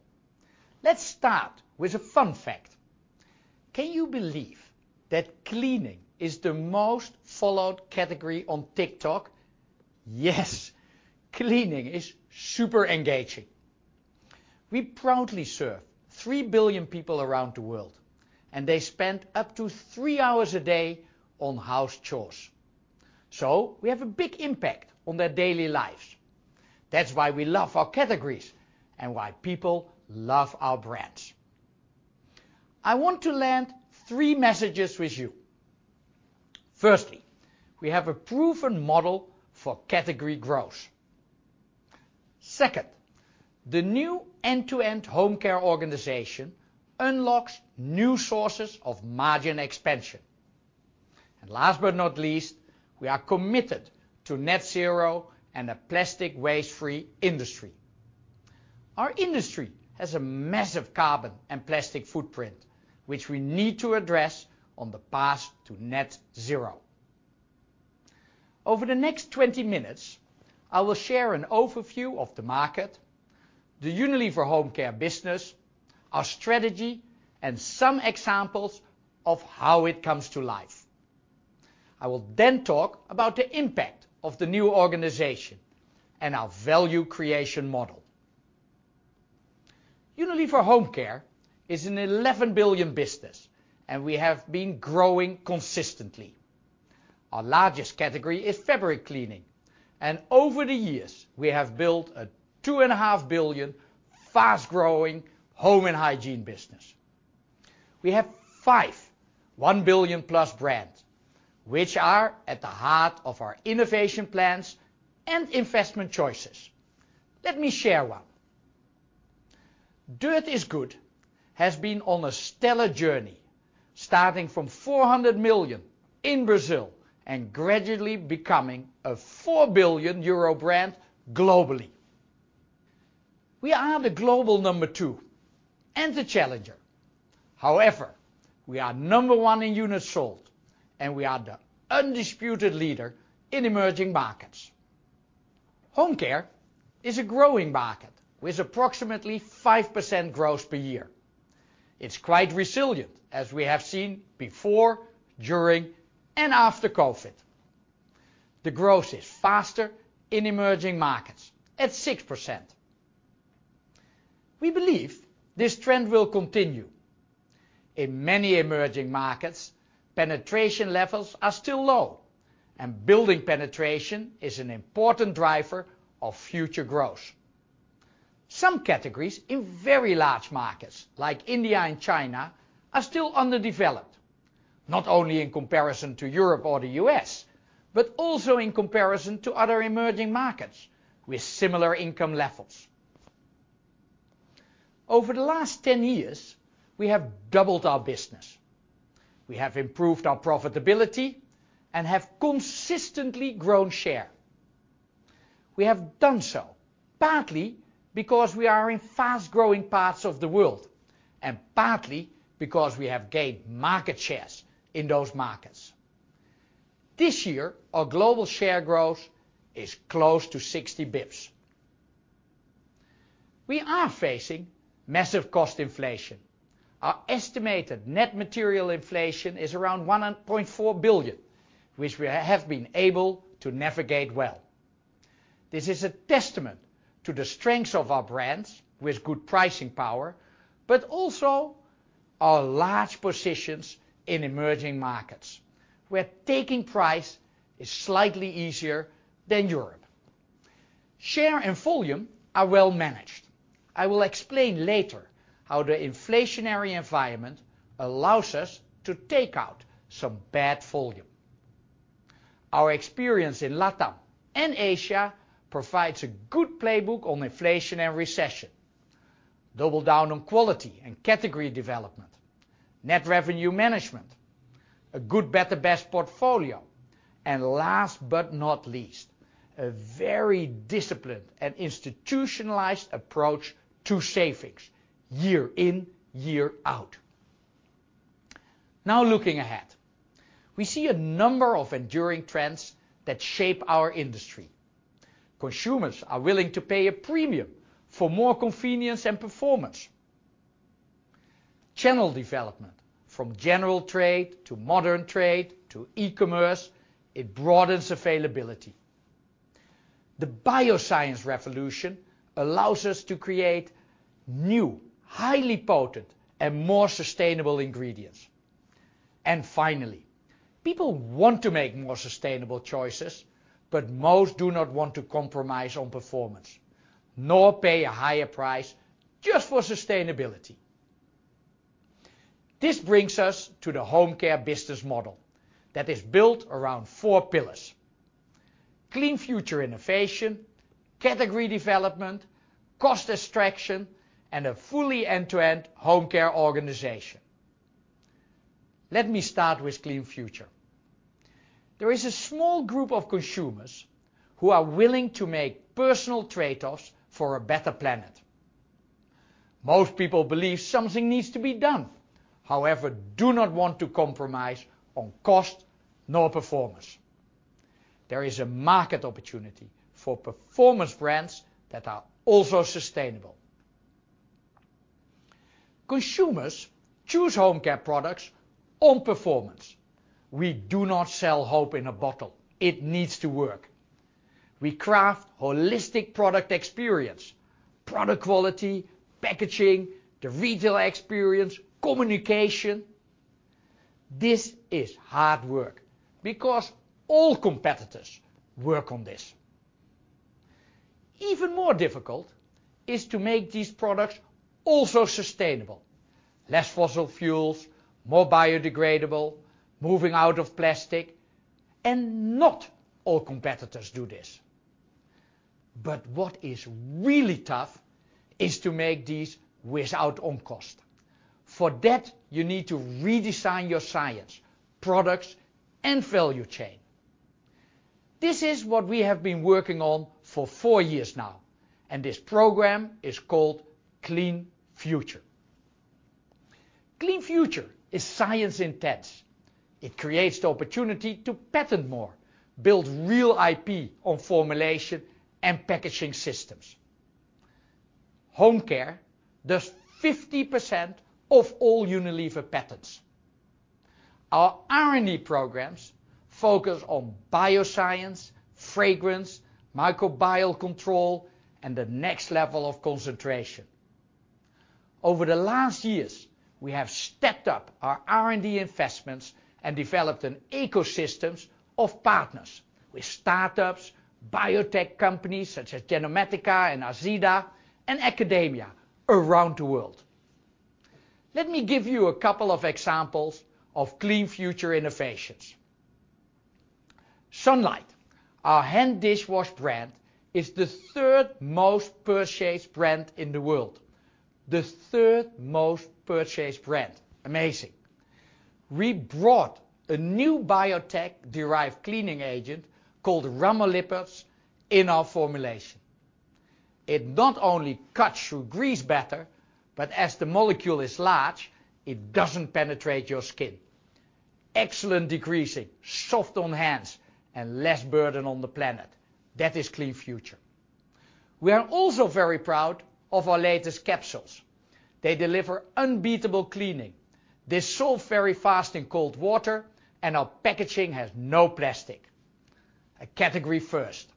Let's start with a fun fact. Can you believe that cleaning is the most followed category on TikTok? Yes, cleaning is super engaging. We proudly serve 3 billion people around the world. They spend up to three hours a day on house chores. We have a big impact on their daily lives. That's why we love our categories and why people love our brands. I want to land three messages with you. Firstly, we have a proven model for category growth. Second, the new end-to-end Home Care organization unlocks new sources of margin expansion. Last but not least, we are committed to net zero and a plastic waste-free industry. Our industry has a massive carbon and plastic footprint, which we need to address on the path to net zero. Over the next 20 minutes, I will share an overview of the market, the Unilever Home Care business, our strategy, and some examples of how it comes to life. I will talk about the impact of the new organization and our value creation model. Unilever Home Care is an 11 billion business, and we have been growing consistently. Our largest category is fabric cleaning, and over the years we have built an 2.5 billion fast-growing home and hygiene business. We have five, 1 billion+ brands, which are at the heart of our innovation plans and investment choices. Let me share one. Dirt Is Good has been on a stellar journey, starting from 400 million in Brazil and gradually becoming an 4 billion euro brand globally. We are the global number two and the challenger. However, we are number one in units sold, and we are the undisputed leader in emerging markets. Home care is a growing market with approximately 5% growth per year. It's quite resilient, as we have seen before, during, and after COVID. The growth is faster in emerging markets at 6%. We believe this trend will continue. In many emerging markets, penetration levels are still low, and building penetration is an important driver of future growth. Some categories in very large markets like India and China are still underdeveloped, not only in comparison to Europe or the U.S., but also in comparison to other emerging markets with similar income levels. Over the last 10 years, we have doubled our business. We have improved our profitability and have consistently grown share. We have done so partly because we are in fast-growing parts of the world and partly because we have gained market shares in those markets. This year, our global share growth is close to 60 basis points. We are facing massive cost inflation. Our estimated net material inflation is around 1.4 billion, which we have been able to navigate well. This is a testament to the strength of our brands with good pricing power, also our large positions in emerging markets, where taking price is slightly easier than Europe. Share and volume are well managed. I will explain later how the inflationary environment allows us to take out some bad volume. Our experience in LATAM and Asia provides a good playbook on inflation and recession. Double down on quality and category development, net revenue management, a good, better, best portfolio, and last but not least, a very disciplined and institutionalized approach to savings year in, year out. Looking ahead, we see a number of enduring trends that shape our industry. Consumers are willing to pay a premium for more convenience and performance. Channel development from general trade to modern trade to e-commerce, it broadens availability. The bioscience revolution allows us to create new, highly potent, and more sustainable ingredients. Finally, people want to make more sustainable choices, but most do not want to compromise on performance nor pay a higher price just for sustainability. This brings us to the Home Care business model that is built around four pillars: Clean Future innovation, category development, cost extraction, and a fully end-to-end Home Care organization. Let me start with Clean Future. There is a small group of consumers who are willing to make personal trade-offs for a better planet. Most people believe something needs to be done, however, do not want to compromise on cost nor performance. There is a market opportunity for performance brands that are also sustainable. Consumers choose Home Care products on performance. We do not sell hope in a bottle. It needs to work. We craft holistic product experience, product quality, packaging, the retail experience, communication. This is hard work because all competitors work on this. Even more difficult is to make these products also sustainable. Less fossil fuels, more biodegradable, moving out of plastic, and not all competitors do this. What is really tough is to make these without own cost. For that, you need to redesign your science, products, and value chain. This is what we have been working on for four years now, and this program is called Clean Future. Clean Future is science-intense. It creates the opportunity to patent more, build real IP on formulation and packaging systems. Home care does 50% of all Unilever patents. Our R&D programs focus on bioscience, fragrance, microbial control, and the next level of concentration. Over the last years, we have stepped up our R&D investments and developed an ecosystem of partners with startups, biotech companies such as Genomatica and Arzeda, and academia around the world. Let me give you a couple of examples of Clean Future innovations. Sunlight, our hand dishwash brand, is the third most purchased brand in the world. The third most purchased brand. Amazing. We brought a new biotech-derived cleaning agent called Rhamnolipids in our formulation. It not only cuts through grease better, but as the molecule is large, it doesn't penetrate your skin. Excellent degreasing, soft on hands, and less burden on the planet. That is Clean Future. We are also very proud of our latest capsules. They deliver unbeatable cleaning. They dissolve very fast in cold water, and our packaging has no plastic. A category first.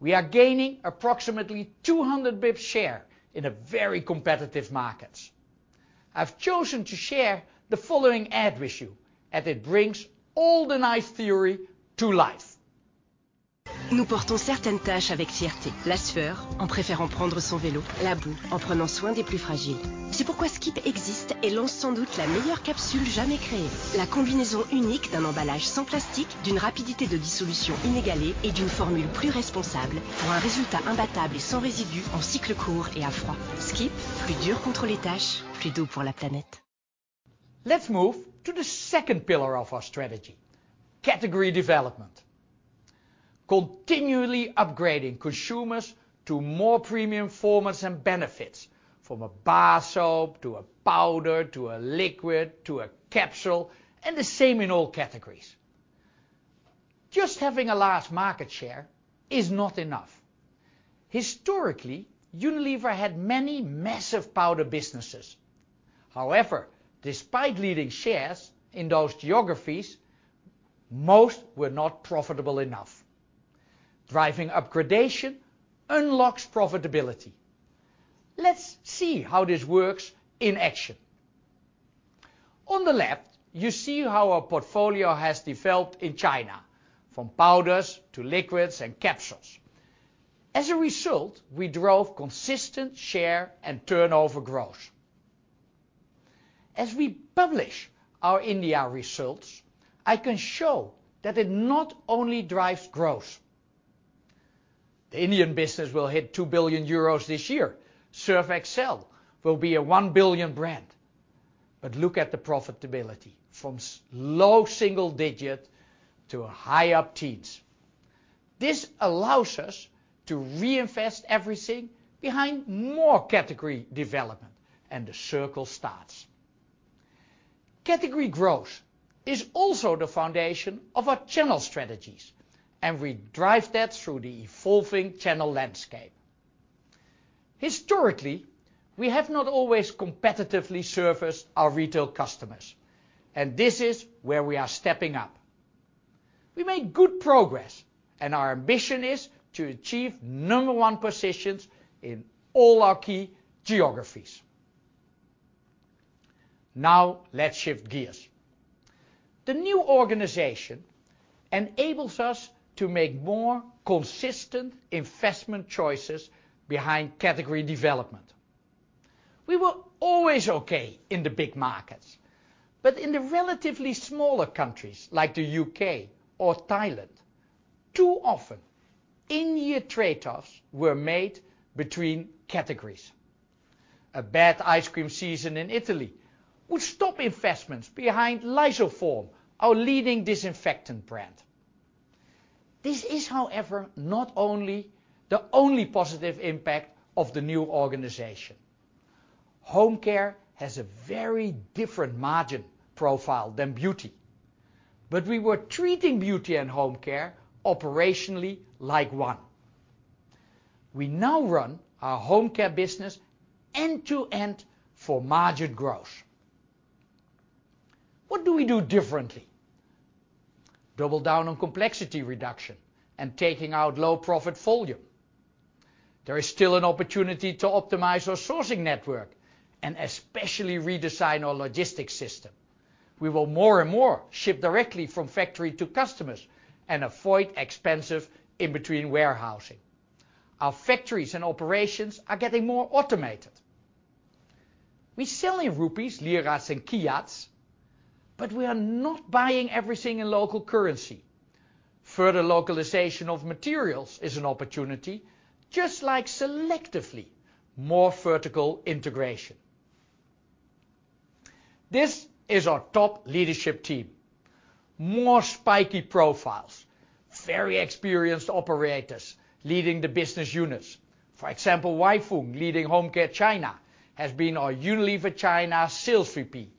We are gaining approximately 200 basis points share in a very competitive market. I've chosen to share the following ad with you, as it brings all the nice theory to life. Let's move to the second pillar of our strategy: category development. Continually upgrading consumers to more premium formats and benefits, from a bar soap, to a powder, to a liquid, to a capsule, and the same in all categories. Just having a large market share is not enough. Historically, Unilever had many massive powder businesses. Despite leading shares in those geographies, most were not profitable enough. Driving upgradation unlocks profitability. Let's see how this works in action. On the left, you see how our portfolio has developed in China from powders to liquids and capsules. As a result, we drove consistent share and turnover growth. As we publish our India results, I can show that it not only drives growth. The Indian business will hit 2 billion euros this year. Surf Excel will be a 1 billion brand. Look at the profitability, from low single-digit to high up teens. This allows us to reinvest everything behind more category development and the circle starts. Category growth is also the foundation of our channel strategies, and we drive that through the evolving channel landscape. Historically, we have not always competitively serviced our retail customers, and this is where we are stepping up. We made good progress. Our ambition is to achieve number one positions in all our key geographies. Now, let's shift gears. The new organization enables us to make more consistent investment choices behind category development. We were always okay in the big markets. In the relatively smaller countries, like the U.K. or Thailand, too often in-year trade-offs were made between categories. A bad Ice Cream season in Italy would stop investments behind Lysoform, our leading disinfectant brand. This is, however, not only the only positive impact of the new organization. Home Care has a very different margin profile than Beauty, but we were treating Beauty and Home Care operationally like one. We now run our Home Care business end to end for margin growth. What do we do differently? Double down on complexity reduction and taking out low profit volume. There is still an opportunity to optimize our sourcing network and especially redesign our logistics system. We will more and more ship directly from factory to customers and avoid expensive in-between warehousing. Our factories and operations are getting more automated. We sell in rupees, liras, and kyats, but we are not buying everything in local currency. Further localization of materials is an opportunity, just like selectively more vertical integration. This is our top leadership team. More spiky profiles. Very experienced operators leading the business units. For example, Wai Foong, leading Home Care China, has been our Unilever China Sales VP.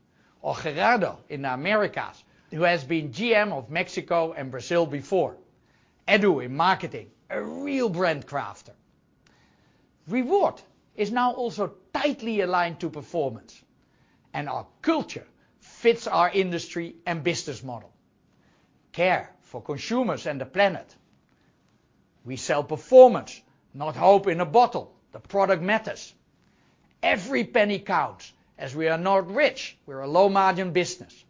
Gerardo in Americas, who has been GM of Mexico and Brazil before. Edu in Marketing, a real brand crafter. Reward is now also tightly aligned to performance, and our culture fits our industry and business model. Care for consumers and the planet. We sell performance, not hope in a bottle. The product matters. Every penny counts, as we are not rich. We're a low margin business.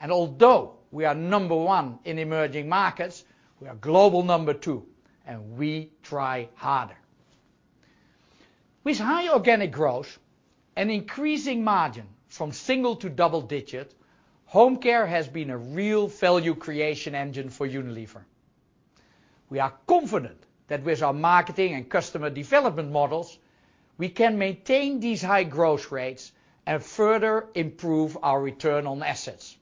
Although we are number one in emerging markets, we are global number two, and we try harder. With high organic growth and increasing margin from single- to double-digit, Home Care has been a real value creation engine for Unilever. We are confident that with our marketing and customer development models, we can maintain these high growth rates and further improve our return on assets.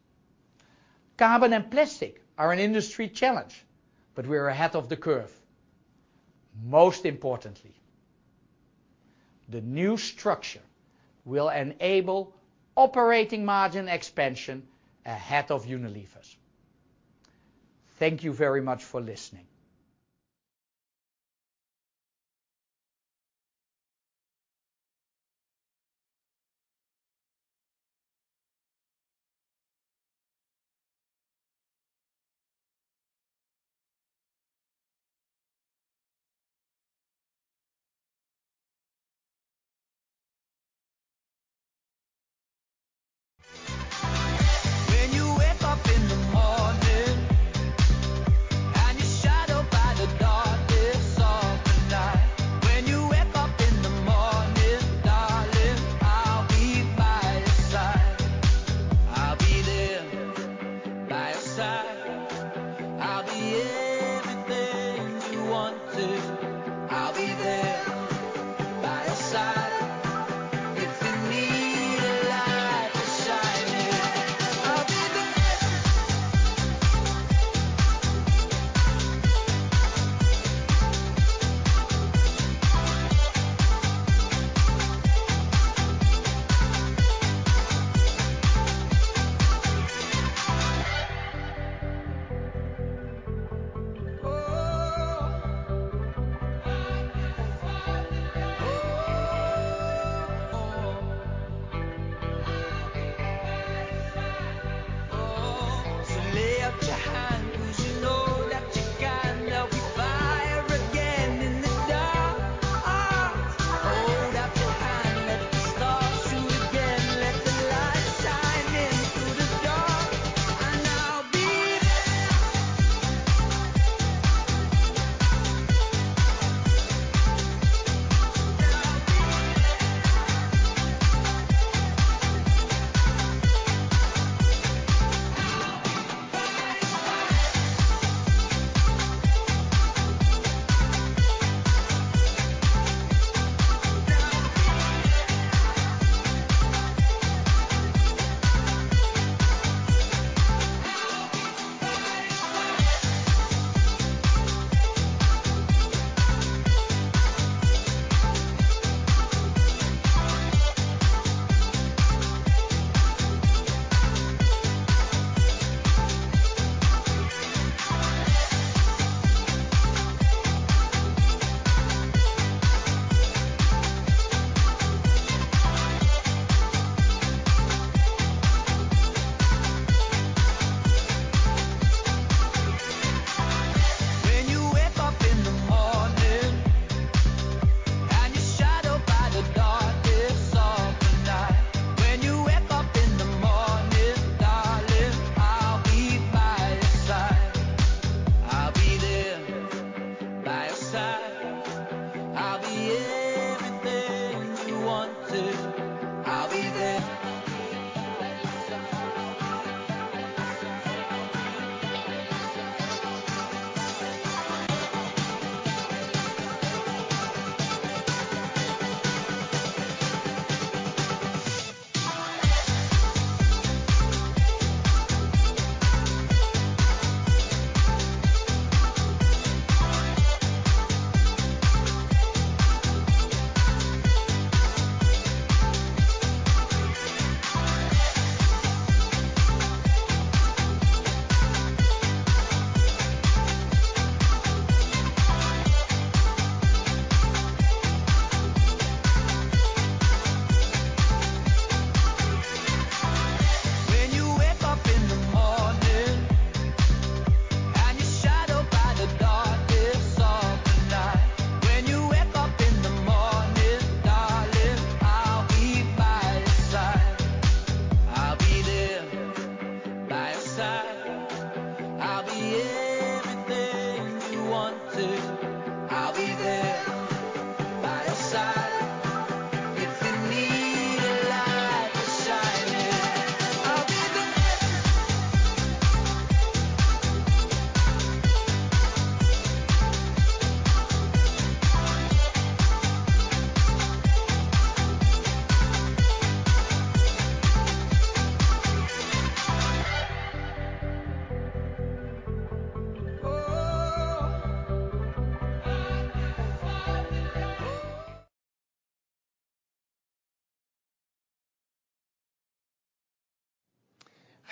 Carbon and plastic are an industry challenge, but we are ahead of the curve. Most importantly, the new structure will enable operating margin expansion ahead of Unilever's. Thank you very much for listening.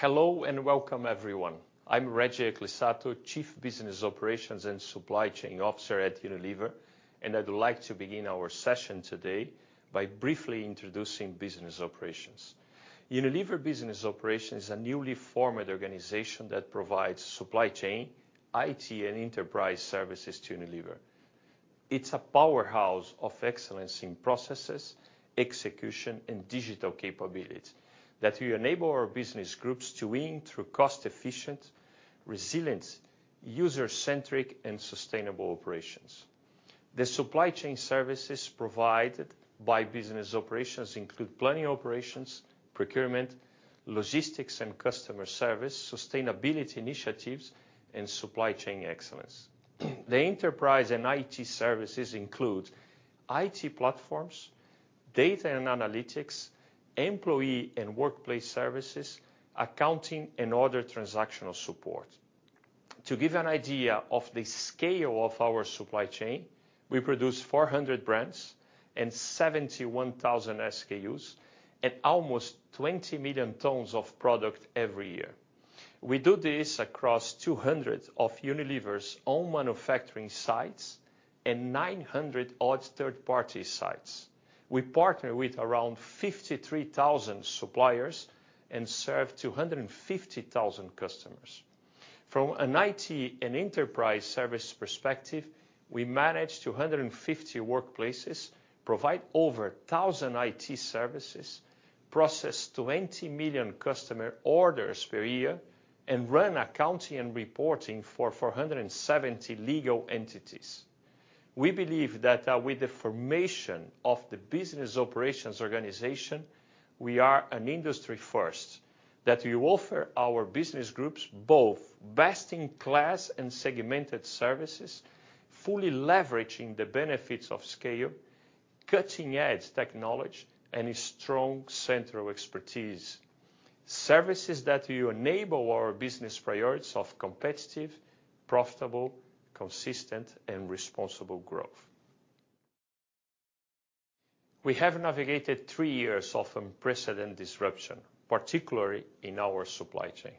Hello and welcome everyone. I'm Reggie Ecclissato, Chief Business Operations and Supply Chain Officer at Unilever, and I'd like to begin our session today by briefly introducing business operations. Unilever Business Operations is a newly formed organization that provides supply chain, IT, and enterprise services to Unilever. It's a powerhouse of excellence in processes, execution, and digital capabilities that will enable our business groups to win through cost-efficient, resilient, user-centric, and sustainable operations. The supply chain services provided by business operations include planning operations, procurement, logistics and customer service, sustainability initiatives, and supply chain excellence. The enterprise and IT services include IT platforms, data and analytics, employee and workplace services, accounting and other transactional support. To give you an idea of the scale of our supply chain, we produce 400 brands and 71,000 SKUs at almost 20 million tons of product every year. We do this across 200 of Unilever's own manufacturing sites and 900 odd third-party sites. We partner with around 53,000 suppliers and serve 250,000 customers. From an IT and enterprise service perspective, we manage 250 workplaces, provide over 1,000 IT services, process 20 million customer orders per year, and run accounting and reporting for 470 legal entities. We believe that with the formation of the Business Operations organization, we are an industry first, that we offer our business groups both best-in-class and segmented services, fully leveraging the benefits of scale, cutting-edge technology, and a strong central expertise. Services that will enable our business priorities of competitive, profitable, consistent and responsible growth. We have navigated three years of unprecedented disruption, particularly in our supply chain.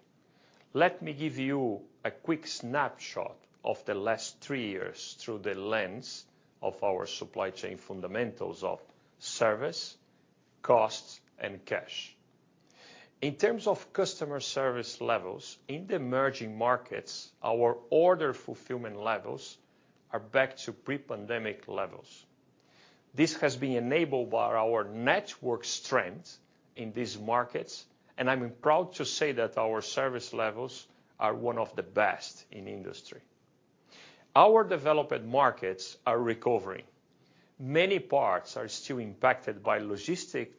Let me give you a quick snapshot of the last three years through the lens of our supply chain fundamentals of service, cost and cash. In terms of customer service levels, in the emerging markets, our order fulfillment levels are back to pre-pandemic levels. This has been enabled by our network strength in these markets, and I'm proud to say that our service levels are one of the best in the industry. Our developed markets are recovering. Many parts are still impacted by logistic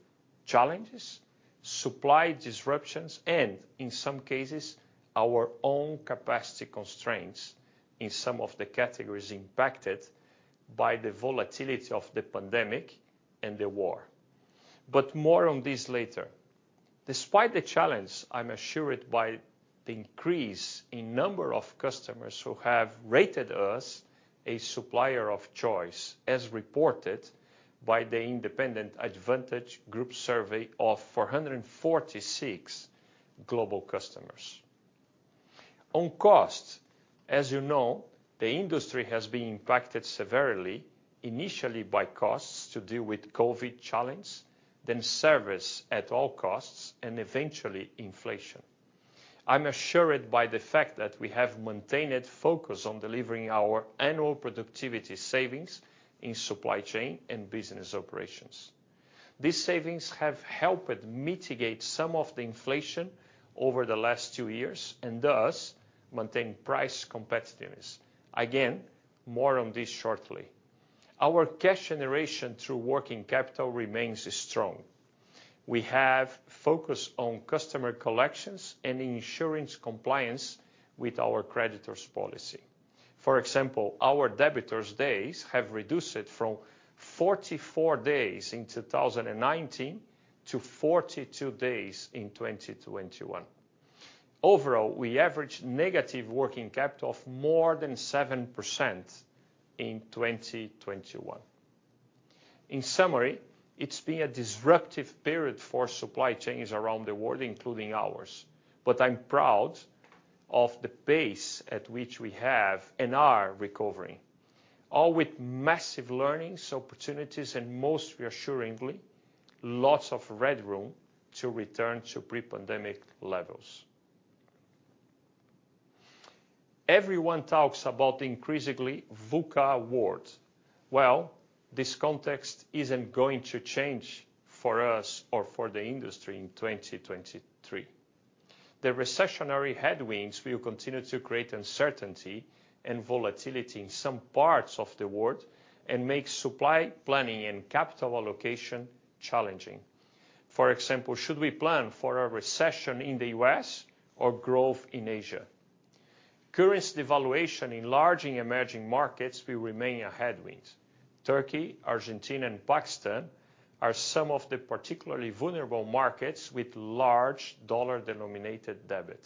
challenges, supply disruptions, and in some cases, our own capacity constraints in some of the categories impacted by the volatility of the pandemic and the war. More on this later. Despite the challenge, I'm assured by the increase in number of customers who have rated us a supplier of choice as reported by the independent Advantage Group Survey of 446 global customers. On cost, as you know, the industry has been impacted severely, initially by costs to deal with COVID challenge, then service at all costs, and eventually inflation. I'm assured by the fact that we have maintained focus on delivering our annual productivity savings in supply chain and business operations. These savings have helped mitigate some of the inflation over the last two years, and thus maintain price competitiveness. Again, more on this shortly. Our cash generation through working capital remains strong. We have focused on customer collections and ensuring compliance with our creditors policy. For example, our debtors days have reduced from 44 days in 2019 to 42 days in 2021. Overall, we averaged negative working capital of more than 7% in 2021. In summary, it's been a disruptive period for supply chains around the world, including ours. I'm proud of the pace at which we have and are recovering, all with massive learnings, opportunities, and most reassuringly, lots of headroom to return to pre-pandemic levels. Everyone talks about the increasingly VUCA world. This context isn't going to change for us or for the industry in 2023. The recessionary headwinds will continue to create uncertainty and volatility in some parts of the world and make supply planning and capital allocation challenging. For example, should we plan for a recession in the U.S. or growth in Asia. Currency devaluation in large emerging markets will remain a headwind. Turkey, Argentina, and Pakistan are some of the particularly vulnerable markets with large dollar-denominated debit.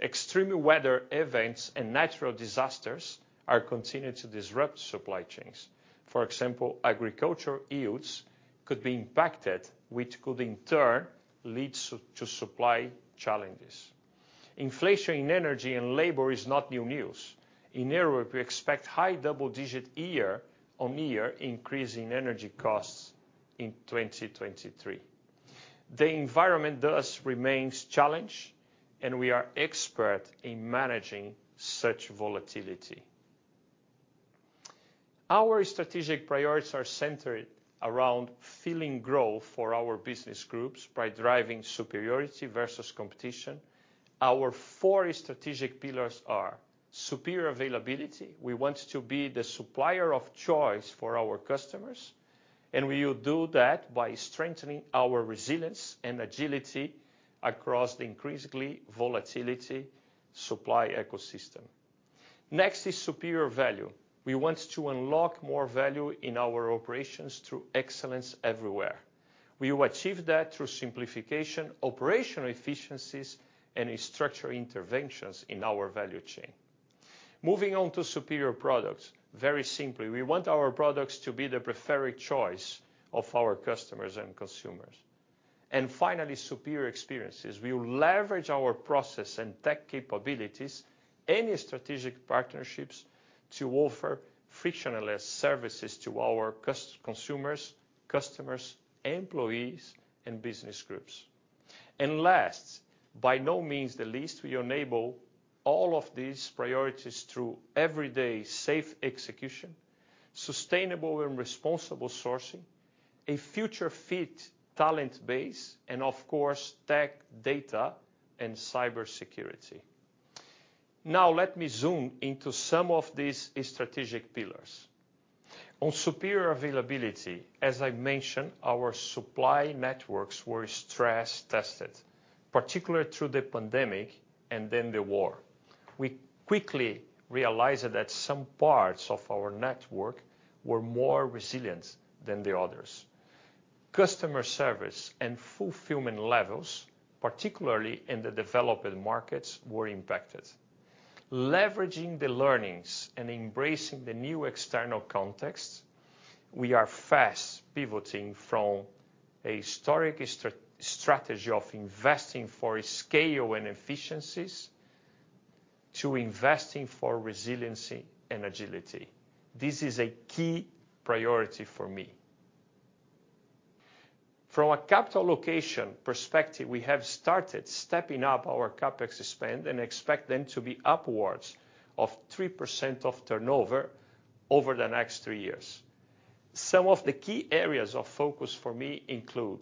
Extreme weather events and natural disasters are continuing to disrupt supply chains. For example, agriculture yields could be impacted, which could in turn lead to supply challenges. Inflation in energy and labor is not new news. In Europe, we expect high double-digit year-on-year increase in energy costs in 2023. The environment does remains challenged, and we are expert in managing such volatility. Our strategic priorities are centered around fueling growth for our business groups by driving superiority versus competition. Our four strategic pillars are superior availability. We want to be the supplier of choice for our customers, and we will do that by strengthening our resilience and agility across the increasingly volatility supply ecosystem. Next is superior value. We want to unlock more value in our operations through excellence everywhere. We will achieve that through simplification, operational efficiencies and structural interventions in our value chain. Moving on to superior products. Very simply, we want our products to be the preferred choice of our customers and consumers. Finally, superior experiences. We will leverage our process and tech capabilities, any strategic partnerships to offer frictionless services to our consumers, customers, employees and business groups. Last, by no means the least, we enable all of these priorities through everyday safe execution, sustainable and responsible sourcing, a future-fit talent base, and of course, tech data and cybersecurity. Let me zoom into some of these strategic pillars. On superior availability, as I mentioned, our supply networks were stress tested, particularly through the pandemic and then the war. We quickly realized that some parts of our network were more resilient than the others. Customer service and fulfillment levels, particularly in the developing markets, were impacted. Leveraging the learnings and embracing the new external context, we are fast pivoting from a historic strategy of investing for scale and efficiencies to investing for resiliency and agility. This is a key priority for me. From a capital location perspective, we have started stepping up our CapEx spend and expect them to be upwards of 3% of turnover over the next three years. Some of the key areas of focus for me include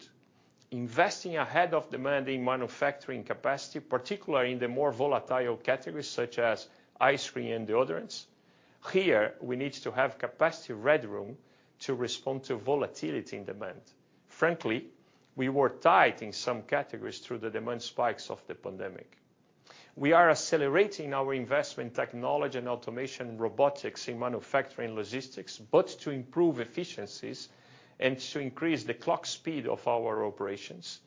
investing ahead of demand in manufacturing capacity, particularly in the more volatile categories such as ice cream and deodorants. Here, we need to have capacity headroom to respond to volatility in demand. Frankly, we were tight in some categories through the demand spikes of the pandemic. We are accelerating our investment in technology and automation robotics in manufacturing logistics, both to improve efficiencies and to increase the clock speed of our operations.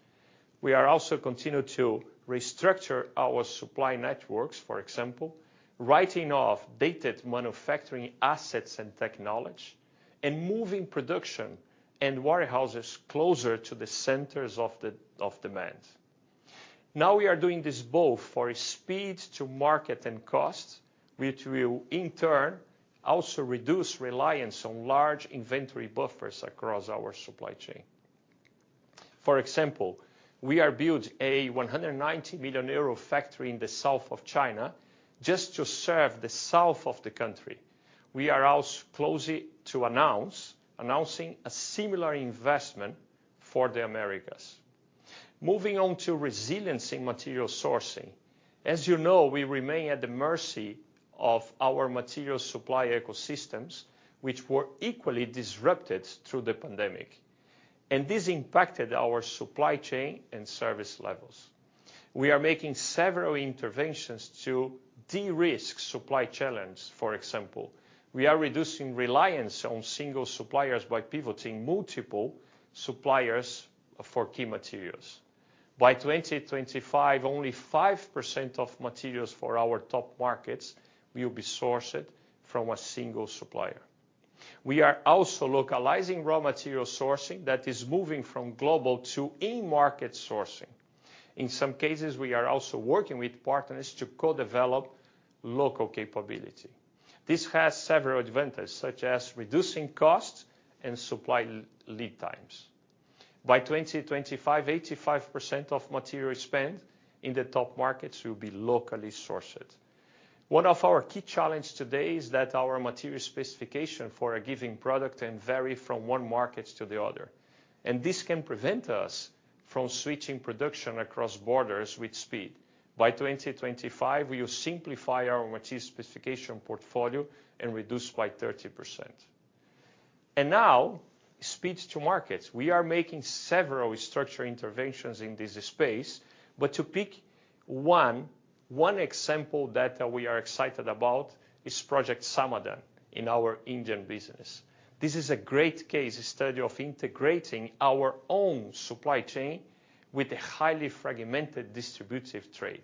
We are also continue to restructure our supply networks, for example, writing off dated manufacturing assets and technology, and moving production and warehouses closer to the centers of demand. We are doing this both for speed to market and cost, which will in turn also reduce reliance on large inventory buffers across our supply chain. For example, we are build a 190 million euro factory in the south of China just to serve the south of the country. We are also announcing a similar investment for the Americas. Moving on to resiliency material sourcing. As you know, we remain at the mercy of our material supply ecosystems, which were equally disrupted through the pandemic, this impacted our supply chain and service levels. We are making several interventions to de-risk supply challenge. For example, we are reducing reliance on single suppliers by pivoting multiple suppliers for key materials. By 2025, only 5% of materials for our top markets will be sourced from a single supplier. We are also localizing raw material sourcing that is moving from global to in-market sourcing. In some cases, we are also working with partners to co-develop local capability. This has several advantages, such as reducing costs and supply lead times. By 2025, 85% of material spend in the top markets will be locally sourced. One of our key challenge today is that our material specification for a given product can vary from one market to the other, and this can prevent us from switching production across borders with speed. By 2025, we will simplify our material specification portfolio and reduce by 30%. Now speed to markets. To pick one example that we are excited about is Project Samadhan in our Indian business. This is a great case study of integrating our own supply chain with a highly fragmented distributive trade.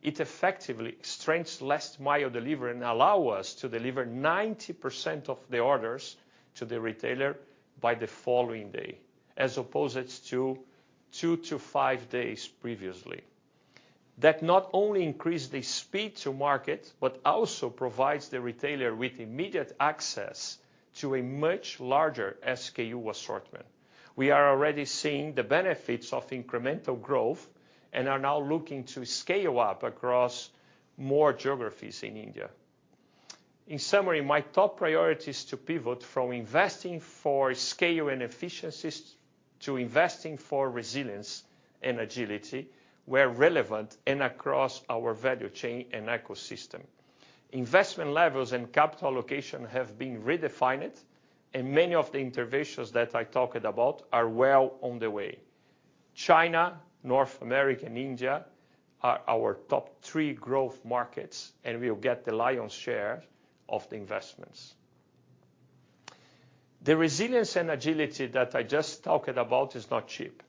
It effectively strengthens last mile delivery and allow us to deliver 90% of the orders to the retailer by the following day, as opposed to two to five days previously. That not only increase the speed to market, but also provides the retailer with immediate access to a much larger SKU assortment. We are already seeing the benefits of incremental growth and are now looking to scale up across more geographies in India. In summary, my top priority is to pivot from investing for scale and efficiencies to investing for resilience and agility where relevant and across our value chain and ecosystem. Investment levels and capital allocation have been redefined, and many of the interventions that I talked about are well on the way. China, North America, and India are our top three growth markets, and will get the lion's share of the investments. The resilience and agility that I just talked about is not cheap,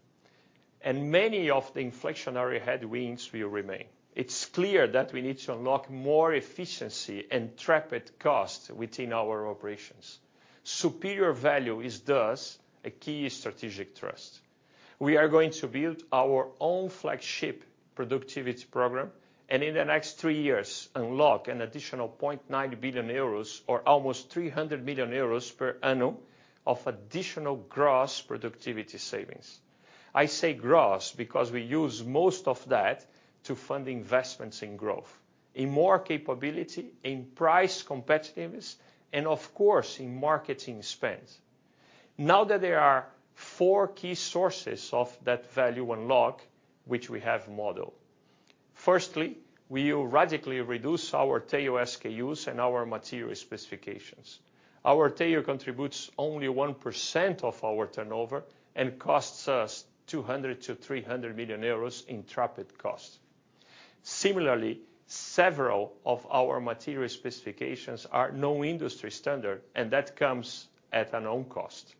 and many of the inflationary headwinds will remain. It's clear that we need to unlock more efficiency and trap it cost within our operations. Superior value is thus a key strategic trust. We are going to build our own flagship productivity program, and in the next three years, unlock an additional 0.9 billion euros or almost 300 million euros per annum of additional gross productivity savings. I say gross because we use most of that to fund investments in growth, in more capability, in price competitiveness, and of course, in marketing spends. There are four key sources of that value unlock, which we have modeled. We will radically reduce our tail SKUs and our material specifications. Our tail contributes only 1% of our turnover and costs us 200 million-300 million euros in trapped costs. Several of our material specifications are no industry standard, and that comes at a known cost.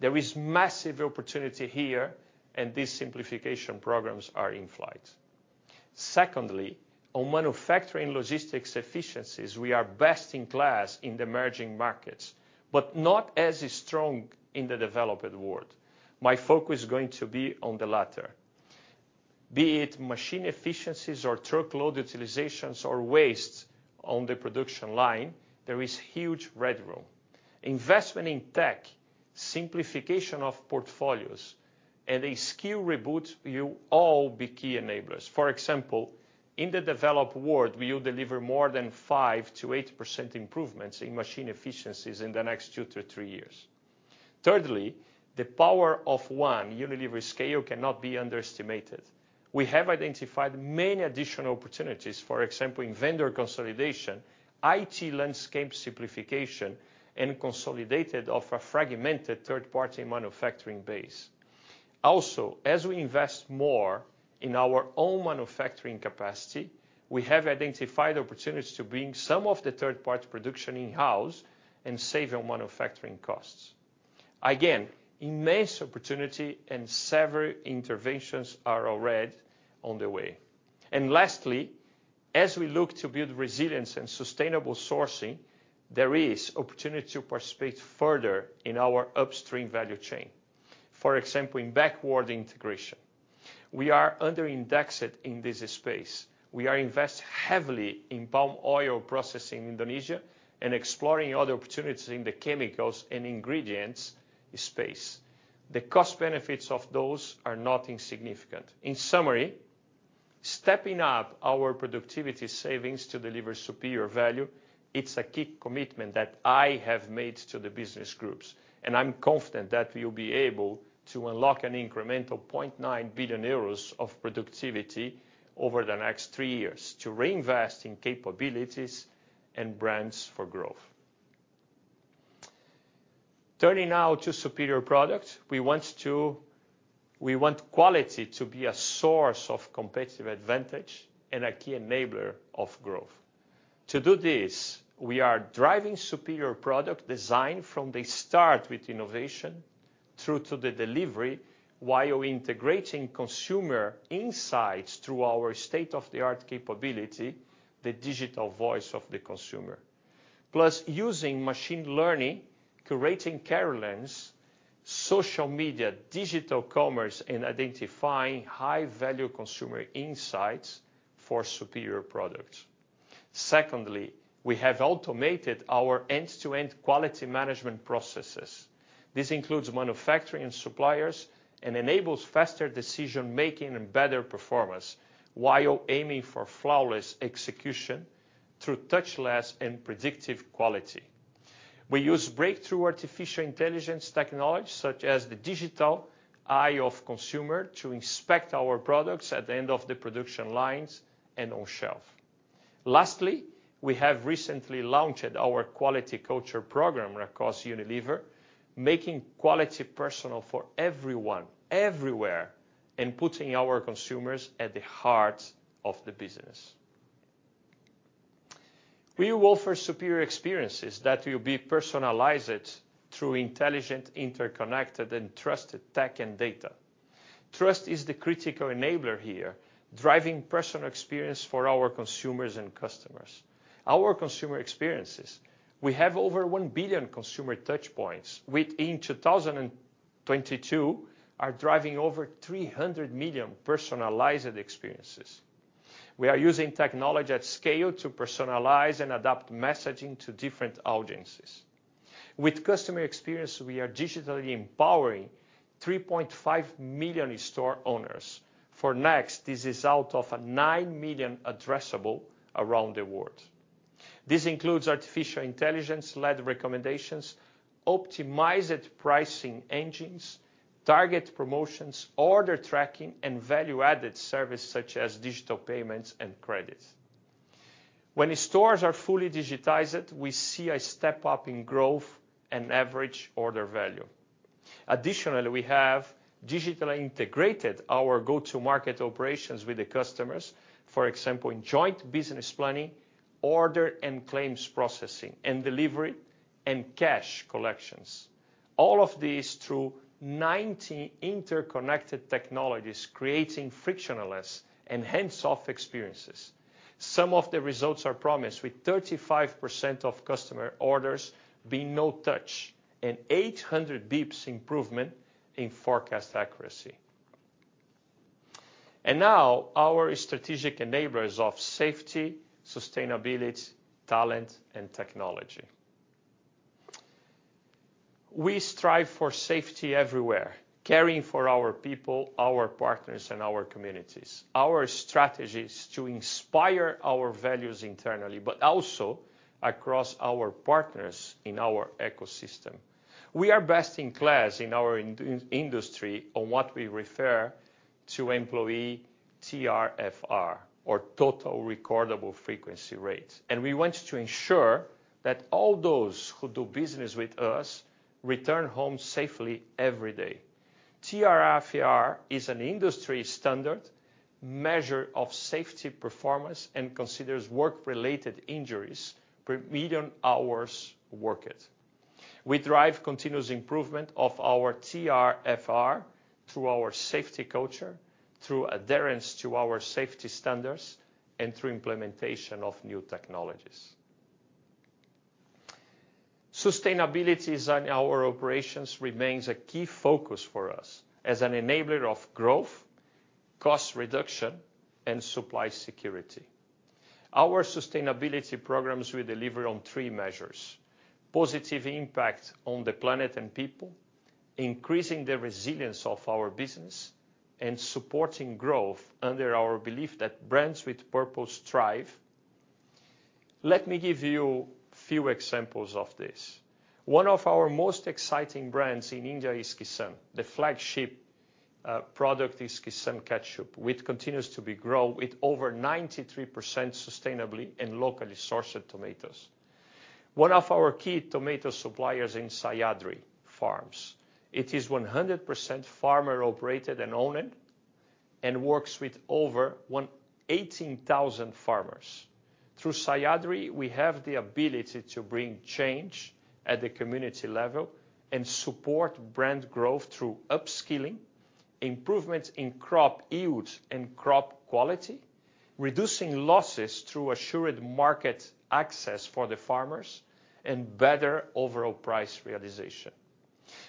There is massive opportunity here, and these simplification programs are in flight. On manufacturing logistics efficiencies, we are best in class in the emerging markets, but not as strong in the developed world. My focus is going to be on the latter. Be it machine efficiencies or truckload utilizations or waste on the production line, there is huge headroom. Investment in tech, simplification of portfolios and a skill reboot will all be key enablers. For example, in the developed world, we will deliver more than 5%-8% improvements in machine efficiencies in the next two to three years. Thirdly, the power of one Unilever scale cannot be underestimated. We have identified many additional opportunities, for example, in vendor consolidation, IT landscape simplification, and consolidated of a fragmented third-party manufacturing base. Also, as we invest more in our own manufacturing capacity, we have identified opportunities to bring some of the third-party production in-house and save on manufacturing costs. Again, immense opportunity and several interventions are already on the way. Lastly, as we look to build resilience and sustainable sourcing, there is opportunity to participate further in our upstream value chain, for example, in backward integration. We are under-indexed in this space. We are invest heavily in palm oil processing Indonesia and exploring other opportunities in the chemicals and ingredients space. The cost benefits of those are not insignificant. In summary, stepping up our productivity savings to deliver superior value, it's a key commitment that I have made to the business groups, I'm confident that we will be able to unlock an incremental 0.9 billion euros of productivity over the next three years to reinvest in capabilities and brands for growth. Turning now to superior product. We want quality to be a source of competitive advantage and a key enabler of growth. To do this, we are driving superior product design from the start with innovation through to the delivery while integrating consumer insights through our state-of-the-art capability, the Digital Voice of the Consumer. Using machine learning, curating care lines, social media, digital commerce, and identifying high-value consumer insights for superior products. Secondly, we have automated our end-to-end quality management processes. This includes manufacturing suppliers and enables faster decision-making and better performance while aiming for flawless execution through touchless and predictive quality. We use breakthrough artificial intelligence technology, such as the digital eye of consumer, to inspect our products at the end of the production lines and on shelf. Lastly, we have recently launched our quality culture program across Unilever, making quality personal for everyone, everywhere, and putting our consumers at the heart of the business. We offer superior experiences that will be personalized through intelligent, interconnected, and trusted tech and data. Trust is the critical enabler here, driving personal experience for our consumers and customers. Our consumer experiences, we have over 1 billion consumer touch points, which in 2022 are driving over 300 million personalized experiences. We are using technology at scale to personalize and adapt messaging to different audiences. With customer experience, we are digitally empowering 3.5 million store owners. This is out of a 9 million addressable around the world. This includes artificial intelligence-led recommendations, optimized pricing engines, target promotions, order tracking, and value-added services such as digital payments and credits. When stores are fully digitized, we see a step up in growth and average order value. Additionally, we have digitally integrated our go-to market operations with the customers. For example, in joint business planning, order and claims processing, and delivery and cash collections. All of these through 19 interconnected technologies, creating frictionless and hands-off experiences. Some of the results are promised with 35% of customer orders being no touch and 800 basis points improvement in forecast accuracy. Our strategic enablers of safety, sustainability, talent, and technology. We strive for safety everywhere, caring for our people, our partners, and our communities. Our strategy is to inspire our values internally, but also across our partners in our ecosystem. We are best in class in our industry on what we refer to employee TRFR or Total Recordable Frequency Rate. We want to ensure that all those who do business with us return home safely every day. TRFR is an industry standard measure of safety performance and considers work-related injuries per million hours worked. We drive continuous improvement of our TRFR through our safety culture, through adherence to our safety standards, and through implementation of new technologies. Sustainability in our operations remains a key focus for us as an enabler of growth, cost reduction, and supply security. Our sustainability programs will deliver on three measures: positive impact on the planet and people, increasing the resilience of our business, and supporting growth under our belief that brands with purpose thrive. Let me give you few examples of this. One of our most exciting brands in India is Kissan. The flagship product is Kissan ketchup, which continues to be grown with over 93% sustainably and locally sourced tomatoes. One of our key tomato suppliers in Sahyadri Farms. It is 100% farmer operated and owned, and works with over 18,000 farmers. Through Sahyadri, we have the ability to bring change at the community level and support brand growth through upskilling, improvements in crop yield and crop quality, reducing losses through assured market access for the farmers, and better overall price realization.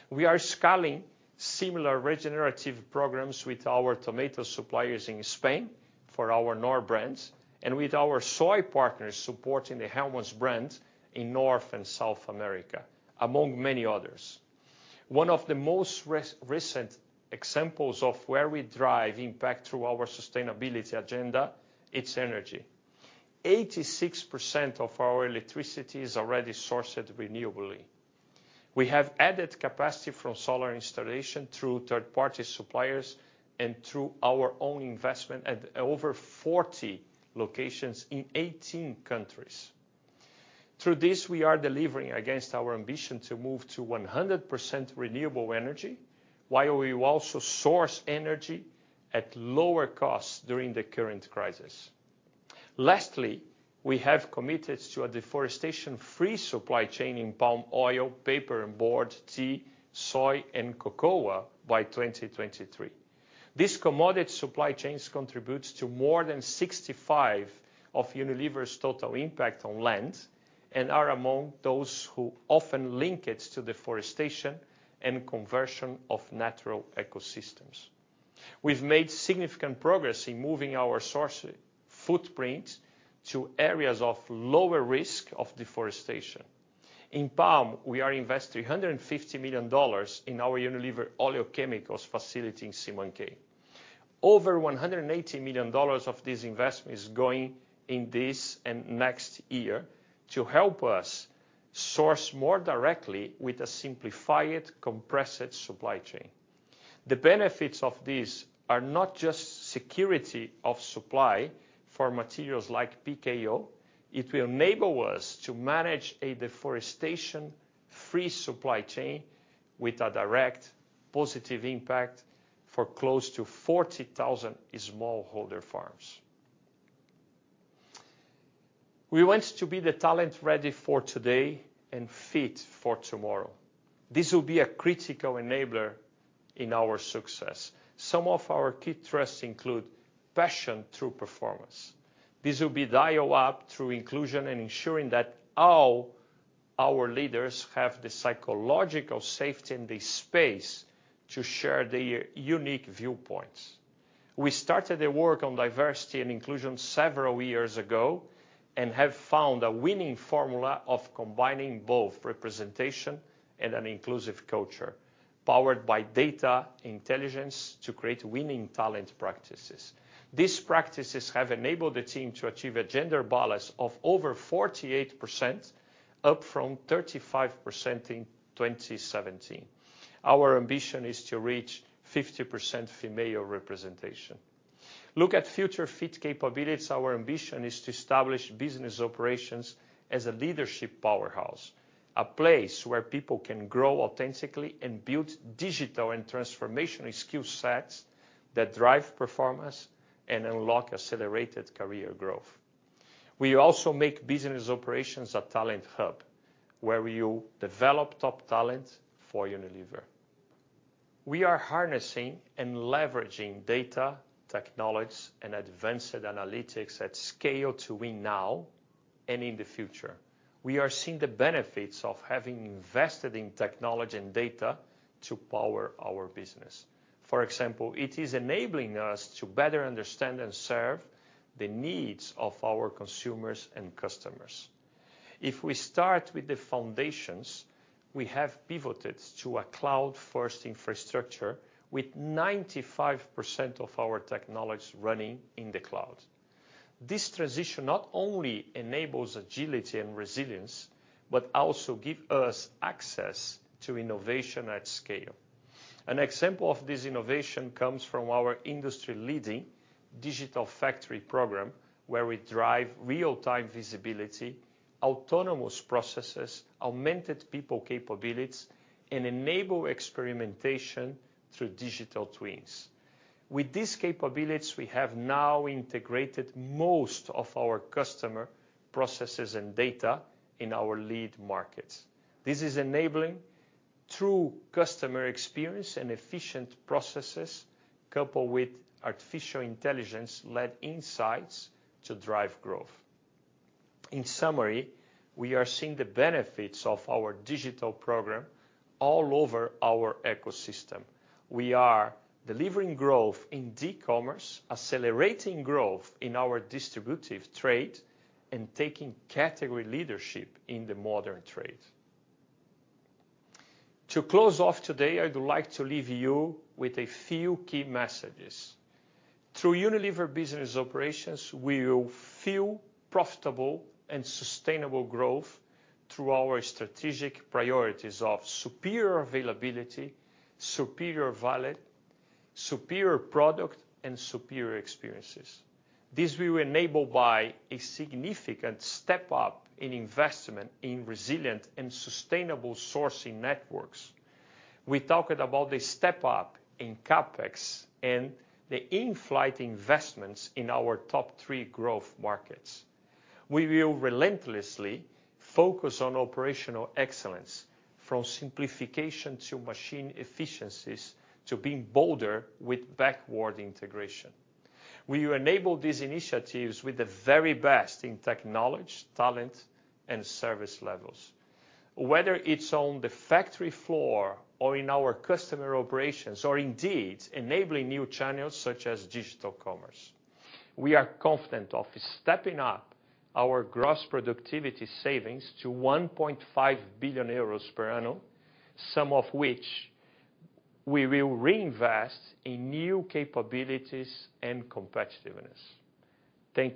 We are scaling similar regenerative programs with our tomato suppliers in Spain for our Knorr brands and with our soy partners supporting the Hellmann's brand in North and South America, among many others. One of the most recent examples of where we drive impact through our sustainability agenda, it's energy. 86% of our electricity is already sourced renewably. We have added capacity from solar installation through third-party suppliers and through our own investment at over 40 locations in 18 countries. Through this, we are delivering against our ambition to move to 100% renewable energy while we also source energy at lower costs during the current crisis. Lastly, we have committed to a deforestation-free supply chain in palm oil, paper and board, tea, soy, and cocoa by 2023. These commodity supply chains contribute to more than 65 of Unilever's total impact on land and are among those who often link it to deforestation and conversion of natural ecosystems. In palm, we are investing $150 million in our Unilever Oleochemicals facility in Sei Mangkei. Over $180 million of this investment is going in this and next year to help us source more directly with a simplified, compressed supply chain. The benefits of this are not just security of supply for materials like PKO. It will enable us to manage a deforestation-free supply chain with a direct positive impact for close to 40,000 small holder farms. We want to be the talent ready for today and fit for tomorrow. This will be a critical enabler in our success. Some of our key thrusts include passion through performance. This will be dial up through inclusion and ensuring that all our leaders have the psychological safety and the space to share their unique viewpoints. We started the work on diversity and inclusion several years ago and have found a winning formula of combining both representation and an inclusive culture, powered by data intelligence to create winning talent practices. These practices have enabled the team to achieve a gender balance of over 48%, up from 35% in 2017. Our ambition is to reach 50% female representation. Look at future fit capabilities. Our ambition is to establish business operations as a leadership powerhouse, a place where people can grow authentically and build digital and transformation skill sets that drive performance and unlock accelerated career growth. We also make business operations a talent hub, where we will develop top talent for Unilever. We are harnessing and leveraging data, technology, and advanced analytics at scale to win now and in the future. We are seeing the benefits of having invested in technology and data to power our business. For example, it is enabling us to better understand and serve the needs of our consumers and customers. If we start with the foundations, we have pivoted to a cloud-first infrastructure with 95% of our technology running in the cloud. This transition not only enables agility and resilience, but also give us access to innovation at scale. An example of this innovation comes from our industry-leading digital factory program, where we drive real-time visibility, autonomous processes, augmented people capabilities, and enable experimentation through digital twins. With these capabilities, we have now integrated most of our customer processes and data in our lead markets. This is enabling true customer experience and efficient processes coupled with artificial intelligence-led insights to drive growth. In summary, we are seeing the benefits of our digital program all over our ecosystem. We are delivering growth in dCommerce, accelerating growth in our distributive trade, and taking category leadership in the modern trade. To close off today, I would like to leave you with a few key messages. Through Unilever Business Operations, we will fuel profitable and sustainable growth through our strategic priorities of superior availability, superior value, superior product, and superior experiences. This we will enable by a significant step up in investment in resilient and sustainable sourcing networks. We talked about the step up in CapEx and the in-flight investments in our top three growth markets. We will relentlessly focus on operational excellence, from simplification to machine efficiencies to being bolder with backward integration. We will enable these initiatives with the very best in technology, talent, and service levels, whether it's on the factory floor or in our customer operations or indeed enabling new channels such as digital commerce. We are confident of stepping up our gross productivity savings to 1.5 billion euros per annum, some of which we will reinvest in new capabilities and competitiveness. Thank you.